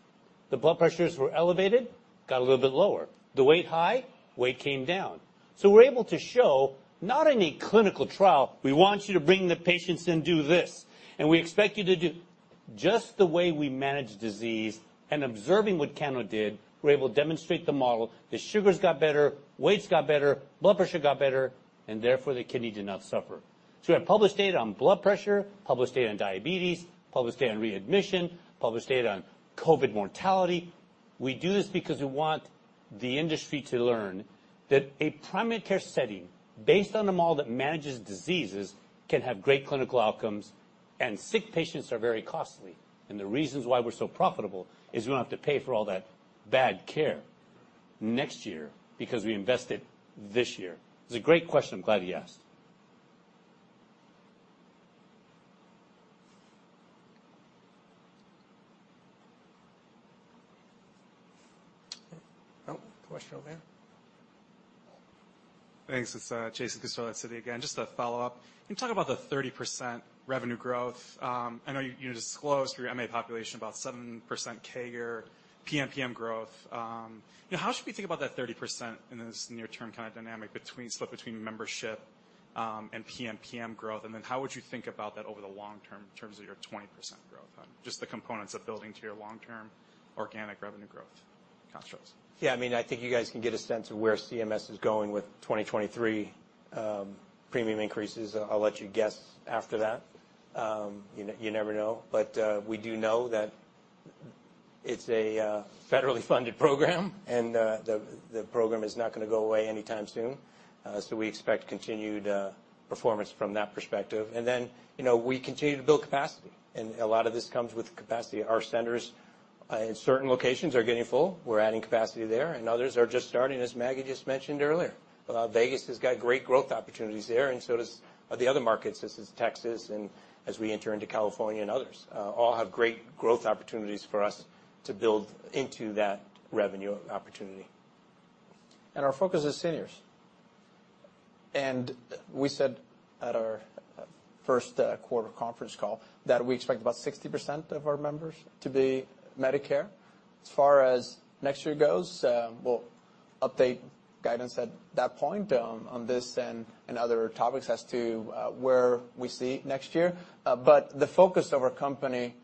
The blood pressures were elevated, got a little bit lower. The weight high, weight came down. We're able to show not any clinical trial, we want you to bring the patients in, do this, and we expect you to do. Just the way we manage disease and observing what Cano did, we're able to demonstrate the model. The sugars got better, weights got better, blood pressure got better, and therefore, the kidney did not suffer. We have published data on blood pressure, published data on diabetes, published data on readmission, published data on COVID mortality. We do this because we want the industry to learn that a primary care setting based on a model that manages diseases can have great clinical outcomes, and sick patients are very costly. The reasons why we're so profitable is we don't have to pay for all that bad care next year because we invested this year. It's a great question. I'm glad you asked. Oh, question over there. Thanks. It's Jason Cassorla at Citi again. Just a follow-up. Can you talk about the 30% revenue growth? I know you disclosed for your MA population about 7% CAGR, PMPM growth. You know, how should we think about that 30% in this near term kind of dynamic between split between membership and PMPM growth? And then how would you think about that over the long term in terms of your 20% growth, just the components of building to your long-term organic revenue growth controls? Yeah. I mean, I think you guys can get a sense of where CMS is going with 2023 premium increases. I'll let you guess after that. You never know. We do know that it's a federally funded program, and the program is not gonna go away anytime soon. We expect continued performance from that perspective. You know, we continue to build capacity, and a lot of this comes with the capacity. Our centers in certain locations are getting full. We're adding capacity there, and others are just starting, as Maggie just mentioned earlier. Vegas has got great growth opportunities there, and so does the other markets, as in Texas and as we enter into California and others. All have great growth opportunities for us to build into that revenue opportunity. Our focus is seniors. We said at our first quarter conference call that we expect about 60% of our members to be Medicare. As far as next year goes, we'll update guidance at that point on this and other topics as to where we see next year. The focus of our company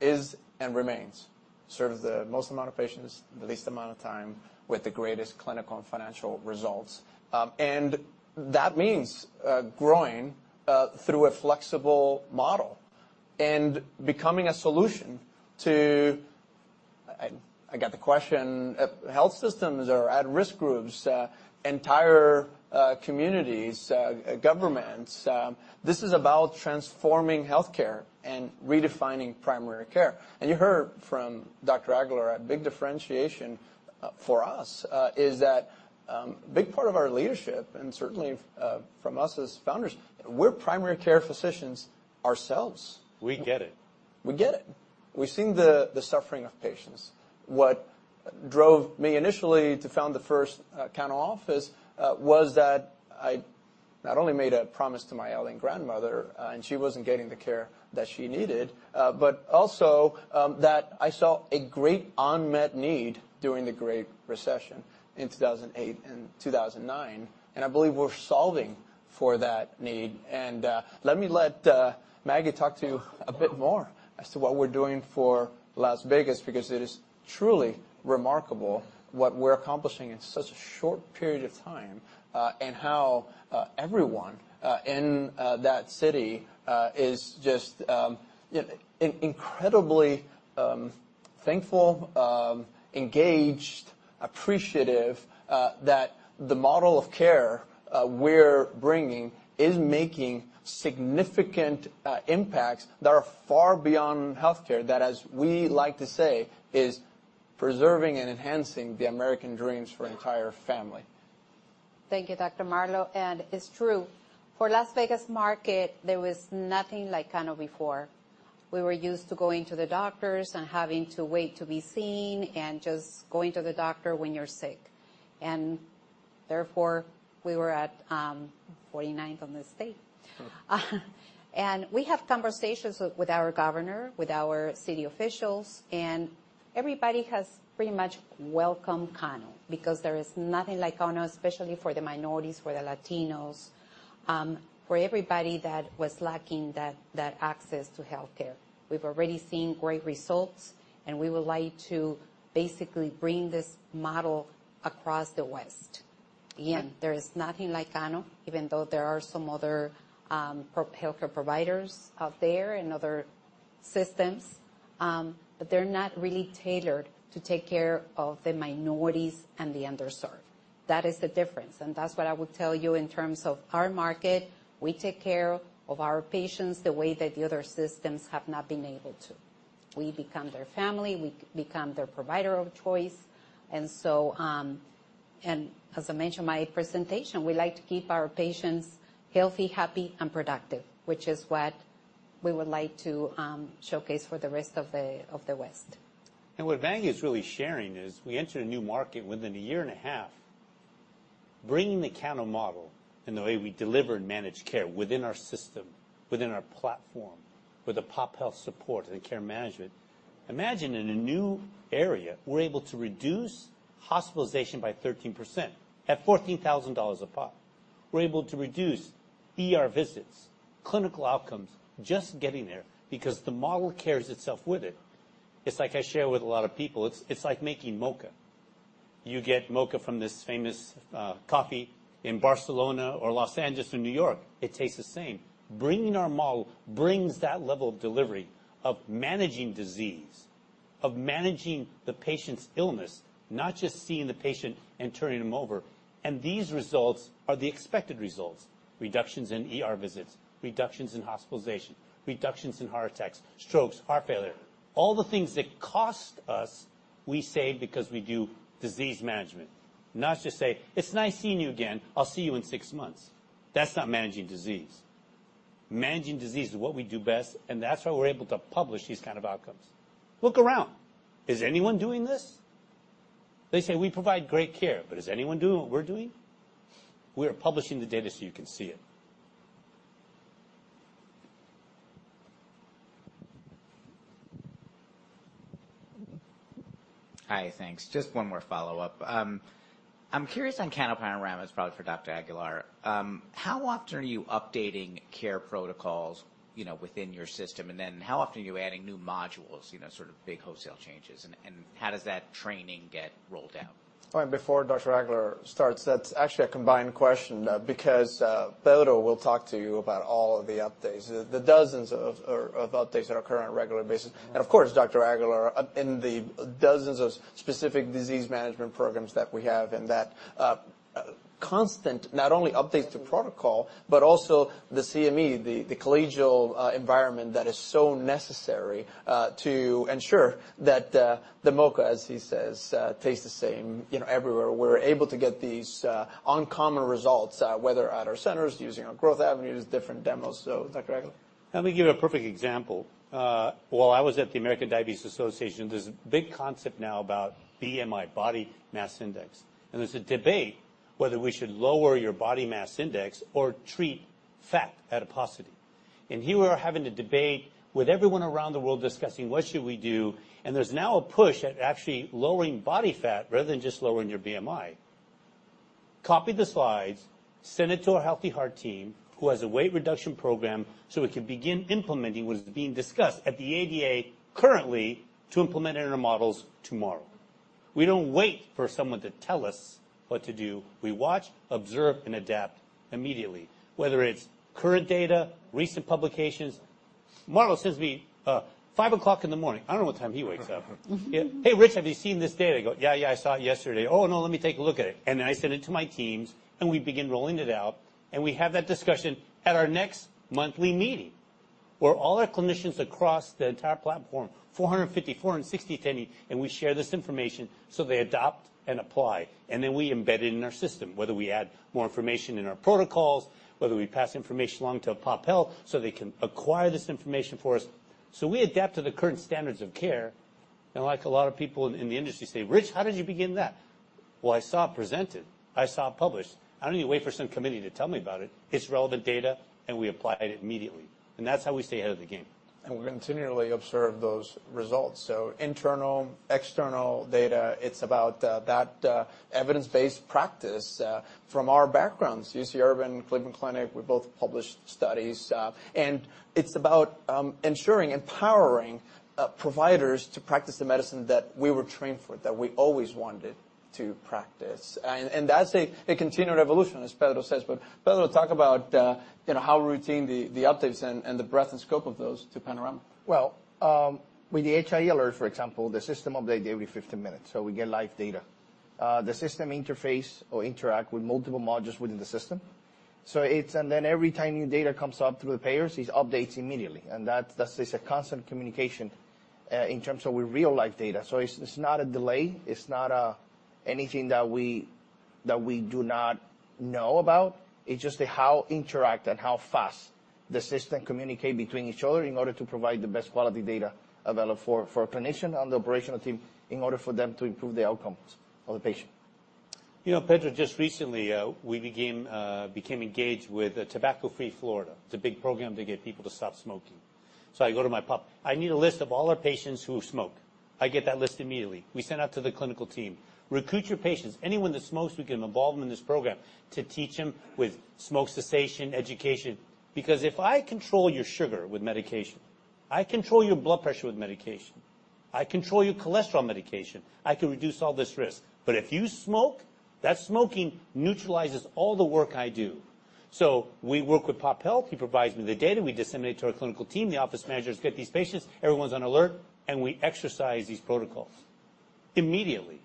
is and remains serve the most amount of patients in the least amount of time with the greatest clinical and financial results. That means growing through a flexible model and becoming a solution to health systems or at-risk groups, entire communities, governments. This is about transforming healthcare and redefining primary care. You heard from Dr. Aguilar. A big differentiation for us is that a big part of our leadership and certainly from us as founders, we're primary care physicians ourselves. We get it. We've seen the suffering of patients. What drove me initially to found the first Cano office was that I not only made a promise to my ailing grandmother and she wasn't getting the care that she needed, but also that I saw a great unmet need during the Great Recession in 2008 and 2009, and I believe we're solving for that need. Let Maggie talk to you a bit more as to what we're doing for Las Vegas, because it is truly remarkable what we're accomplishing in such a short period of time, and how everyone in that city is just incredibly thankful, engaged, appreciative, that the model of care we're bringing is making significant impacts that are far beyond healthcare that, as we like to say, is preserving and enhancing the American dreams for entire family. Thank you, Dr. Marlow, and it's true. For Las Vegas market, there was nothing like Cano before. We were used to going to the doctors and having to wait to be seen and just going to the doctor when you're sick. Therefore, we were at 49th in the state. We have conversations with our governor, with our city officials, and everybody has pretty much welcomed Cano because there is nothing like Cano, especially for the minorities, for the Latinos, for everybody that was lacking that access to healthcare. We've already seen great results, and we would like to basically bring this model across the West. Again, there is nothing like Cano, even though there are some other pro-healthcare providers out there and other systems, but they're not really tailored to take care of the minorities and the underserved. That is the difference, and that's what I would tell you in terms of our market. We take care of our patients the way that the other systems have not been able to. We become their family, we become their provider of choice. As I mentioned in my presentation, we like to keep our patients healthy, happy, and productive, which is what we would like to showcase for the rest of the West. What Maggie is really sharing is we entered a new market within a year and a half, bringing the Cano model and the way we deliver and manage care within our system, within our platform, with the pop health support and care management. Imagine in a new area, we're able to reduce hospitalization by 13% at $14,000 a pop. We're able to reduce ER visits, clinical outcomes, just getting there because the model carries itself with it. It's like I share with a lot of people, it's like making mocha. You get mocha from this famous coffee in Barcelona or Los Angeles or New York. It tastes the same. Bringing our model brings that level of delivery of managing disease, of managing the patient's illness, not just seeing the patient and turning them over. These results are the expected results, reductions in ER visits, reductions in hospitalization, reductions in heart attacks, strokes, heart failure. All the things that cost us, we save because we do disease management. Not just say, "It's nice seeing you again. I'll see you in six months." That's not managing disease. Managing disease is what we do best, and that's why we're able to publish these kind of outcomes. Look around. Is anyone doing this? They say, we provide great care, but is anyone doing what we're doing? We are publishing the data so you can see it. Hi. Thanks. Just one more follow-up. I'm curious on CanoPanorama. It's probably for Dr. Aguilar. How often are you updating care protocols, you know, within your system? And then how often are you adding new modules, you know, sort of big wholesale changes? And how does that training get rolled out? All right. Before Dr. Aguilar starts, that's actually a combined question because Pedro will talk to you about all of the updates, the dozens of updates that occur on a regular basis. Of course, Dr. Aguilar in the dozens of specific disease management programs that we have and that constant, not only updates to protocol. But also the CME, the collegial environment that is so necessary to ensure that the mocha, as he says, tastes the same, you know, everywhere. We're able to get these uncommon results whether at our centers, using our growth avenues, different demos. Dr. Aguilar. Let me give you a perfect example. While I was at the American Diabetes Association, there's a big concept now about BMI, body mass index. There's a debate whether we should lower your body mass index or treat fat adiposity. Here we're having a debate with everyone around the world discussing what should we do, and there's now a push at actually lowering body fat rather than just lowering your BMI. Copy the slides, send it to our Healthy Heart team, who has a weight reduction program, so we can begin implementing what is being discussed at the ADA currently to implement in our models tomorrow. We don't wait for someone to tell us what to do. We watch, observe, and adapt immediately, whether it's current data, recent publications. Marlow sends me five o'clock in the morning. I don't know what time he wakes up. You know, "Hey, Rich, have you seen this data?" I go, "Yeah, yeah, I saw it yesterday." "Oh, no, let me take a look at it." I send it to my teams, and we begin rolling it out, and we have that discussion at our next monthly meeting, where all our clinicians across the entire platform, 450-460 attending, and we share this information, so they adopt and apply. We embed it in our system, whether we add more information in our protocols, whether we pass information along to PopHealth so they can acquire this information for us. We adapt to the current standards of care. Like a lot of people in the industry say, "Rich, how did you begin that?" Well, I saw it presented. I saw it published. I don't need to wait for some committee to tell me about it. It's relevant data, and we applied it immediately. That's how we stay ahead of the game. We continually observe those results. Internal, external data, it's about that evidence-based practice from our backgrounds, UC Irvine, Cleveland Clinic, we both published studies. It's about ensuring, empowering providers to practice the medicine that we were trained for, that we always wanted to practice. That's a continued evolution, as Pedro says. Pedro, talk about how routine the updates and the breadth and scope of those to CanoPanorama. Well, with the HIE alert, for example, the system updates every 15 minutes, so we get live data. The system interfaces or interacts with multiple modules within the system. Every time new data comes up through the payers, it updates immediately, and that's it. It's a constant communication in terms of with real-time data. It's not a delay. It's not anything that we do not know about. It's just how it interacts and how fast the systems communicate between each other in order to provide the best quality data available for a clinician and the operational team in order for them to improve the outcomes of the patient. You know, Pedro, just recently, we became engaged with Tobacco Free Florida. It's a big program to get people to stop smoking. I go to my PopHealth. "I need a list of all our patients who smoke." I get that list immediately. We send out to the clinical team. Recruit your patients. Anyone that smokes, we can involve them in this program to teach them with smoking cessation education. Because if I control your sugar with medication, I control your blood pressure with medication, I control your cholesterol with medication, I can reduce all this risk. If you smoke, that smoking neutralizes all the work I do. We work with PopHealth. He provides me the data. We disseminate to our clinical team. The office managers get these patients. Everyone's on alert, and we exercise these protocols immediately.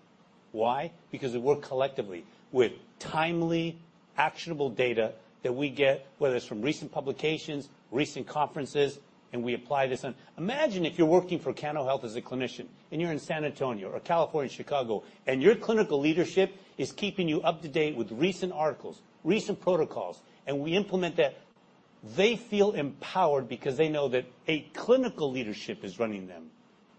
Why? Because we work collectively with timely, actionable data that we get, whether it's from recent publications, recent conferences, and we apply this. Imagine if you're working for Cano Health as a clinician, and you're in San Antonio or California, Chicago, and your clinical leadership is keeping you up to date with recent articles, recent protocols, and we implement that. They feel empowered because they know that a clinical leadership is running them,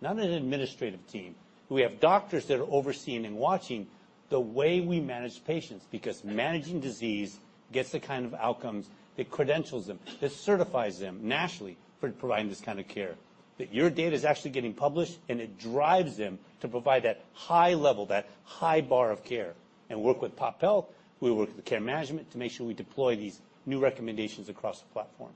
not an administrative team. We have doctors that are overseeing and watching the way we manage patients, because managing disease gets the kind of outcomes that credentials them, that certifies them nationally for providing this kind of care, that your data is actually getting published, and it drives them to provide that high level, that high bar of care. Work with PopHealth, we work with the care management to make sure we deploy these new recommendations across the platform.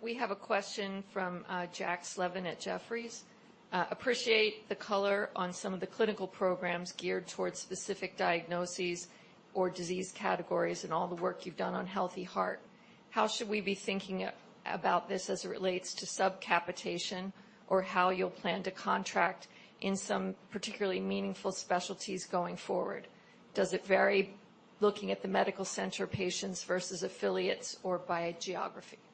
We have a question from Jack Slevin at Jefferies. Appreciate the color on some of the clinical programs geared towards specific diagnoses or disease categories and all the work you've done on Healthy Heart. How should we be thinking about this as it relates to subcapitation or how you'll plan to contract in some particularly meaningful specialties going forward? Does it vary looking at the medical center patients versus affiliates or by geography? Yeah.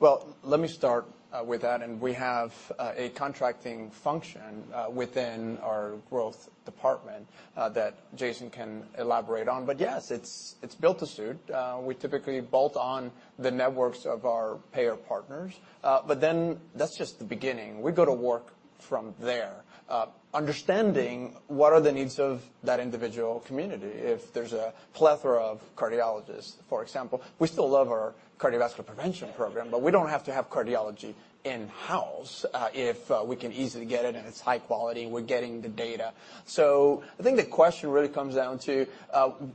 Well, let me start with that, and we have a contracting function within our growth department that Jason can elaborate on. Yes, it's built to suit. We typically bolt on the networks of our payer partners. That's just the beginning. We go to work from there understanding what are the needs of that individual community. If there's a plethora of cardiologists, for example, we still love our cardiovascular prevention program. We don't have to have cardiology in-house if we can easily get it and it's high quality and we're getting the data. I think the question really comes down to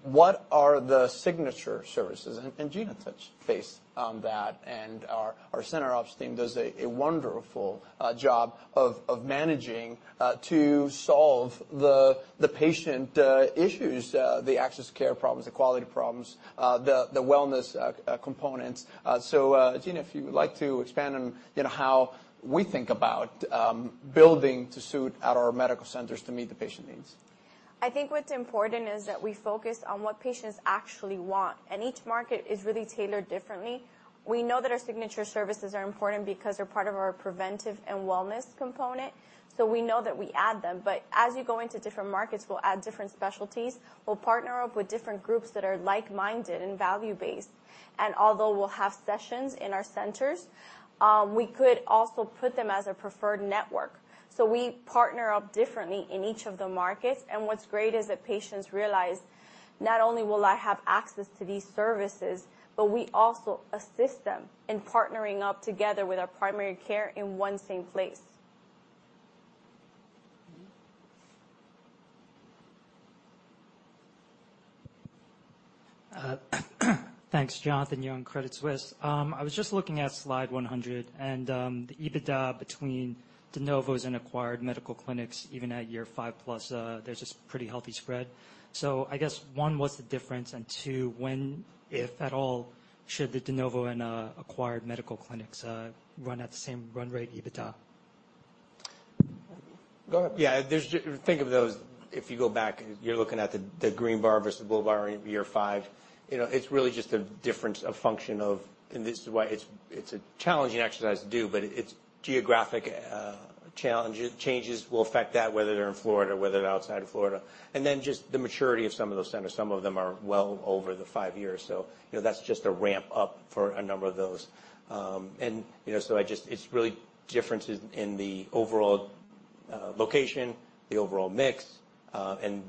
what are the signature services? Gina touched base on that, and our center ops team does a wonderful job of managing to solve the patient issues, the access to care problems, the quality problems, the wellness components. Gina, if you would like to expand on, you know, how we think about building to suit at our medical centers to meet the patient needs. I think what's important is that we focus on what patients actually want, and each market is really tailored differently. We know that our signature services are important because they're part of our preventive and wellness component, so we know that we add them. As you go into different markets, we'll add different specialties. We'll partner up with different groups that are like-minded and value-based. Although we'll have sessions in our centers, we could also put them as a preferred network. We partner up differently in each of the markets. What's great is that patients realize, not only will I have access to these services, but we also assist them in partnering up together with our primary care in one same place. Thanks. Jonathan Yong, Credit Suisse. I was just looking at slide 100, and the EBITDA between de novos and acquired medical clinics, even at year 5+, there's this pretty healthy spread. I guess, one, what's the difference? Two, when, if at all, should the de novo and acquired medical clinics run at the same run rate EBITDA? Go ahead. Yeah. Think of those, if you go back, you're looking at the green bar versus blue bar in year five, you know, it's really just a difference as a function of. This is why it's a challenging exercise to do, but it's geographic challenges. Changes will affect that, whether they're in Florida, whether they're outside of Florida. Just the maturity of some of those centers. Some of them are well over the five years, so you know, that's just a ramp up for a number of those. It's really differences in the overall location, the overall mix, and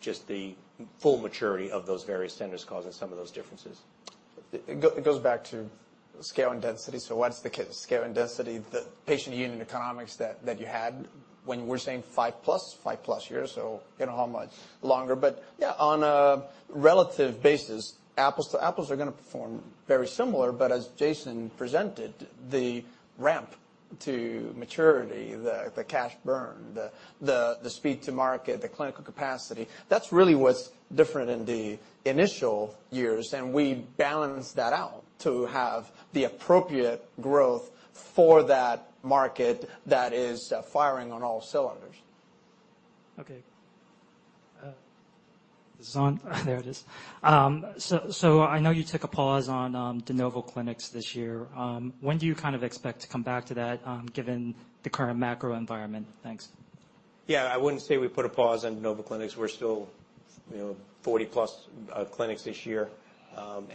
just the full maturity of those various centers causing some of those differences. It goes back to scale and density. What's the scale and density? The patient unit economics that you had when we're saying 5 plus years, so don't know how much longer. But yeah, on a relative basis, apples to apples are gonna perform very similar. But as Jason presented, the ramp to maturity, the cash burn, the speed to market, the clinical capacity, that's really what's different in the initial years. We balance that out to have the appropriate growth for that market that is firing on all cylinders. Okay. Is this on? There it is. I know you took a pause on de novo clinics this year. When do you kind of expect to come back to that, given the current macro environment? Thanks. Yeah. I wouldn't say we put a pause on de novo clinics. We're still, you know, 40+ clinics this year. You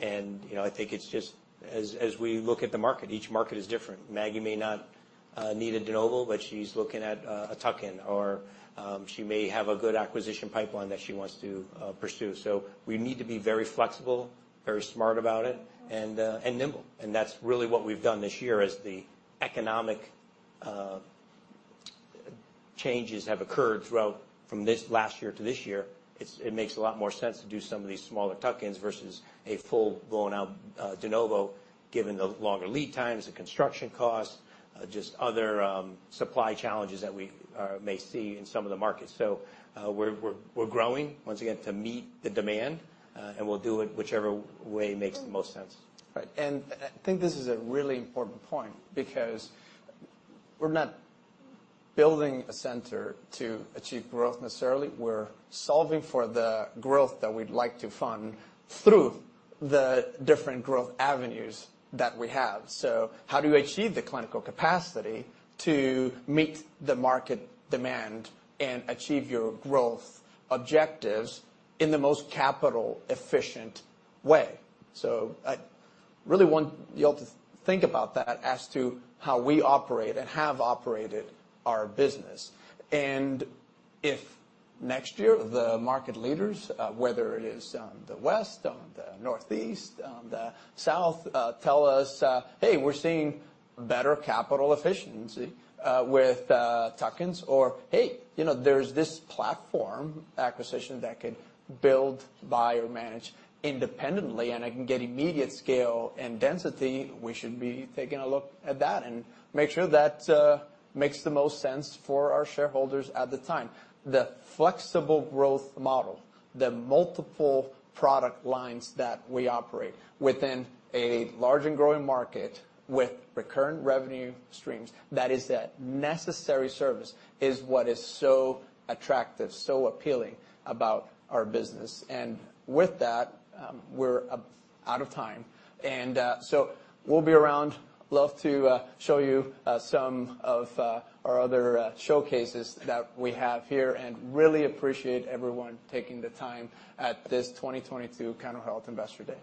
know, I think it's just as we look at the market, each market is different. Maggie may not need a de novo, but she's looking at a tuck-in, or she may have a good acquisition pipeline that she wants to pursue. So we need to be very flexible, very smart about it, and nimble. That's really what we've done this year. As the economic changes have occurred throughout from this last year to this year, it makes a lot more sense to do some of these smaller tuck-ins versus a full blown-out de novo, given the longer lead times, the construction costs, just other supply challenges that we may see in some of the markets. We're growing, once again, to meet the demand, and we'll do it whichever way makes the most sense. Right. I think this is a really important point because we're not building a center to achieve growth necessarily. We're solving for the growth that we'd like to fund through the different growth avenues that we have. How do you achieve the clinical capacity to meet the market demand and achieve your growth objectives in the most capital efficient way? I really want you all to think about that as to how we operate and have operated our business. If next year the market leaders, whether it is, the West, or the Northeast, the South, tell us, "Hey, we're seeing better capital efficiency, with, tuck-ins," or, "Hey, you know, there's this platform acquisition that can build, buy, or manage independently, and I can get immediate scale and density," we should be taking a look at that and make sure that, makes the most sense for our shareholders at the time. The flexible growth model, the multiple product lines that we operate within a large and growing market with recurrent revenue streams that is a necessary service is what is so attractive, so appealing about our business. With that, we're out of time. We'll be around. Love to show you some of our other showcases that we have here, and really appreciate everyone taking the time at this 2022 Cano Health Investor Day.